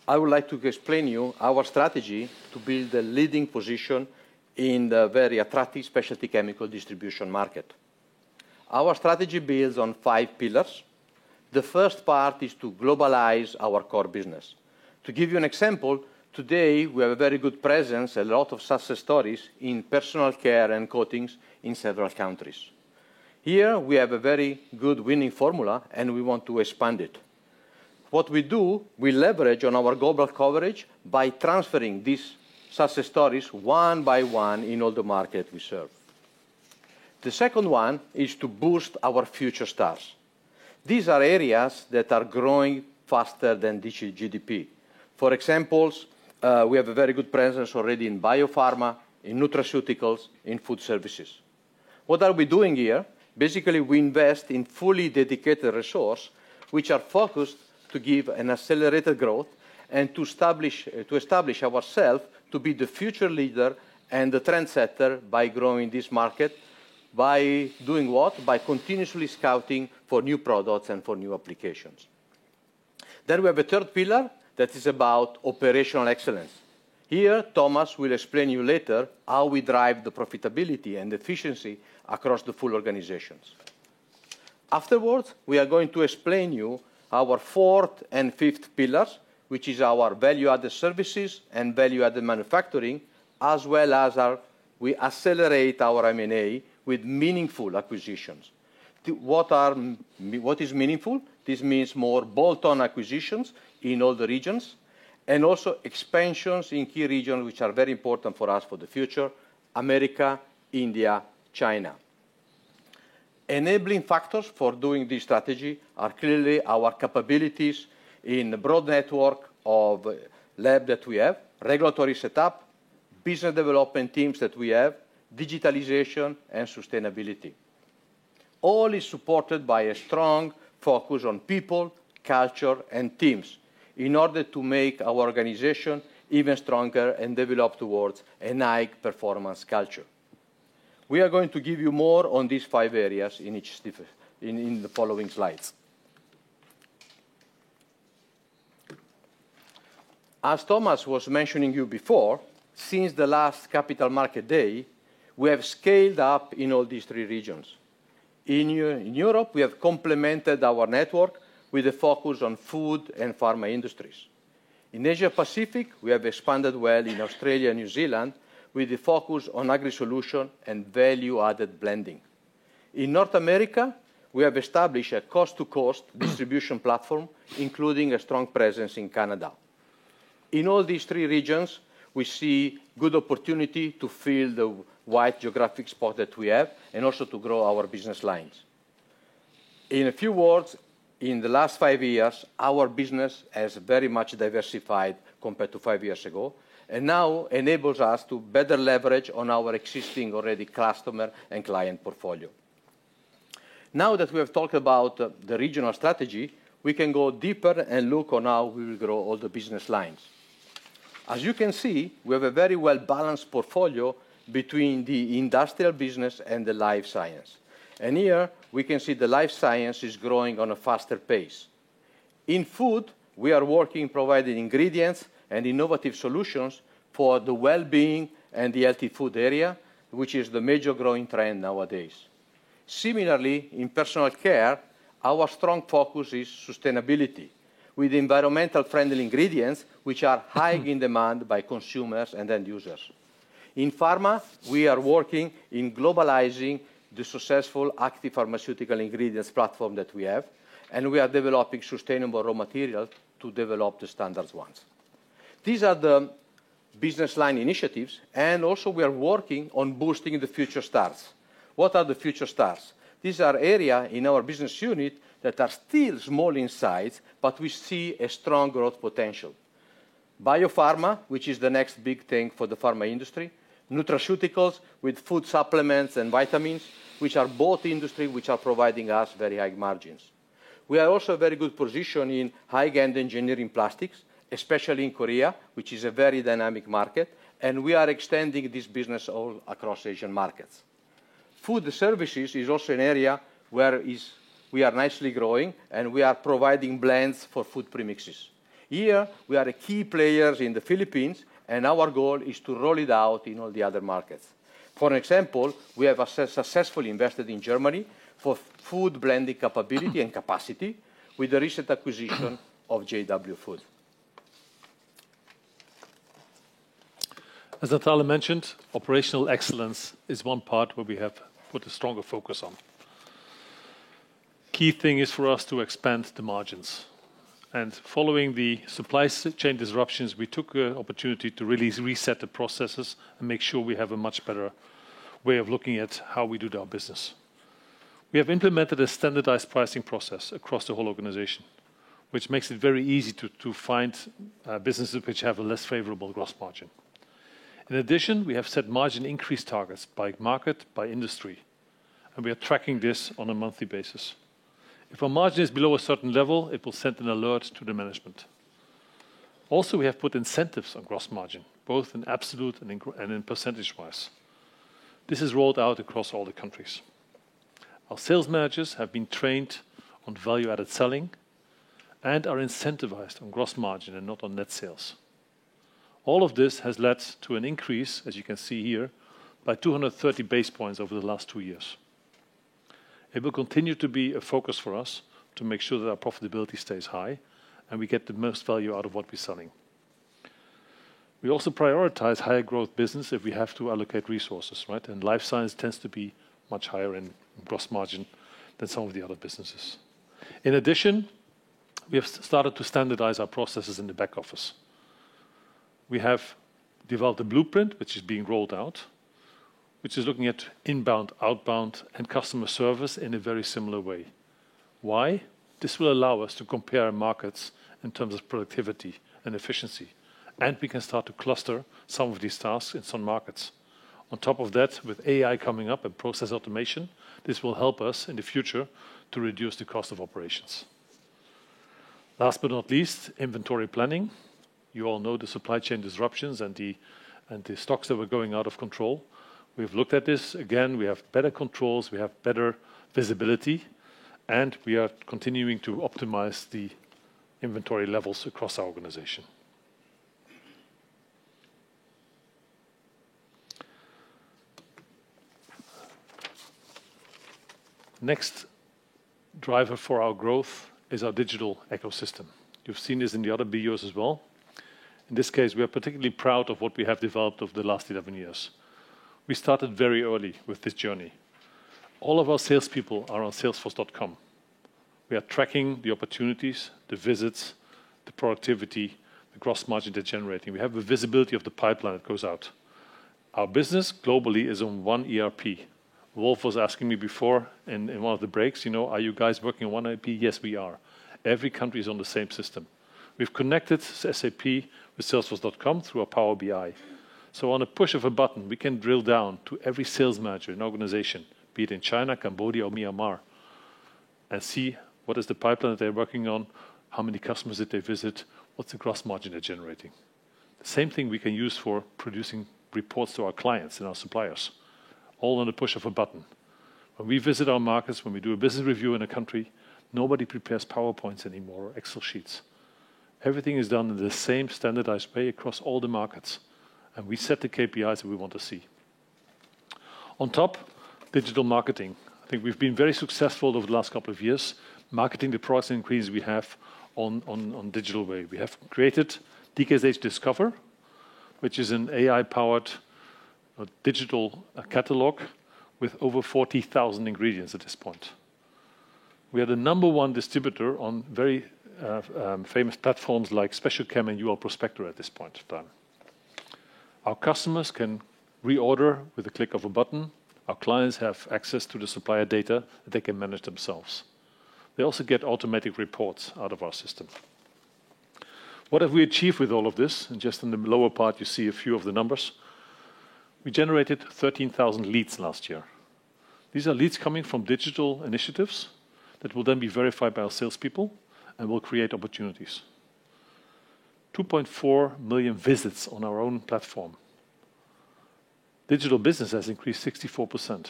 I would like to explain you our strategy to build a leading position in the very attractive specialty chemical distribution market. Our strategy builds on five pillars. The first part is to globalize our core business. To give you an example, today we have a very good presence, a lot of success stories in personal care and coatings in several countries. Here we have a very good winning formula, and we want to expand it. What we do, we leverage on our global coverage by transferring these success stories one by one in all the market we serve. The second one is to boost our future stars. These are areas that are growing faster than GDP. For example, we have a very good presence already in biopharma, in nutraceuticals, in food services. What are we doing here? We invest in fully dedicated resources, which are focused to give an accelerated growth and to establish ourselves to be the future leader and the trendsetter by growing this market. By doing what? By continuously scouting for new products and for new applications. We have a third pillar that is about operational excellence. Here, Thomas will explain you later how we drive the profitability and efficiency across the full organization. We are going to explain you our fourth and fifth pillars, which are our value-added services and value-added manufacturing, as well as we accelerate our M&A with meaningful acquisitions. What is meaningful? This means more bolt-on acquisitions in all the regions, and also expansions in key regions which are very important for us for the future: America, India, China. Enabling factors for doing this strategy are clearly our capabilities in the broad network of lab that we have, regulatory setup, business development teams that we have, digitalization, and sustainability. All is supported by a strong focus on people, culture, and teams in order to make our organization even stronger and develop towards a high performance culture. We are going to give you more on these five areas in the following slides. As Thomas was mentioning you before, since the last Capital Market Day, we have scaled up in all these three regions. In Europe, we have complemented our network with a focus on food and pharma industries. In Asia Pacific, we have expanded well in Australia and New Zealand with a focus on agri-solution and value-added blending. In North America, we have established a coast-to-coast distribution platform, including a strong presence in Canada. In all these three regions, we see good opportunity to fill the wide geographic spot that we have, and also to grow our business lines. In a few words, in the last five years, our business has very much diversified compared to five years ago, and now enables us to better leverage on our existing already customer and client portfolio. Now that we have talked about the regional strategy, we can go deeper and look on how we will grow all the business lines. As you can see, we have a very well-balanced portfolio between the industrial business and the life science. Here we can see the life science is growing on a faster pace. In Food, we are working providing ingredients and innovative solutions for the well-being and the healthy food area, which is the major growing trend nowadays. Similarly, in Personal Care, our strong focus is sustainability, with environmental-friendly ingredients which are high in demand by consumers and end users. In Pharma, we are working in globalizing the successful active pharmaceutical ingredients platform that we have, and we are developing sustainable raw material to develop the standards ones. These are the business line initiatives, also we are working on boosting the future stars. What are the future stars? These are area in our business unit that are still small in size, we see a strong growth potential. Biopharma, which is the next big thing for the Pharma industry. Nutraceuticals, with food supplements and vitamins, which are both industry which are providing us very high margins. We are also very good position in high-end engineering plastics, especially in Korea, which is a very dynamic market, and we are extending this business all across Asian markets. Food services is also an area where we are nicely growing, and we are providing blends for food premixes. Here we are a key players in the Philippines, and our goal is to roll it out in all the other markets. For example, we have successfully invested in Germany for food blending capability and capacity with the recent acquisition of JW Food.
As Natale mentioned, operational excellence is one part where we have put a stronger focus on. Key thing is for us to expand the margins, and following the supply chain disruptions, we took a opportunity to reset the processes and make sure we have a much better way of looking at how we do our business. We have implemented a standardized pricing process across the whole organization, which makes it very easy to find businesses which have a less favorable gross margin. In addition, we have set margin increase targets by market, by industry, and we are tracking this on a monthly basis. If a margin is below a certain level, it will send an alert to the management. Also, we have put incentives on gross margin, both in absolute and in percentage-wise. This is rolled out across all the countries. Our sales managers have been trained on value-added selling and are incentivized on gross margin and not on net sales. All of this has led to an increase, as you can see here, by 230 basis points over the last two years. It will continue to be a focus for us to make sure that our profitability stays high and we get the most value out of what we're selling. We also prioritize higher growth business if we have to allocate resources, right? Life science tends to be much higher in gross margin than some of the other businesses. In addition, we have started to standardize our processes in the back office. We have developed a blueprint which is being rolled out, which is looking at inbound, outbound, and customer service in a very similar way. Why? This will allow us to compare markets in terms of productivity and efficiency, and we can start to cluster some of these tasks in some markets. On top of that, with AI coming up and process automation, this will help us in the future to reduce the cost of operations. Last but not least, inventory planning. You all know the supply chain disruptions and the stocks that were going out of control. We've looked at this. Again, we have better controls, we have better visibility, and we are continuing to optimize the inventory levels across our organization. Next driver for our growth is our digital ecosystem. You've seen this in the other BUs as well. In this case, we are particularly proud of what we have developed over the last 11 years. We started very early with this journey. All of our salespeople are on Salesforce.com. We are tracking the opportunities, the visits, the productivity, the gross margin they're generating. We have the visibility of the pipeline that goes out. Our business globally is on one ERP. Wolf was asking me before in one of the breaks, you know, "Are you guys working on one ERP?" Yes, we are. Every country is on the same system. We've connected SAP with Salesforce.com through a Power BI. On a push of a button, we can drill down to every sales manager in organization, be it in China, Cambodia, or Myanmar, and see what is the pipeline that they're working on, how many customers did they visit, what's the gross margin they're generating. The same thing we can use for producing reports to our clients and our suppliers, all on a push of a button. When we visit our markets, when we do a business review in a country, nobody prepares PowerPoints anymore or Excel sheets. Everything is done in the same standardized way across all the markets, and we set the KPIs that we want to see. On top, digital marketing. I think we've been very successful over the last couple of years marketing the price increase we have on digital way. We have created DKSH Discover, which is an AI-powered digital catalog with over 40,000 ingredients at this point. We are the number one distributor on very famous platforms like SpecialChem and UL Prospector at this point in time. Our customers can reorder with a click of a button. Our clients have access to the supplier data they can manage themselves. They also get automatic reports out of our system. What have we achieved with all of this? Just in the lower part, you see a few of the numbers. We generated 13,000 leads last year. These are leads coming from digital initiatives that will then be verified by our salespeople and will create opportunities. 2.4 million visits on our own platform. Digital business has increased 64%.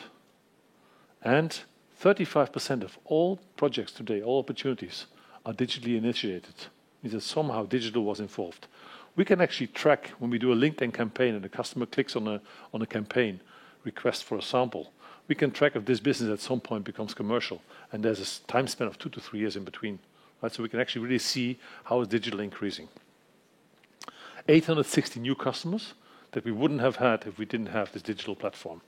35% of all projects today, all opportunities, are digitally initiated, means that somehow digital was involved. We can actually track when we do a LinkedIn campaign and a customer clicks on a campaign request for a sample. We can track if this business at some point becomes commercial. There's a time span of two to three years in between, right? We can actually really see how is digital increasing. 860 new customers that we wouldn't have had if we didn't have this digital platform.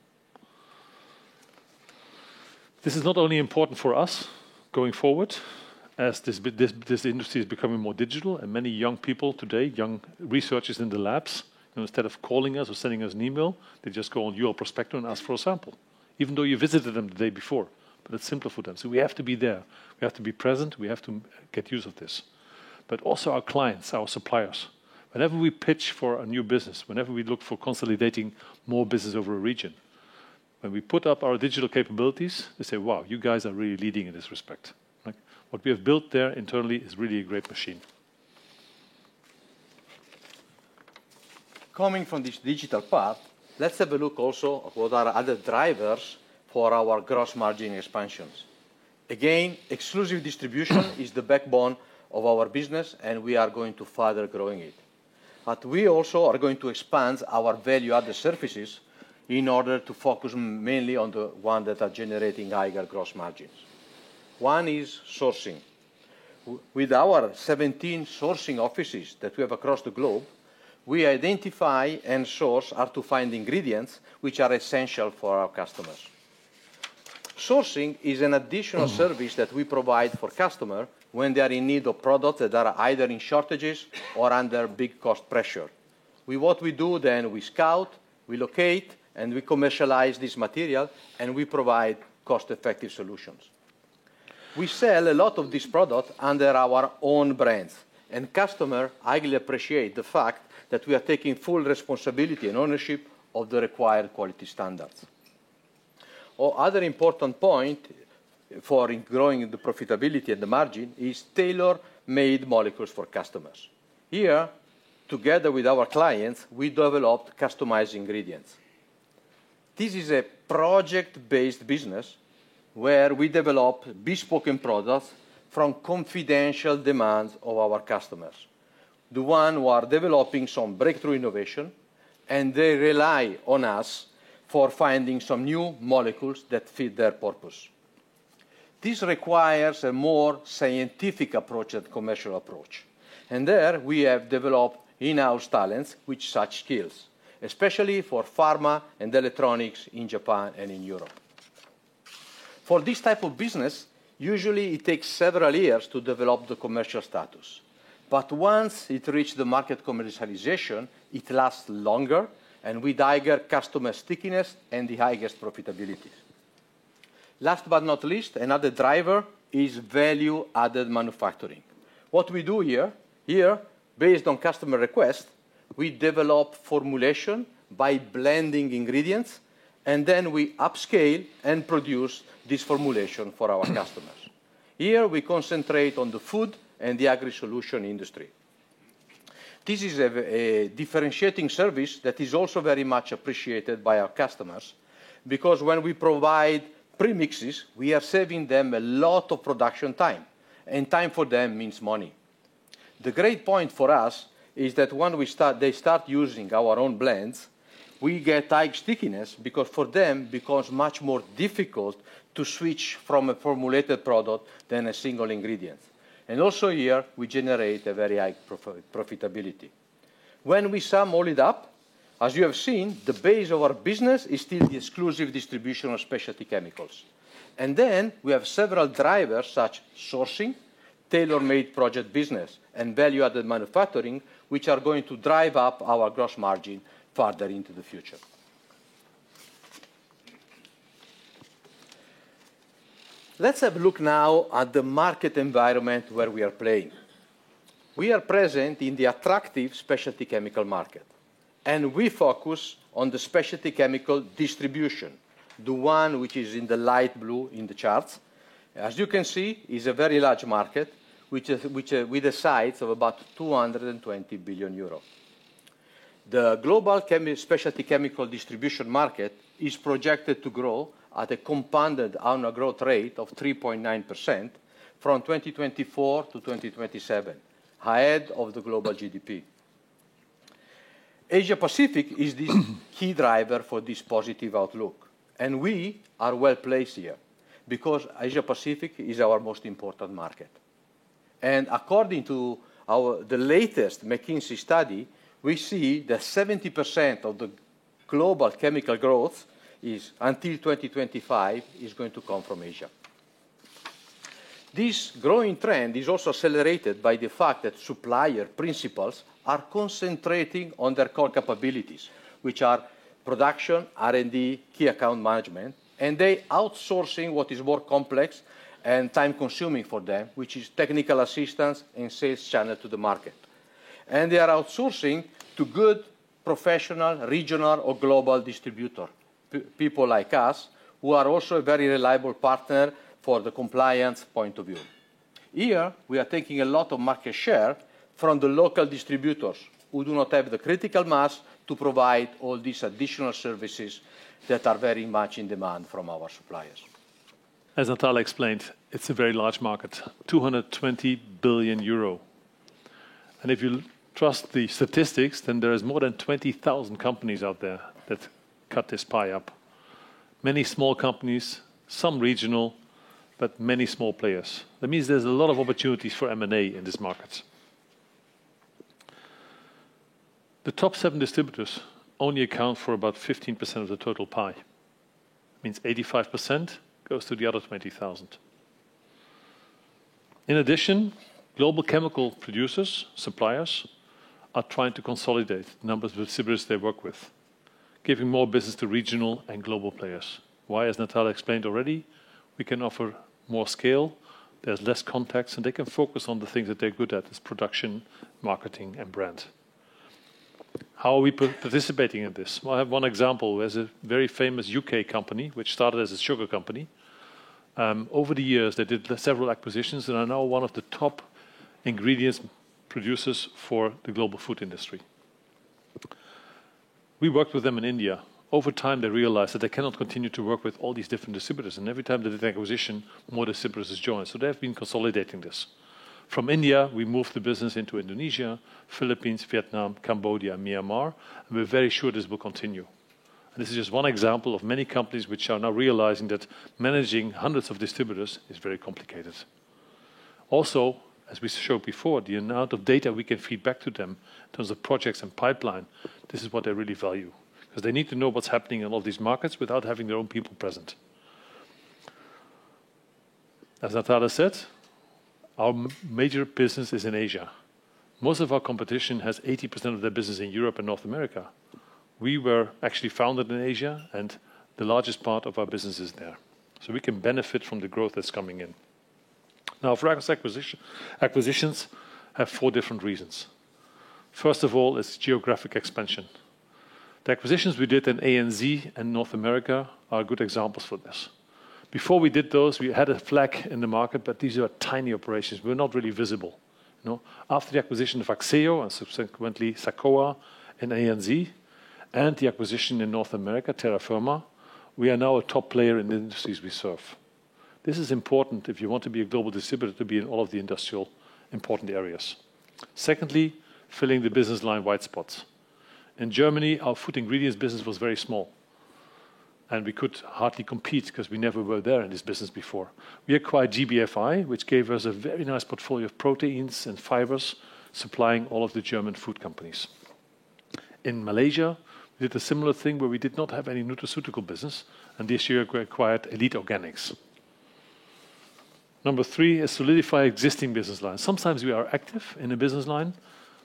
This is not only important for us going forward as this industry is becoming more digital and many young people today, young researchers in the labs, you know, instead of calling us or sending us an email, they just go on UL Prospector and ask for a sample, even though you visited them the day before, but it's simpler for them. We have to be there. We have to be present. We have to get use of this. Also our clients, our suppliers. Whenever we pitch for a new business, whenever we look for consolidating more business over a region, when we put up our digital capabilities, they say, "Wow, you guys are really leading in this respect." Right? What we have built there internally is really a great machine.
Coming from this digital path, let's have a look also of what are other drivers for our gross margin expansions. Again, exclusive distribution is the backbone of our business, and we are going to further growing it. We also are going to expand our value-added services in order to focus mainly on the one that are generating higher gross margins. One is sourcing. With our 17 sourcing offices that we have across the globe, we identify and source hard-to-find ingredients which are essential for our customers. Sourcing is an additional service that we provide for customer when they are in need of product that are either in shortages or under big cost pressure. What we do then, we scout, we locate, and we commercialize this material, and we provide cost-effective solutions. We sell a lot of this product under our own brands, and customers highly appreciate the fact that we are taking full responsibility and ownership of the required quality standards. Oh, another important point for growing the profitability and the margin is tailor-made molecules for customers. Here, together with our clients, we developed customized ingredients. This is a project-based business where we develop bespoke products from confidential demands of our customers, the ones who are developing some breakthrough innovation, and they rely on us for finding some new molecules that fit their purpose. This requires a more scientific approach than commercial approach, and there we have developed in-house talents with such skills, especially for pharma and electronics in Japan and in Europe. For this type of business, usually it takes several years to develop the commercial status. Once it reach the market commercialization, it lasts longer, and with higher customer stickiness and the highest profitability. Last but not least, another driver is value-added manufacturing. What we do here, based on customer request, we develop formulation by blending ingredients, and then we upscale and produce this formulation for our customers. Here we concentrate on the food and the agri-solution industry. This is a differentiating service that is also very much appreciated by our customers because when we provide premixes, we are saving them a lot of production time, and time for them means money. The great point for us is that when they start using our own blends, we get high stickiness because for them becomes much more difficult to switch from a formulated product than a single ingredient. Also here, we generate a very high profitability. When we sum all it up, as you have seen, the base of our business is still the exclusive distribution of specialty chemicals. We have several drivers, such sourcing, tailor-made project business, and value-added manufacturing, which are going to drive up our gross margin farther into the future. Let's have a look now at the market environment where we are playing. We are present in the attractive specialty chemical market, and we focus on the specialty chemical distribution, the one which is in the light blue in the charts. As you can see, it's a very large market which is with the size of about 220 billion euros. The global specialty chemical distribution market is projected to grow at a compounded annual growth rate of 3.9% from 2024-2027, ahead of the global GDP. Asia-Pacific is the key driver for this positive outlook, and we are well-placed here because Asia-Pacific is our most important market. According to the latest McKinsey study, we see that 70% of the global chemical growth is, until 2025, is going to come from Asia. This growing trend is also accelerated by the fact that supplier principals are concentrating on their core capabilities, which are production, R&D, key account management, and they outsourcing what is more complex and time-consuming for them, which is technical assistance and sales channel to the market. They are outsourcing to good professional regional or global distributor, people like us, who are also a very reliable partner for the compliance point of view. Here, we are taking a lot of market share from the local distributors who do not have the critical mass to provide all these additional services that are very much in demand from our suppliers.
As Natale explained, it's a very large market, 220 billion euro. If you trust the statistics, there is more than 20,000 companies out there that cut this pie up. Many small companies, some regional, but many small players. That means there's a lot of opportunities for M&A in this market. The top seven distributors only account for about 15% of the total pie. Means 85% goes to the other 20,000. In addition, global chemical producers, suppliers are trying to consolidate numbers of distributors they work with, giving more business to regional and global players. Why? As Natale explained already, we can offer more scale, there's less contacts, and they can focus on the things that they're good at, is production, marketing, and brand. How are we participating in this? Well, I have one example. There's a very famous U.K. company which started as a sugar company. Over the years, they did several acquisitions and are now one of the top ingredients producers for the global food industry. We worked with them in India. Over time, they realized that they cannot continue to work with all these different distributors, and every time they did acquisition, more distributors joined. They have been consolidating this. From India, we moved the business into Indonesia, Philippines, Vietnam, Cambodia, Myanmar, and we're very sure this will continue. This is just one example of many companies which are now realizing that managing hundreds of distributors is very complicated. Also, as we showed before, the amount of data we can feed back to them in terms of projects and pipeline, this is what they really value. 'Cause they need to know what's happening in all these markets without having their own people present. As Natale said, our major business is in Asia. Most of our competition has 80% of their business in Europe and North America. We were actually founded in Asia, and the largest part of our business is there. We can benefit from the growth that's coming in. Now, for our acquisitions have four different reasons. First of all is geographic expansion. The acquisitions we did in ANZ and North America are good examples for this. Before we did those, we had a flag in the market, but these were tiny operations. We were not really visible, you know? After the acquisition of Axieo and subsequently SACOA in ANZ and the acquisition in North America, Terra Firma, we are now a top player in the industries we serve. This is important if you want to be a global distributor to be in all of the industrial important areas. Secondly, filling the business line white spots. In Germany, our food ingredients business was very small, and we could hardly compete because we never were there in this business before. We acquired GBFi, which gave us a very nice portfolio of proteins and fibers, supplying all of the German food companies. In Malaysia, we did a similar thing where we did not have any nutraceutical business, and this year acquired Elite Organic. Number three is solidify existing business lines. Sometimes we are active in a business line,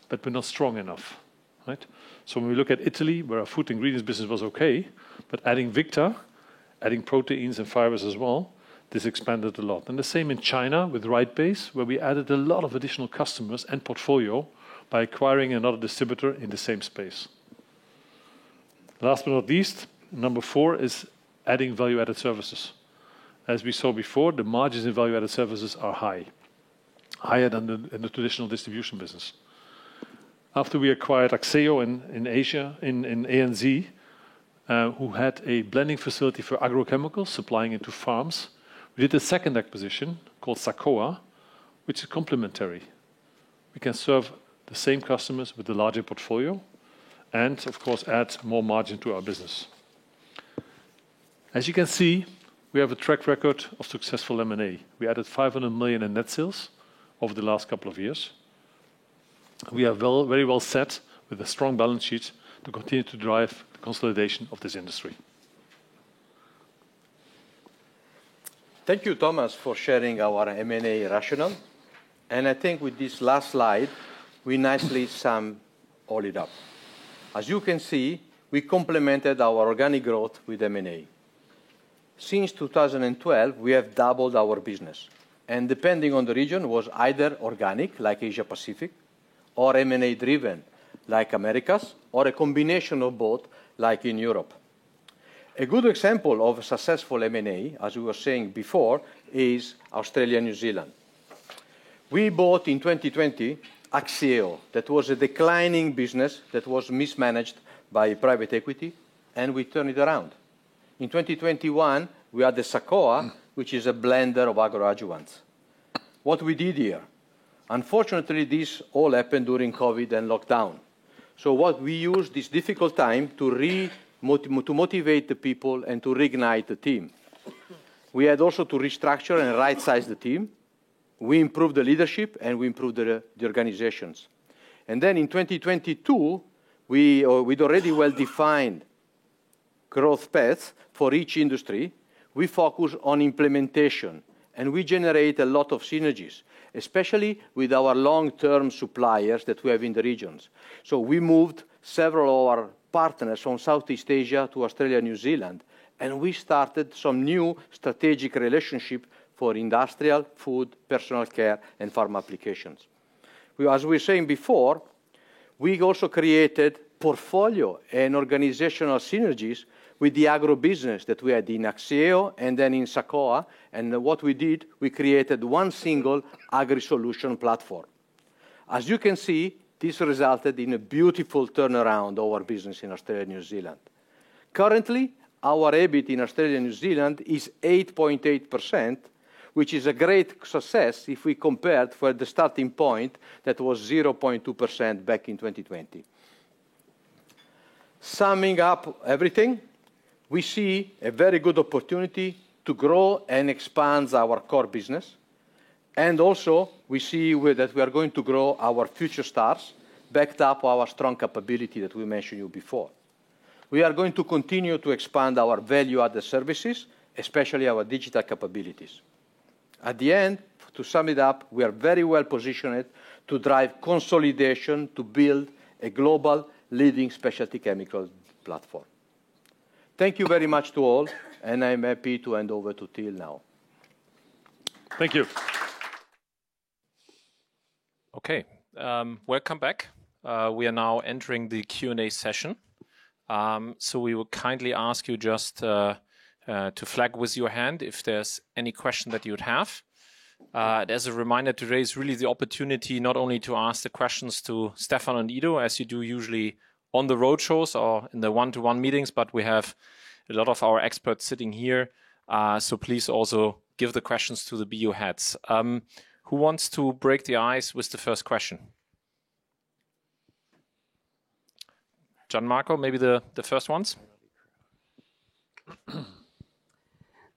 but we're not strong enough, right? When we look at Italy, where our food ingredients business was okay, but adding Victa, adding proteins and fibers as well, this expanded a lot. The same in China with Rightbase, where we added a lot of additional customers and portfolio by acquiring another distributor in the same space. Last but not least, number four is adding value-added services. As we saw before, the margins in value-added services are high, higher than the, in the traditional distribution business. After we acquired Axieo in Asia, in ANZ, who had a blending facility for agrochemicals supplying into farms, we did a second acquisition called SACOA, which is complementary. We can serve the same customers with a larger portfolio and of course add more margin to our business. As you can see, we have a track record of successful M&A. We added 500 million in net sales over the last couple of years. We are very well set with a strong balance sheet to continue to drive the consolidation of this industry.
Thank you, Thomas, for sharing our M&A rationale. I think with this last slide, we nicely sum all it up. As you can see, we complemented our organic growth with M&A. Since 2012, we have doubled our business, and depending on the region, was either organic, like Asia-Pacific, or M&A driven, like Americas, or a combination of both, like in Europe. A good example of a successful M&A, as we were saying before, is Australia and New Zealand. We bought in 2020 Axieo. That was a declining business that was mismanaged by private equity, and we turn it around. In 2021, we added SACOA, which is a blender of agro adjuvants. What we did here, unfortunately, this all happened during COVID and lockdown. What we used this difficult time to motivate the people and to reignite the team. We had also to restructure and rightsize the team. We improved the leadership, we improved the organizations. In 2022, we with already well-defined growth paths for each industry, we focus on implementation. We generate a lot of synergies, especially with our long-term suppliers that we have in the regions. We moved several of our partners from Southeast Asia to Australia, New Zealand, and we started some new strategic relationship for industrial, food, personal care, and farm applications. As we were saying before, we also created portfolio and organizational synergies with the agro business that we had in Axieo and then in SACOA. What we did, we created one single agri-solution platform. As you can see, this resulted in a beautiful turnaround of our business in Australia and New Zealand. Currently, our EBIT in Australia and New Zealand is 8.8%, which is a great success if we compared for the starting point that was 0.2% back in 2020. Summing up everything, we see a very good opportunity to grow and expand our core business. Also we see that we are going to grow our future stars, backed up our strong capability that we mentioned you before. We are going to continue to expand our value-added services, especially our digital capabilities. At the end, to sum it up, we are very well positioned to drive consolidation to build a global leading specialty chemical platform. Thank you very much to all, and I'm happy to hand over to Till now.
Thank you.
Welcome back. We are now entering the Q&A session. We will kindly ask you just to flag with your hand if there's any question that you'd have. As a reminder, today is really the opportunity not only to ask the questions to Stefan and Ido, as you do usually on the roadshows or in the one-to-one meetings, but we have a lot of our experts sitting here. Please also give the questions to the BU heads. Who wants to break the ice with the first question? Gian Marco, maybe the first ones.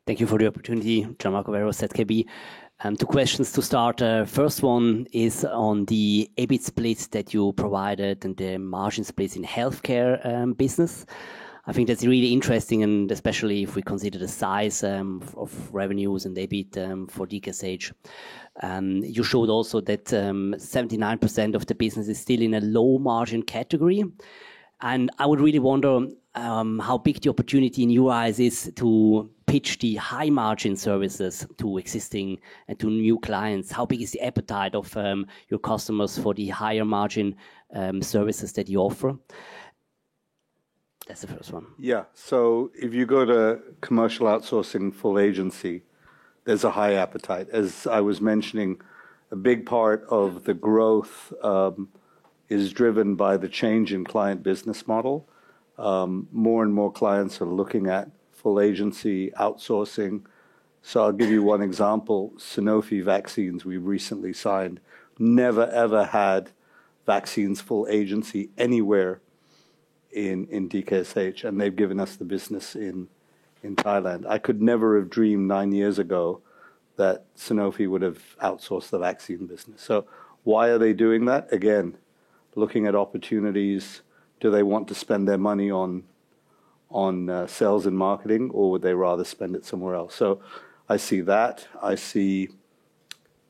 Thank you for the opportunity. Gian Marco Werro, Zürcher Kantonalbank. Two questions to start. First one is on the EBIT splits that you provided and the margin splits in healthcare business. I think that's really interesting, and especially if we consider the size of revenues and EBIT for DKSH. You showed also that 79% of the business is still in a low margin category. I would really wonder how big the opportunity in your eyes is to pitch the high margin services to existing and to new clients. How big is the appetite of your customers for the higher margin services that you offer? That's the first one.
If you go to commercial outsourcing full agency, there's a high appetite. As I was mentioning, a big part of the growth is driven by the change in client business model. More and more clients are looking at full agency outsourcing. I'll give you one example. Sanofi vaccines we recently signed never ever had vaccines full agency anywhere in DKSH. They've given us the business in. In Thailand. I could never have dreamed nine years ago that Sanofi would have outsourced the vaccine business. Why are they doing that? Again, looking at opportunities, do they want to spend their money on sales and marketing, or would they rather spend it somewhere else? I see that. I see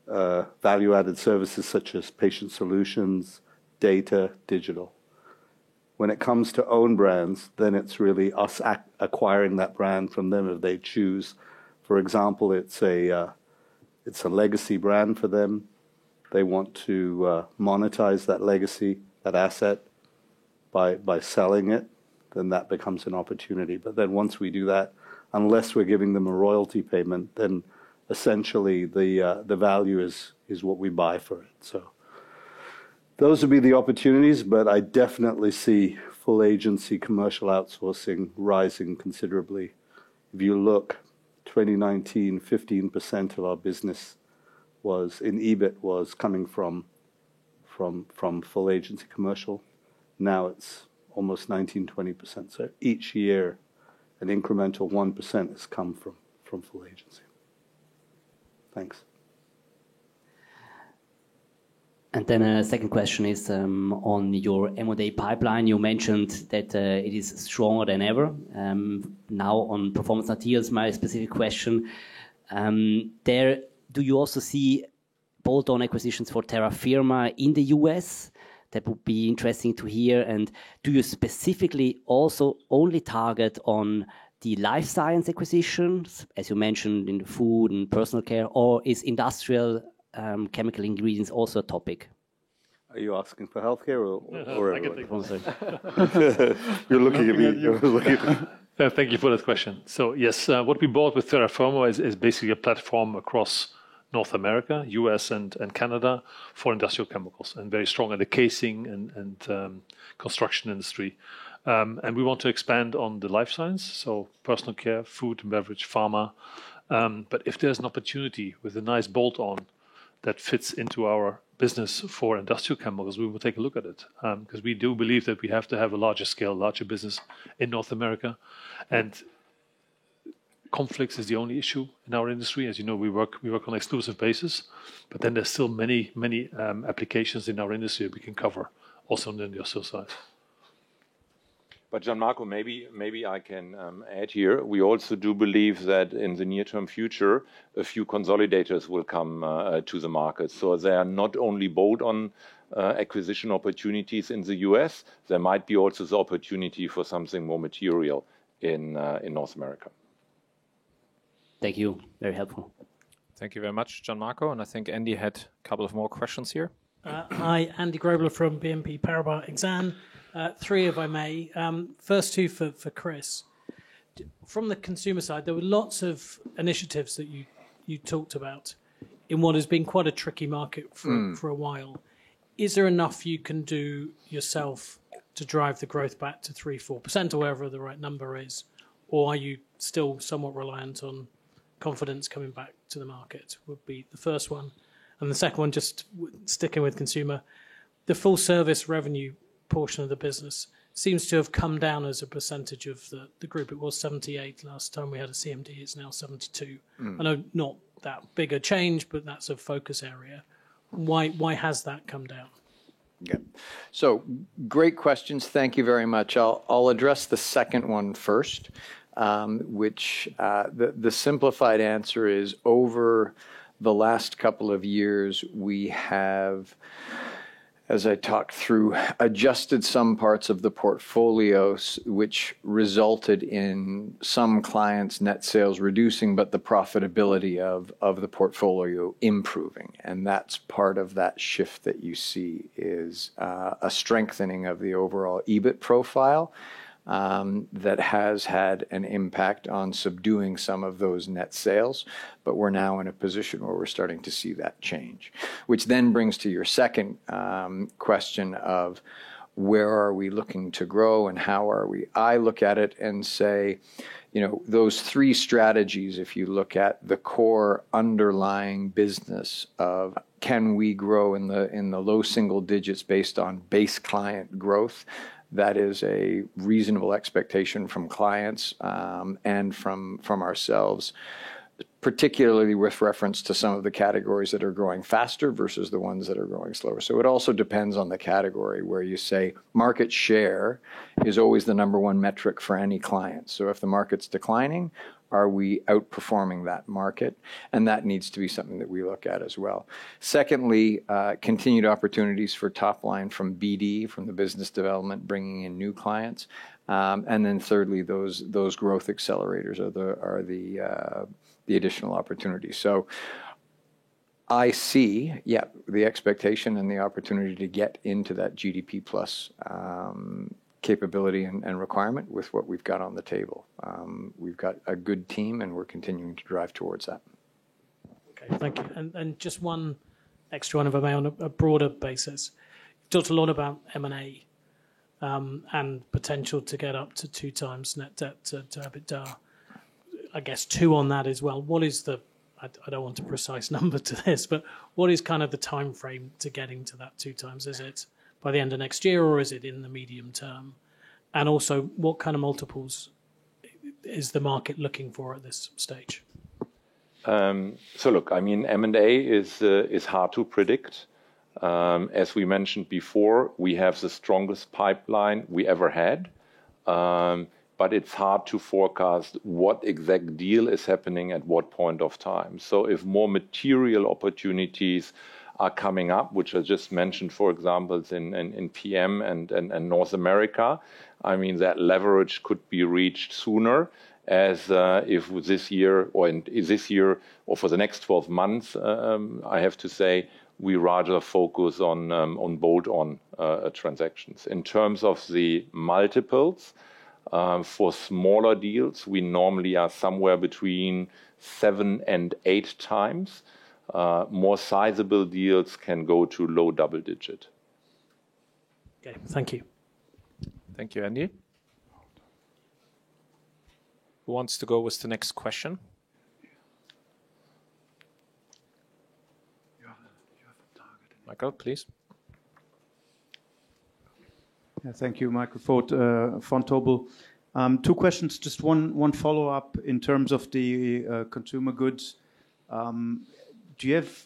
value-added services such as patient solutions, data, digital. When it comes to own brands, then it's really us acquiring that brand from them if they choose. For example, it's a, it's a legacy brand for them. They want to monetize that legacy, that asset by selling it, then that becomes an opportunity. Once we do that, unless we're giving them a royalty payment, then essentially the value is what we buy for it. Those would be the opportunities, but I definitely see full agency commercial outsourcing rising considerably. If you look 2019, 15% of our business in EBIT was coming from full agency commercial. Now it's almost 19%-20%. Each year, an incremental 1% has come from full agency. Thanks.
A second question is on your M&A pipeline. You mentioned that it is stronger than ever. Now on Performance Materials, my specific question, there do you also see bolt-on acquisitions for Terra Firma in the U.S.? That would be interesting to hear. Do you specifically also only target on the life science acquisitions, as you mentioned in food and personal care, or is industrial chemical ingredients also a topic?
Are you asking for health care or?
I can take that one.
You're looking at me.
Thank you for that question. Yes, what we bought with Terra Firma is basically a platform across North America, U.S. and Canada, for industrial chemicals, and very strong in the casing and construction industry. We want to expand on the life science, so personal care, food and beverage, pharma. If there's an opportunity with a nice bolt-on that fits into our business for industrial chemicals, we will take a look at it. 'Cause we do believe that we have to have a larger scale, larger business in North America. Conflicts is the only issue in our industry. As you know, we work on exclusive basis, there's still many applications in our industry we can cover also on the industrial side.
Gian Marco, maybe I can add here. We also do believe that in the near-term future, a few consolidators will come to the market. They are not only bolt-on acquisition opportunities in the U.S. There might be also the opportunity for something more material in North America.
Thank you. Very helpful.
Thank you very much, Gian Marco. I think Andy had a couple of more questions here.
Hi, Andy Grobler from BNP Paribas Exane. Three questions, if I may. First two questions for Chris. From the consumer side, there were lots of initiatives that you talked about in what has been quite a tricky market for.
Mm.
for a while. Is there enough you can do yourself to drive the growth back to 3%, 4% or whatever the right number is? Or are you still somewhat reliant on confidence coming back to the market? Would be the first one. The second one, just sticking with consumer, the full service revenue portion of the business seems to have come down as a percentage of the group. It was 78% last time we had a CMD, it's now 72%.
Mm.
I know not that big a change, but that's a focus area. Why has that come down?
Yeah. Great questions. Thank you very much. I'll address the second one first, which the simplified answer is over the last couple of years, we have, as I talked through, adjusted some parts of the portfolios which resulted in some clients' net sales reducing, but the profitability of the portfolio improving. That's part of that shift that you see is a strengthening of the overall EBIT profile that has had an impact on subduing some of those net sales. We're now in a position where we're starting to see that change. Which brings to your second question of where are we looking to grow and how are we? I look at it and say, you know, those three strategies, if you look at the core underlying business of can we grow in the low single digits based on base client growth? That is a reasonable expectation from clients, and from ourselves, particularly with reference to some of the categories that are growing faster versus the ones that are growing slower. It also depends on the category where you say market share is always the number 1 metric for any client. If the market's declining, are we outperforming that market? That needs to be something that we look at as well. Secondly, continued opportunities for top line from BD, from the business development, bringing in new clients. Thirdly, those growth accelerators are the additional opportunities. I see, yeah, the expectation and the opportunity to get into that GDP+ capability and requirement with what we've got on the table. We've got a good team, we're continuing to drive towards that.
Okay, thank you. Just one extra one if I may, on a broader basis. You talked a lot about M&A, and potential to get up to 2x net debt to EBITDA. I guess 2x on that as well. What is the I don't want a precise number to this, but what is kind of the timeframe to getting to that 2x? Is it by the end of next year, or is it in the medium term? Also, what kind of multiples is the market looking for at this stage?
Look, I mean, M&A is hard to predict. As we mentioned before, we have the strongest pipeline we ever had. It's hard to forecast what exact deal is happening at what point of time. If more material opportunities are coming up, which I just mentioned, for example, in PM and North America, I mean, that leverage could be reached sooner as if this year or for the next 12 months, I have to say we rather focus on bolt-on transactions. In terms of the multiples, for smaller deals, we normally are somewhere between 7x and 8x. More sizable deals can go to low double-digit.
Okay. Thank you.
Thank you, Andy. Who wants to go with the next question?
You have the target.
Michael, please.
Yeah. Thank you. Michael Foeth, Vontobel. Two questions. Just one follow-up in terms of the Consumer Goods. Do you have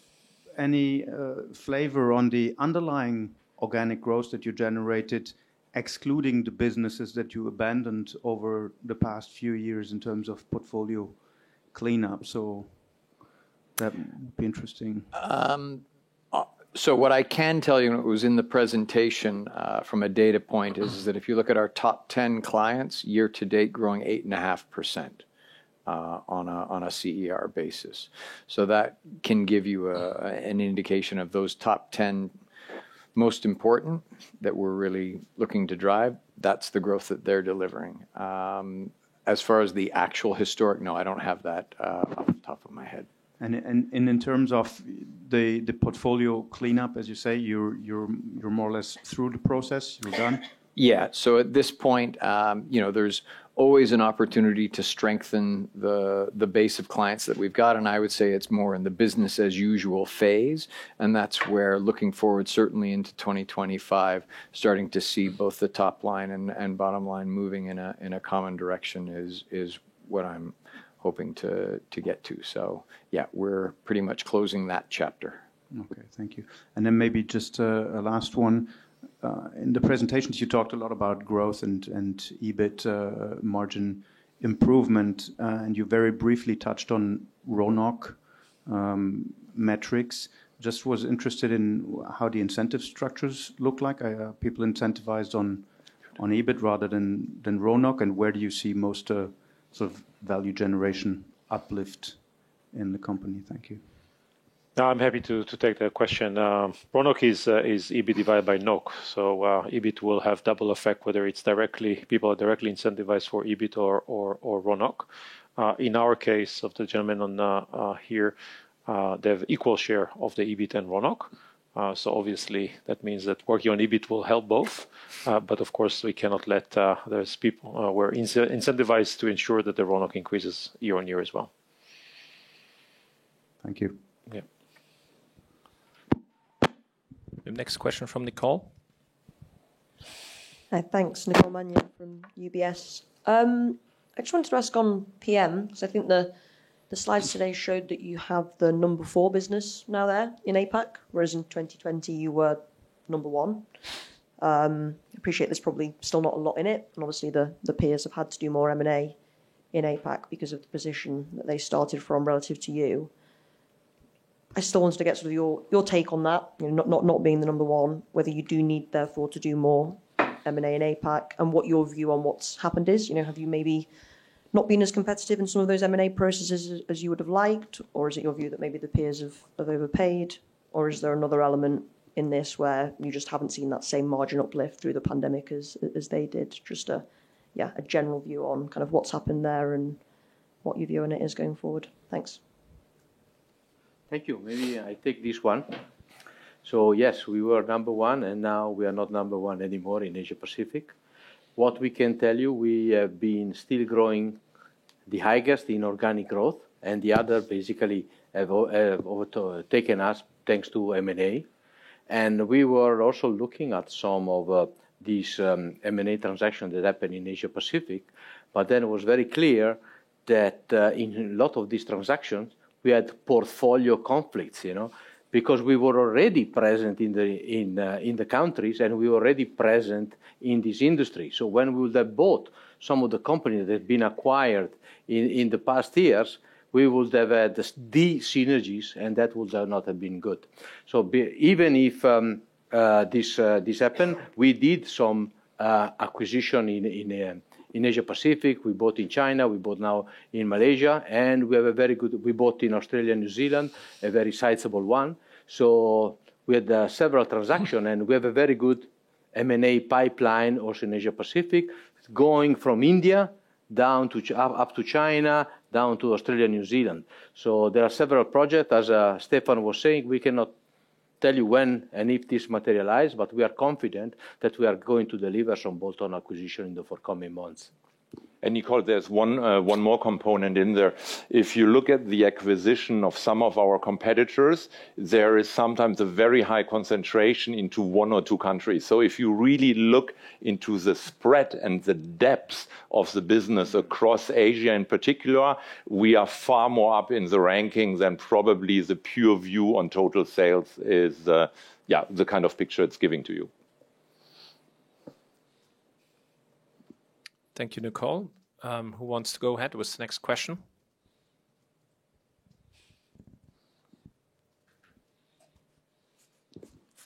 any flavor on the underlying organic growth that you generated, excluding the businesses that you abandoned over the past few years in terms of portfolio cleanup? That would be interesting.
What I can tell you, and it was in the presentation, from a data point, is that if you look at our top 10 clients year to date growing 8.5%, on a CER basis. That can give you an indication of those top 10 most important that we're really looking to drive. That's the growth that they're delivering. As far as the actual historic, no, I don't have that off the top of my head.
In terms of the portfolio cleanup, as you say, you're more or less through the process? You're done?
Yeah. At this point, you know, there's always an opportunity to strengthen the base of clients that we've got, and I would say it's more in the business as usual phase. That's where looking forward, certainly into 2025, starting to see both the top line and bottom line moving in a, in a common direction is what I'm hoping to get to. Yeah, we're pretty much closing that chapter.
Okay. Thank you. Then maybe just a last one. In the presentations, you talked a lot about growth and EBIT margin improvement, and you very briefly touched on RONOC metrics. Just was interested in how the incentive structures look like. Are people incentivized on EBIT rather than RONOC? Where do you see most, sort of value generation uplift in the company? Thank you.
No, I'm happy to take that question. RONOC is EBIT divided by NOC. EBIT will have double effect, whether it's directly people are directly incentivized for EBIT or RONOC. In our case of the gentleman on here, they have equal share of the EBIT and RONOC. Obviously that means that working on EBIT will help both. But of course, we cannot let those people were incentivized to ensure that the RONOC increases year on year as well.
Thank you.
Yeah. The next question from Nicole.
Hi. Thanks. Nicole Manion from UBS. I just wanted to ask on PM, because I think the slides today showed that you have the number four business now there in APAC, whereas in 2020 you were number one. Appreciate there's probably still not a lot in it, and obviously the peers have had to do more M&A in APAC because of the position that they started from relative to you. I still wanted to get sort of your take on that, you know, not being the number one, whether you do need therefore to do more M&A in APAC, and what your view on what's happened is. You know, have you maybe not been as competitive in some of those M&A processes as you would have liked, or is it your view that maybe the peers have overpaid, or is there another element in this where you just haven't seen that same margin uplift through the pandemic as they did? Just a, yeah, a general view on kind of what's happened there and what your view on it is going forward. Thanks.
Thank you. Maybe I take this one. Yes, we were number one, and now we are not number one anymore in Asia Pacific. What we can tell you, we have been still growing the highest in organic growth, the other basically have taken us thanks to M&A. We were also looking at some of these M&A transactions that happened in Asia Pacific. It was very clear that in a lot of these transactions, we had portfolio conflicts, you know, because we were already present in the countries, and we were already present in this industry. When we would have bought some of the companies that have been acquired in the past years, we would have had the synergies, and that would have not have been good.
Even if this happened, we did some acquisition in Asia Pacific. We bought in China, we bought now in Malaysia. We bought in Australia and New Zealand, a very sizable one. We had several transaction, and we have a very good M&A pipeline also in Asia Pacific, going from India down to China, down to Australia, New Zealand. There are several project. As Stefan was saying, we cannot Tell you when and if this materialize, but we are confident that we are going to deliver some bolt-on acquisition in the forthcoming months.
Nicole, there's one more component in there. If you look at the acquisition of some of our competitors, there is sometimes a very high concentration into one or two countries. If you really look into the spread and the depths of the business across Asia in particular, we are far more up in the ranking than probably the pure view on total sales is the kind of picture it's giving to you.
Thank you, Nicole. Who wants to go ahead with the next question?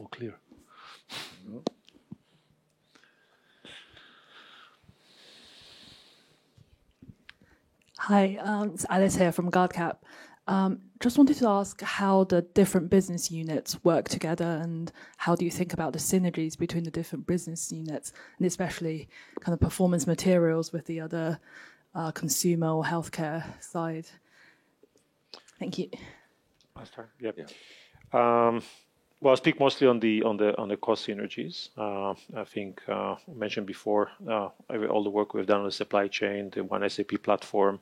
All clear.
No.
Hi, it's Alice here from GuardCap Asset Management. Just wanted to ask how the different business units work together, and how do you think about the synergies between the different business units, and especially kind of Performance Materials with the other, Consumer or Healthcare side? Thank you.
I'll start. Yeah. Well, I'll speak mostly on the cost synergies. I think mentioned before, I mean, all the work we've done on the supply chain, the one SAP platform,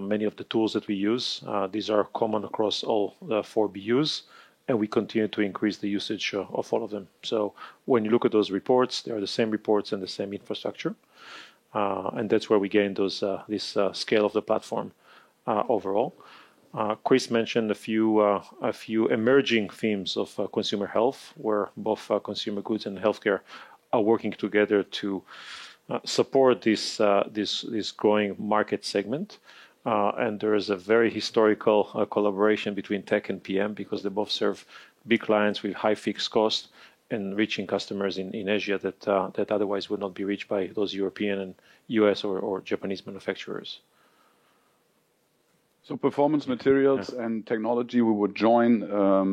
many of the tools that we use, these are common across all the four BUs. We continue to increase the usage of all of them. When you look at those reports, they are the same reports and the same infrastructure. That's where we gain those, this scale of the platform overall. Chris mentioned a few emerging themes of Consumer Health, where both Consumer Goods and Healthcare are working together to support this growing market segment. There is a very historical collaboration between Tech and PM because they both serve big clients with high fixed cost and reaching customers in Asia that otherwise would not be reached by those European and U.S. or Japanese manufacturers.
Performance Materials and Technology, we would join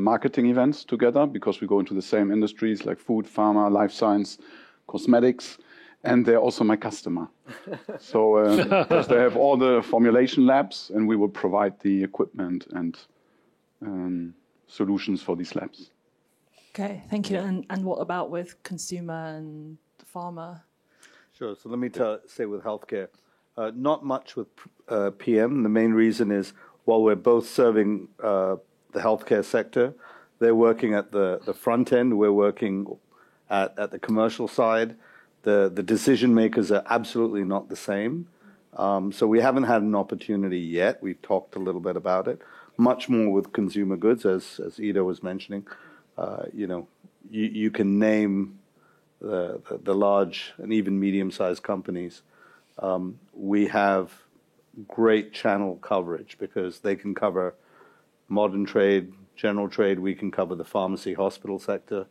marketing events together because we go into the same industries like food, pharma, life science, cosmetics, and they're also my customer. They have all the formulation labs, and we will provide the equipment and solutions for these labs.
Okay. Thank you. What about with Consumer and Pharma?
Sure. Let me say with Healthcare. Not much with PM. The main reason is while we're both serving the Healthcare sector, they're working at the front end, we're working at the commercial side. The decision makers are absolutely not the same. We haven't had an opportunity yet. We've talked a little bit about it. Much more with Consumer Goods, as Ido was mentioning. You know, you can name the large and even medium-sized companies. We have great channel coverage because they can cover modern trade, general trade. We can cover the pharmacy hospital sector,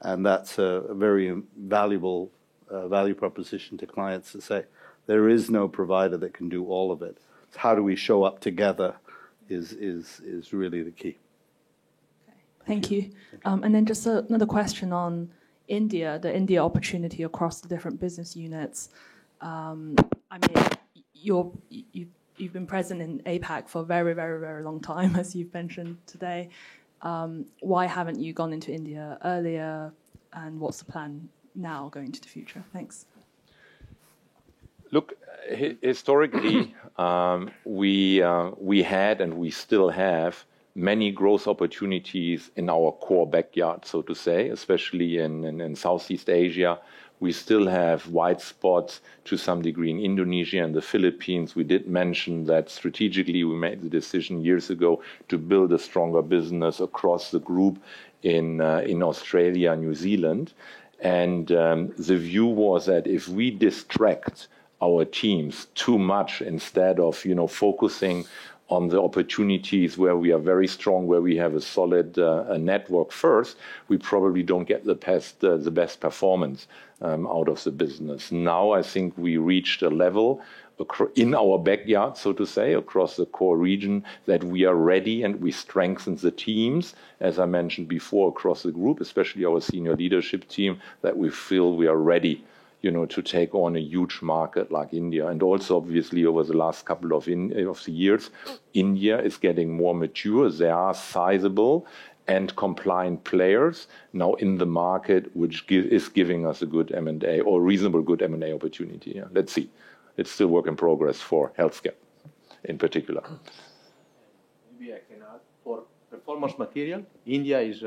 and that's a very valuable value proposition to clients to say there is no provider that can do all of it. It's how do we show up together is really the key.
Okay. Thank you. Just another question on India, the India opportunity across the different business units. I mean, you've been present in APAC for a very, very, very long time, as you've mentioned today. Why haven't you gone into India earlier, and what's the plan now going into the future? Thanks.
Look, historically, we had and we still have many growth opportunities in our core backyard, so to say, especially in Southeast Asia. We still have wide spots to some degree in Indonesia and the Philippines. We did mention that strategically we made the decision years ago to build a stronger business across the group in Australia and New Zealand. The view was that if we distract our teams too much instead of, you know, focusing on the opportunities where we are very strong, where we have a solid network first, we probably don't get the best performance out of the business. I think we reached a level in our backyard, so to say, across the core region, that we are ready and we strengthen the teams, as I mentioned before, across the group, especially our senior leadership team, that we feel we are ready, you know, to take on a huge market like India. Also obviously over the last couple of years, India is getting more mature. They are sizable and compliant players now in the market, which is giving us a good M&A or reasonable good M&A opportunity. Yeah. Let's see. It's still work in progress for Healthcare in particular.
Maybe I can add. For Performance Materials, India is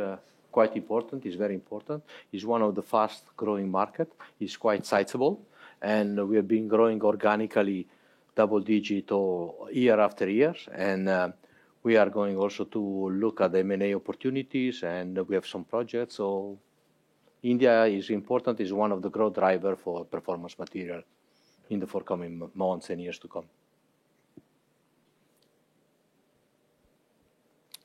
quite important, is very important, is one of the fast-growing market, is quite sizable, and we have been growing organically double-digit year after year. We are going also to look at M&A opportunities, and we have some projects. India is important, is one of the growth driver for Performance Materials in the forthcoming months and years to come.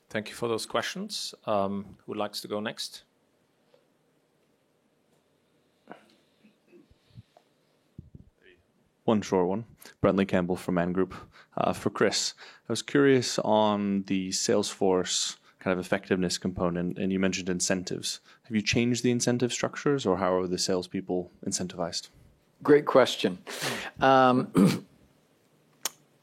Thank you for those questions. Who likes to go next?
Hey.
One short one. Brentley Campbell from Man Group. For Chris. I was curious on the Salesforce kind of effectiveness component, and you mentioned incentives. Have you changed the incentive structures or how are the salespeople incentivized?
Great question.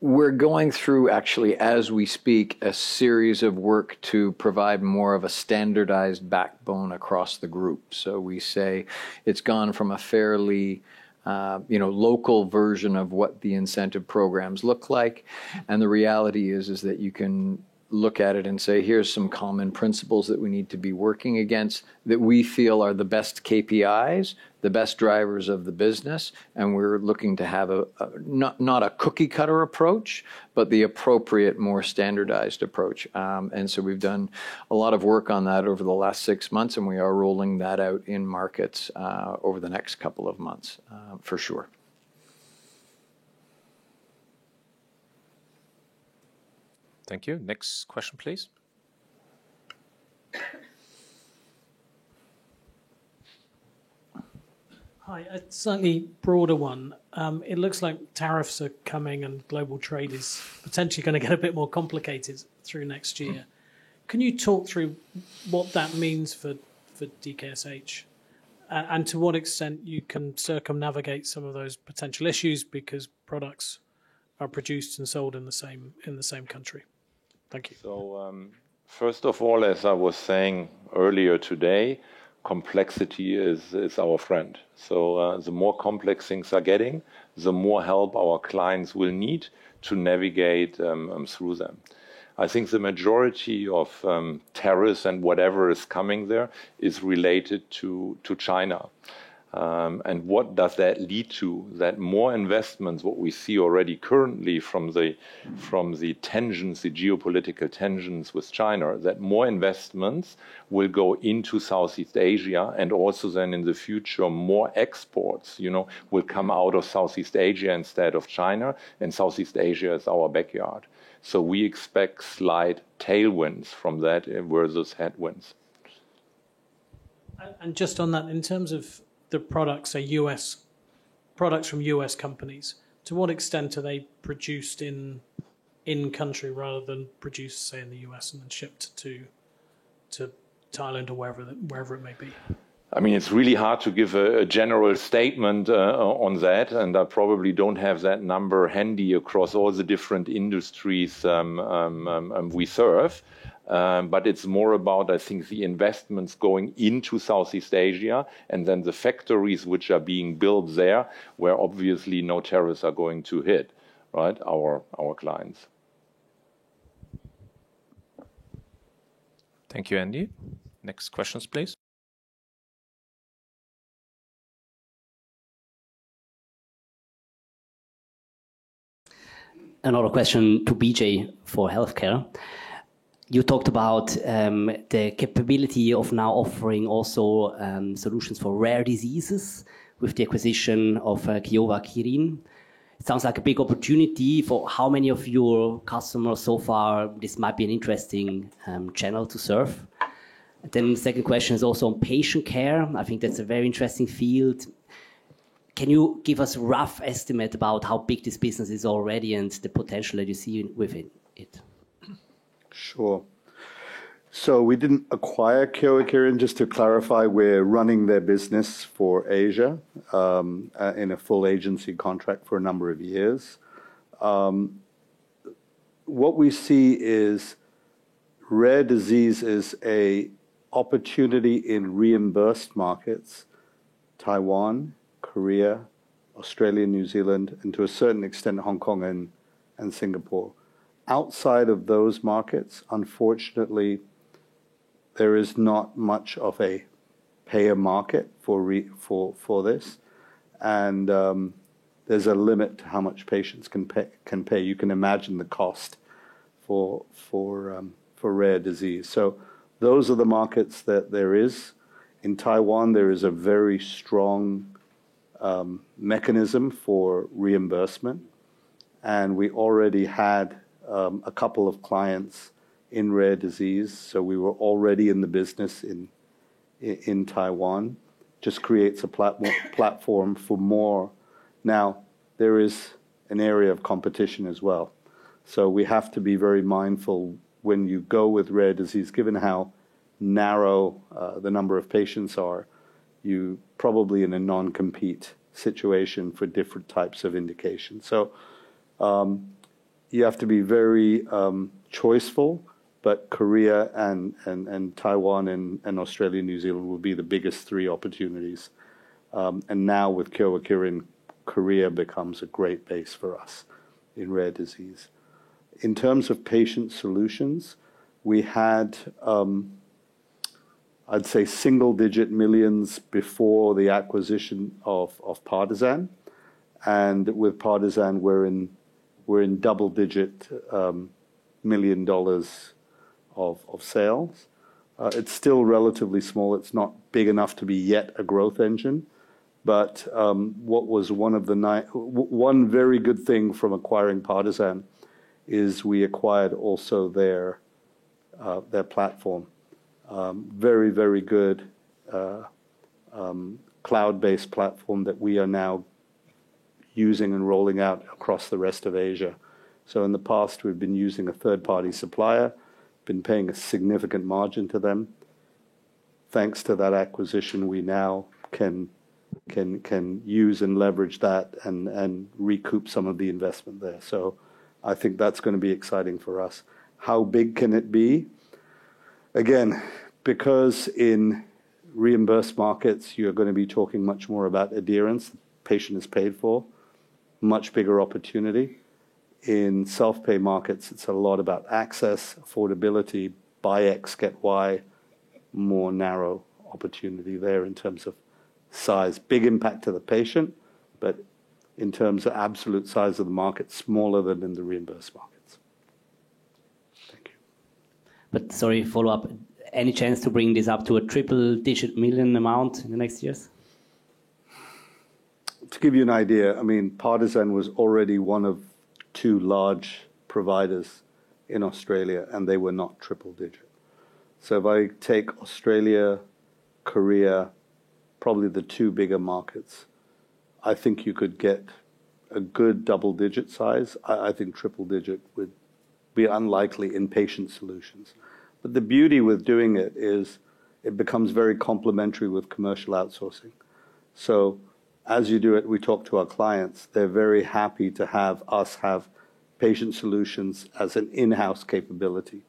We're going through actually, as we speak, a series of work to provide more of a standardized backbone across the group. We say it's gone from a fairly, you know, local version of what the incentive programs look like. The reality is that you can look at it and say, "Here's some common principles that we need to be working against that we feel are the best KPIs, the best drivers of the business," and we're looking to have a not a cookie-cutter approach, but the appropriate, more standardized approach. We've done a lot of work on that over the last six months, and we are rolling that out in markets over the next two months for sure.
Thank you. Next question, please.
Hi. A slightly broader one. It looks like tariffs are coming and global trade is potentially gonna get a bit more complicated through next year. Can you talk through what that means for DKSH and to what extent you can circumnavigate some of those potential issues because products are produced and sold in the same country? Thank you.
First of all, as I was saying earlier today, complexity is our friend. The more complex things are getting, the more help our clients will need to navigate through them. I think the majority of tariffs and whatever is coming there is related to China. What does that lead to? That more investments, what we see already currently from the tensions, the geopolitical tensions with China, that more investments will go into Southeast Asia, and also then in the future, more exports, you know, will come out of Southeast Asia instead of China, and Southeast Asia is our backyard. We expect slight tailwinds from that versus headwinds.
Just on that, in terms of the products, say, products from U.S. companies, to what extent are they produced in country rather than produced, say, in the U.S. and then shipped to Thailand or wherever it may be?
I mean, it's really hard to give a general statement on that, and I probably don't have that number handy across all the different industries we serve. It's more about, I think, the investments going into Southeast Asia and then the factories which are being built there, where obviously no tariffs are going to hit, right, our clients.
Thank you, Andy. Next questions, please.
Another question to Bijay for healthcare. You talked about the capability of now offering also solutions for rare diseases with the acquisition of Kyowa Kirin. Sounds like a big opportunity. For how many of your customers so far this might be an interesting channel to serve? Second question is also on patient care. I think that's a very interesting field. Can you give us rough estimate about how big this business is already and the potential that you see within it?
Sure. We didn't acquire Kyowa Kirin, just to clarify. We're running their business for Asia in a full agency contract for a number of years. What we see is rare disease is an opportunity in reimbursed markets, Taiwan, Korea, Australia, New Zealand, and to a certain extent, Hong Kong and Singapore. Outside of those markets, unfortunately, there is not much of a payer market for this. There's a limit to how much patients can pay. You can imagine the cost for rare disease. Those are the markets that there is. In Taiwan, there is a very strong mechanism for reimbursement, and we already had a couple of clients in rare disease, we were already in the business in Taiwan. Just creates a platform for more. There is an area of competition as well, so we have to be very mindful when you go with rare disease, given how narrow the number of patients are. You probably in a non-compete situation for different types of indications. You have to be very choiceful, but Korea and Taiwan and Australia, New Zealand will be the biggest three opportunities. With Kyowa Kirin, Korea becomes a great base for us in rare disease. In terms of patient solutions, we had I'd say single-digit million before the acquisition of Partizan. With Partizan, we're in double-digit CHF million of sales. It's still relatively small. It's not big enough to be yet a growth engine. What was one very good thing from acquiring Partizan is we acquired also their platform. Very, very good cloud-based platform that we are now using and rolling out across the rest of Asia. In the past, we've been using a third-party supplier, been paying a significant margin to them. Thanks to that acquisition, we now can use and leverage that and recoup some of the investment there. I think that's going to be exciting for us. How big can it be? Again, because in reimbursed markets you're going to be talking much more about adherence, patient is paid for, much bigger opportunity. In self-pay markets, it's a lot about access, affordability, buy X, get Y, more narrow opportunity there in terms of size. Big impact to the patient, but in terms of absolute size of the market, smaller than in the reimbursed markets.
Thank you. Sorry, follow up. Any chance to bring this up to a triple-digit million amount in the next years?
To give you an idea, I mean, Partizan was already one of two large providers in Australia. They were not triple digit. If I take Australia, Korea, probably the two bigger markets, I think you could get a good double-digit size. I think triple digit would be unlikely in patient solutions. The beauty with doing it is it becomes very complementary with commercial outsourcing. As you do it, we talk to our clients, they're very happy to have us have patient solutions as an in-house capability.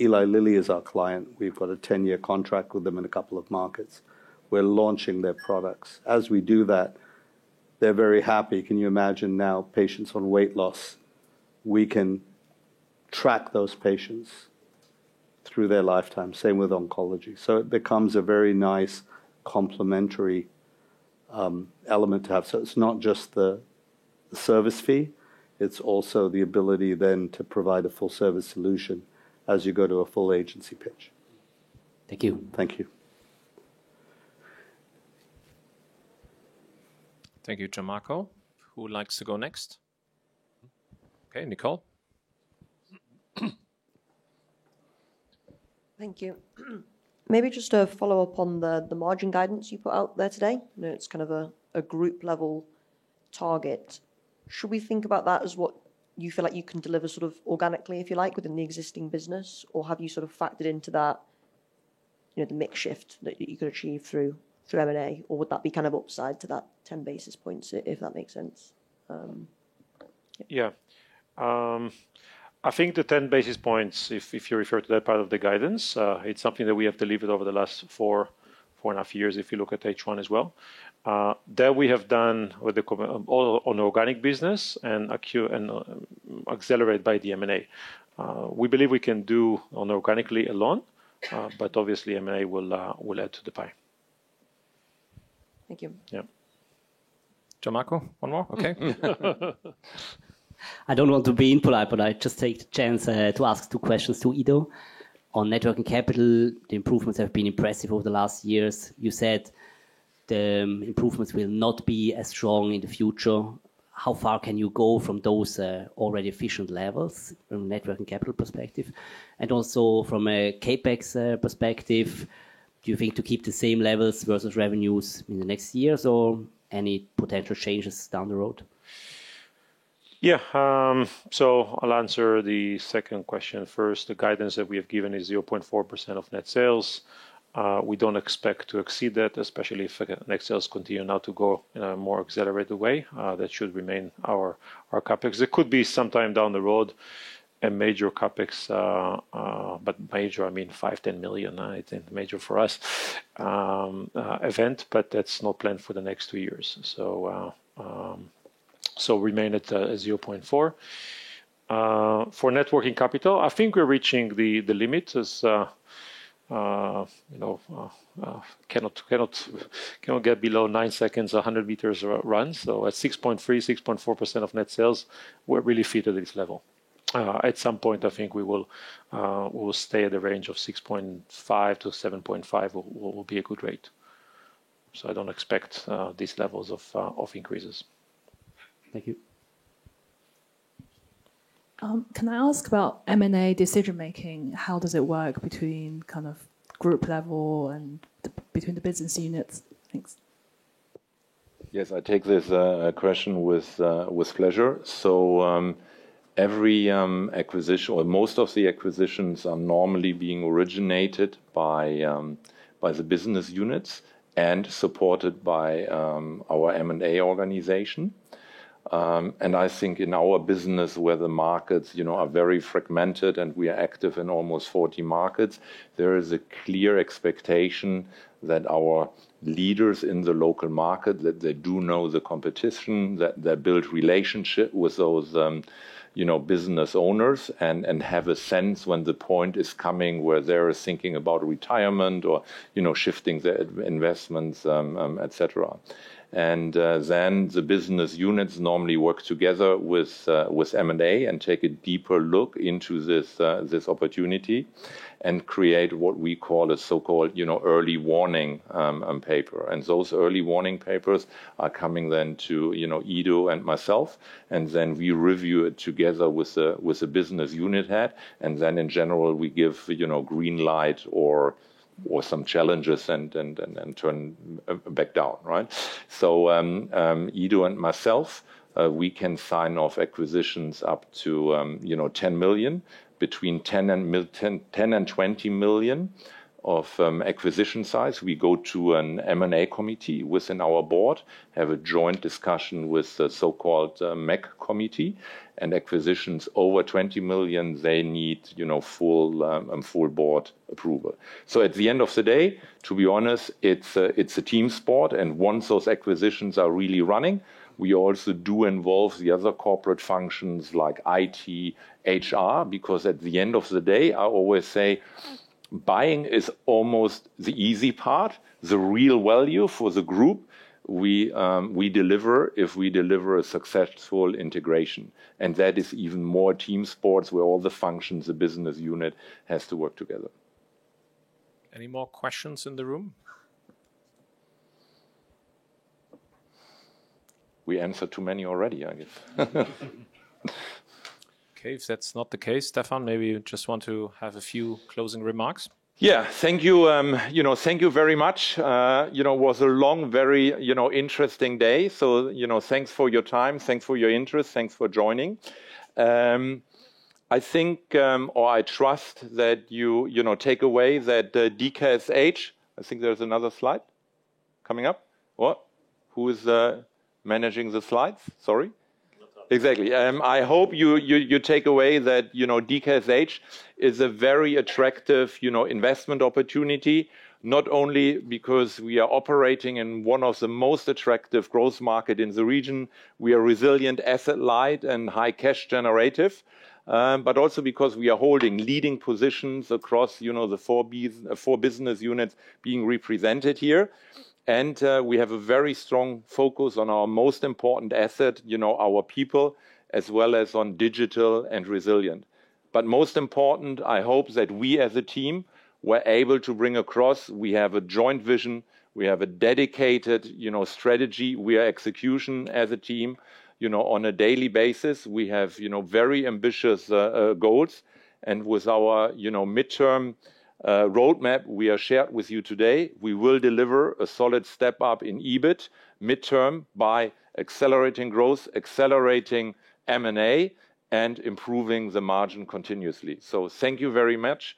Eli Lilly is our client. We've got a 10-year contract with them in a couple of markets. We're launching their products. As we do that, they're very happy. Can you imagine now patients on weight loss, we can track those patients through their lifetime. Same with oncology. It becomes a very nice complementary element to have. It's not just the service fee, it's also the ability then to provide a full service solution as you go to a full agency pitch.
Thank you.
Thank you.
Thank you, Gian Marco. Who likes to go next? Okay, Nicole.
Thank you. Maybe just a follow-up on the margin guidance you put out there today. I know it's kind of a group level target. Should we think about that as what you feel like you can deliver sort of organically, if you like, within the existing business? Or have you sort of factored into that, you know, the mix shift that you could achieve through M&A? Or would that be kind of upside to that 10 basis points, if that makes sense?
Yeah. I think the 10 basis points, if you refer to that part of the guidance, it's something that we have delivered over the last 4.5 Years, if you look at H1 as well. That we have done with the on organic business and accelerate by the M&A. We believe we can do on organically alone, but obviously M&A will add to the pie.
Thank you.
Yeah.
Gian Marco, one more? Okay.
I don't want to be impolite, but I just take the chance to ask two questions to Ido. On net working capital, the improvements have been impressive over the last years. You said the improvements will not be as strong in the future. How far can you go from those already efficient levels from net working capital perspective? Also from a CapEx perspective, do you think to keep the same levels versus revenues in the next years or any potential changes down the road?
Yeah. I'll answer the second question first. The guidance that we have given is 0.4% of net sales. We don't expect to exceed that, especially if net sales continue now to go in a more accelerated way. That should remain our CapEx. There could be some time down the road a major CapEx, but major, I mean, 5 million, 10 million, I think major for us event, but that's not planned for the next two years. Remain at 0.4x. For net working capital, I think we're reaching the limit as, you know, cannot get below 9 seconds a 100 meters run. At 6.3%, 6.4% of net sales, we're really fit at this level. At some point, I think we'll stay at a range of 6.5%-7.5% will be a good rate. I don't expect these levels of increases.
Thank you.
Can I ask about M&A decision-making? How does it work between kind of group level and between the business units? Thanks.
Yes, I take this question with pleasure. Every acquisition or most of the acquisitions are normally being originated by the business units and supported by our M&A organization. I think in our business where the markets, you know, are very fragmented and we are active in almost 40 markets, there is a clear expectation that our leaders in the local market, that they do know the competition, that they build relationship with those, you know, business owners and have a sense when the point is coming where they're thinking about retirement or, you know, shifting their investments, et cetera. Then the business units normally work together with M&A and take a deeper look into this opportunity and create what we call a so-called, you know, early warning paper. Those early warning papers are coming then to, you know, Ido and myself, we review it together with the business unit head. In general, we give, you know, green light or some challenges and turn back down, right? Ido and myself, we can sign off acquisitions up to, you know, 10 million. Between 10 million and 20 million of acquisition size, we go to an M&A Committee within our board, have a joint discussion with the so-called M&A Committee. Acquisitions over 20 million, they need, you know, full board approval. At the end of the day, to be honest, it's a, it's a team sport, and once those acquisitions are really running, we also do involve the other corporate functions like IT, HR, because at the end of the day, I always say buying is almost the easy part. The real value for the group we deliver if we deliver a successful integration. That is even more team sports where all the functions, the business unit has to work together.
Any more questions in the room?
We answered too many already, I guess.
Okay. If that's not the case, Stefan, maybe you just want to have a few closing remarks.
Yeah. Thank you know, thank you very much. You know, it was a long, very, you know, interesting day. You know, thanks for your time. Thanks for your interest. Thanks for joining. I think, or I trust that you know, take away that DKSH... I think there's another slide coming up. What? Who is managing the slides? Sorry.
No problem.
Exactly. I hope you take away that, you know, DKSH is a very attractive, you know, investment opportunity, not only because we are operating in one of the most attractive growth market in the region. We are resilient, asset light and high cash generative, also because we are holding leading positions across, you know, the four business units being represented here. We have a very strong focus on our most important asset, you know, our people, as well as on digital and resilient. Most important, I hope that we as a team were able to bring across we have a joint vision, we have a dedicated, you know, strategy. We are execution as a team, you know, on a daily basis. We have, you know, very ambitious goals. With our, you know, midterm roadmap we have shared with you today, we will deliver a solid step up in EBIT midterm by accelerating growth, accelerating M&A, and improving the margin continuously. Thank you very much.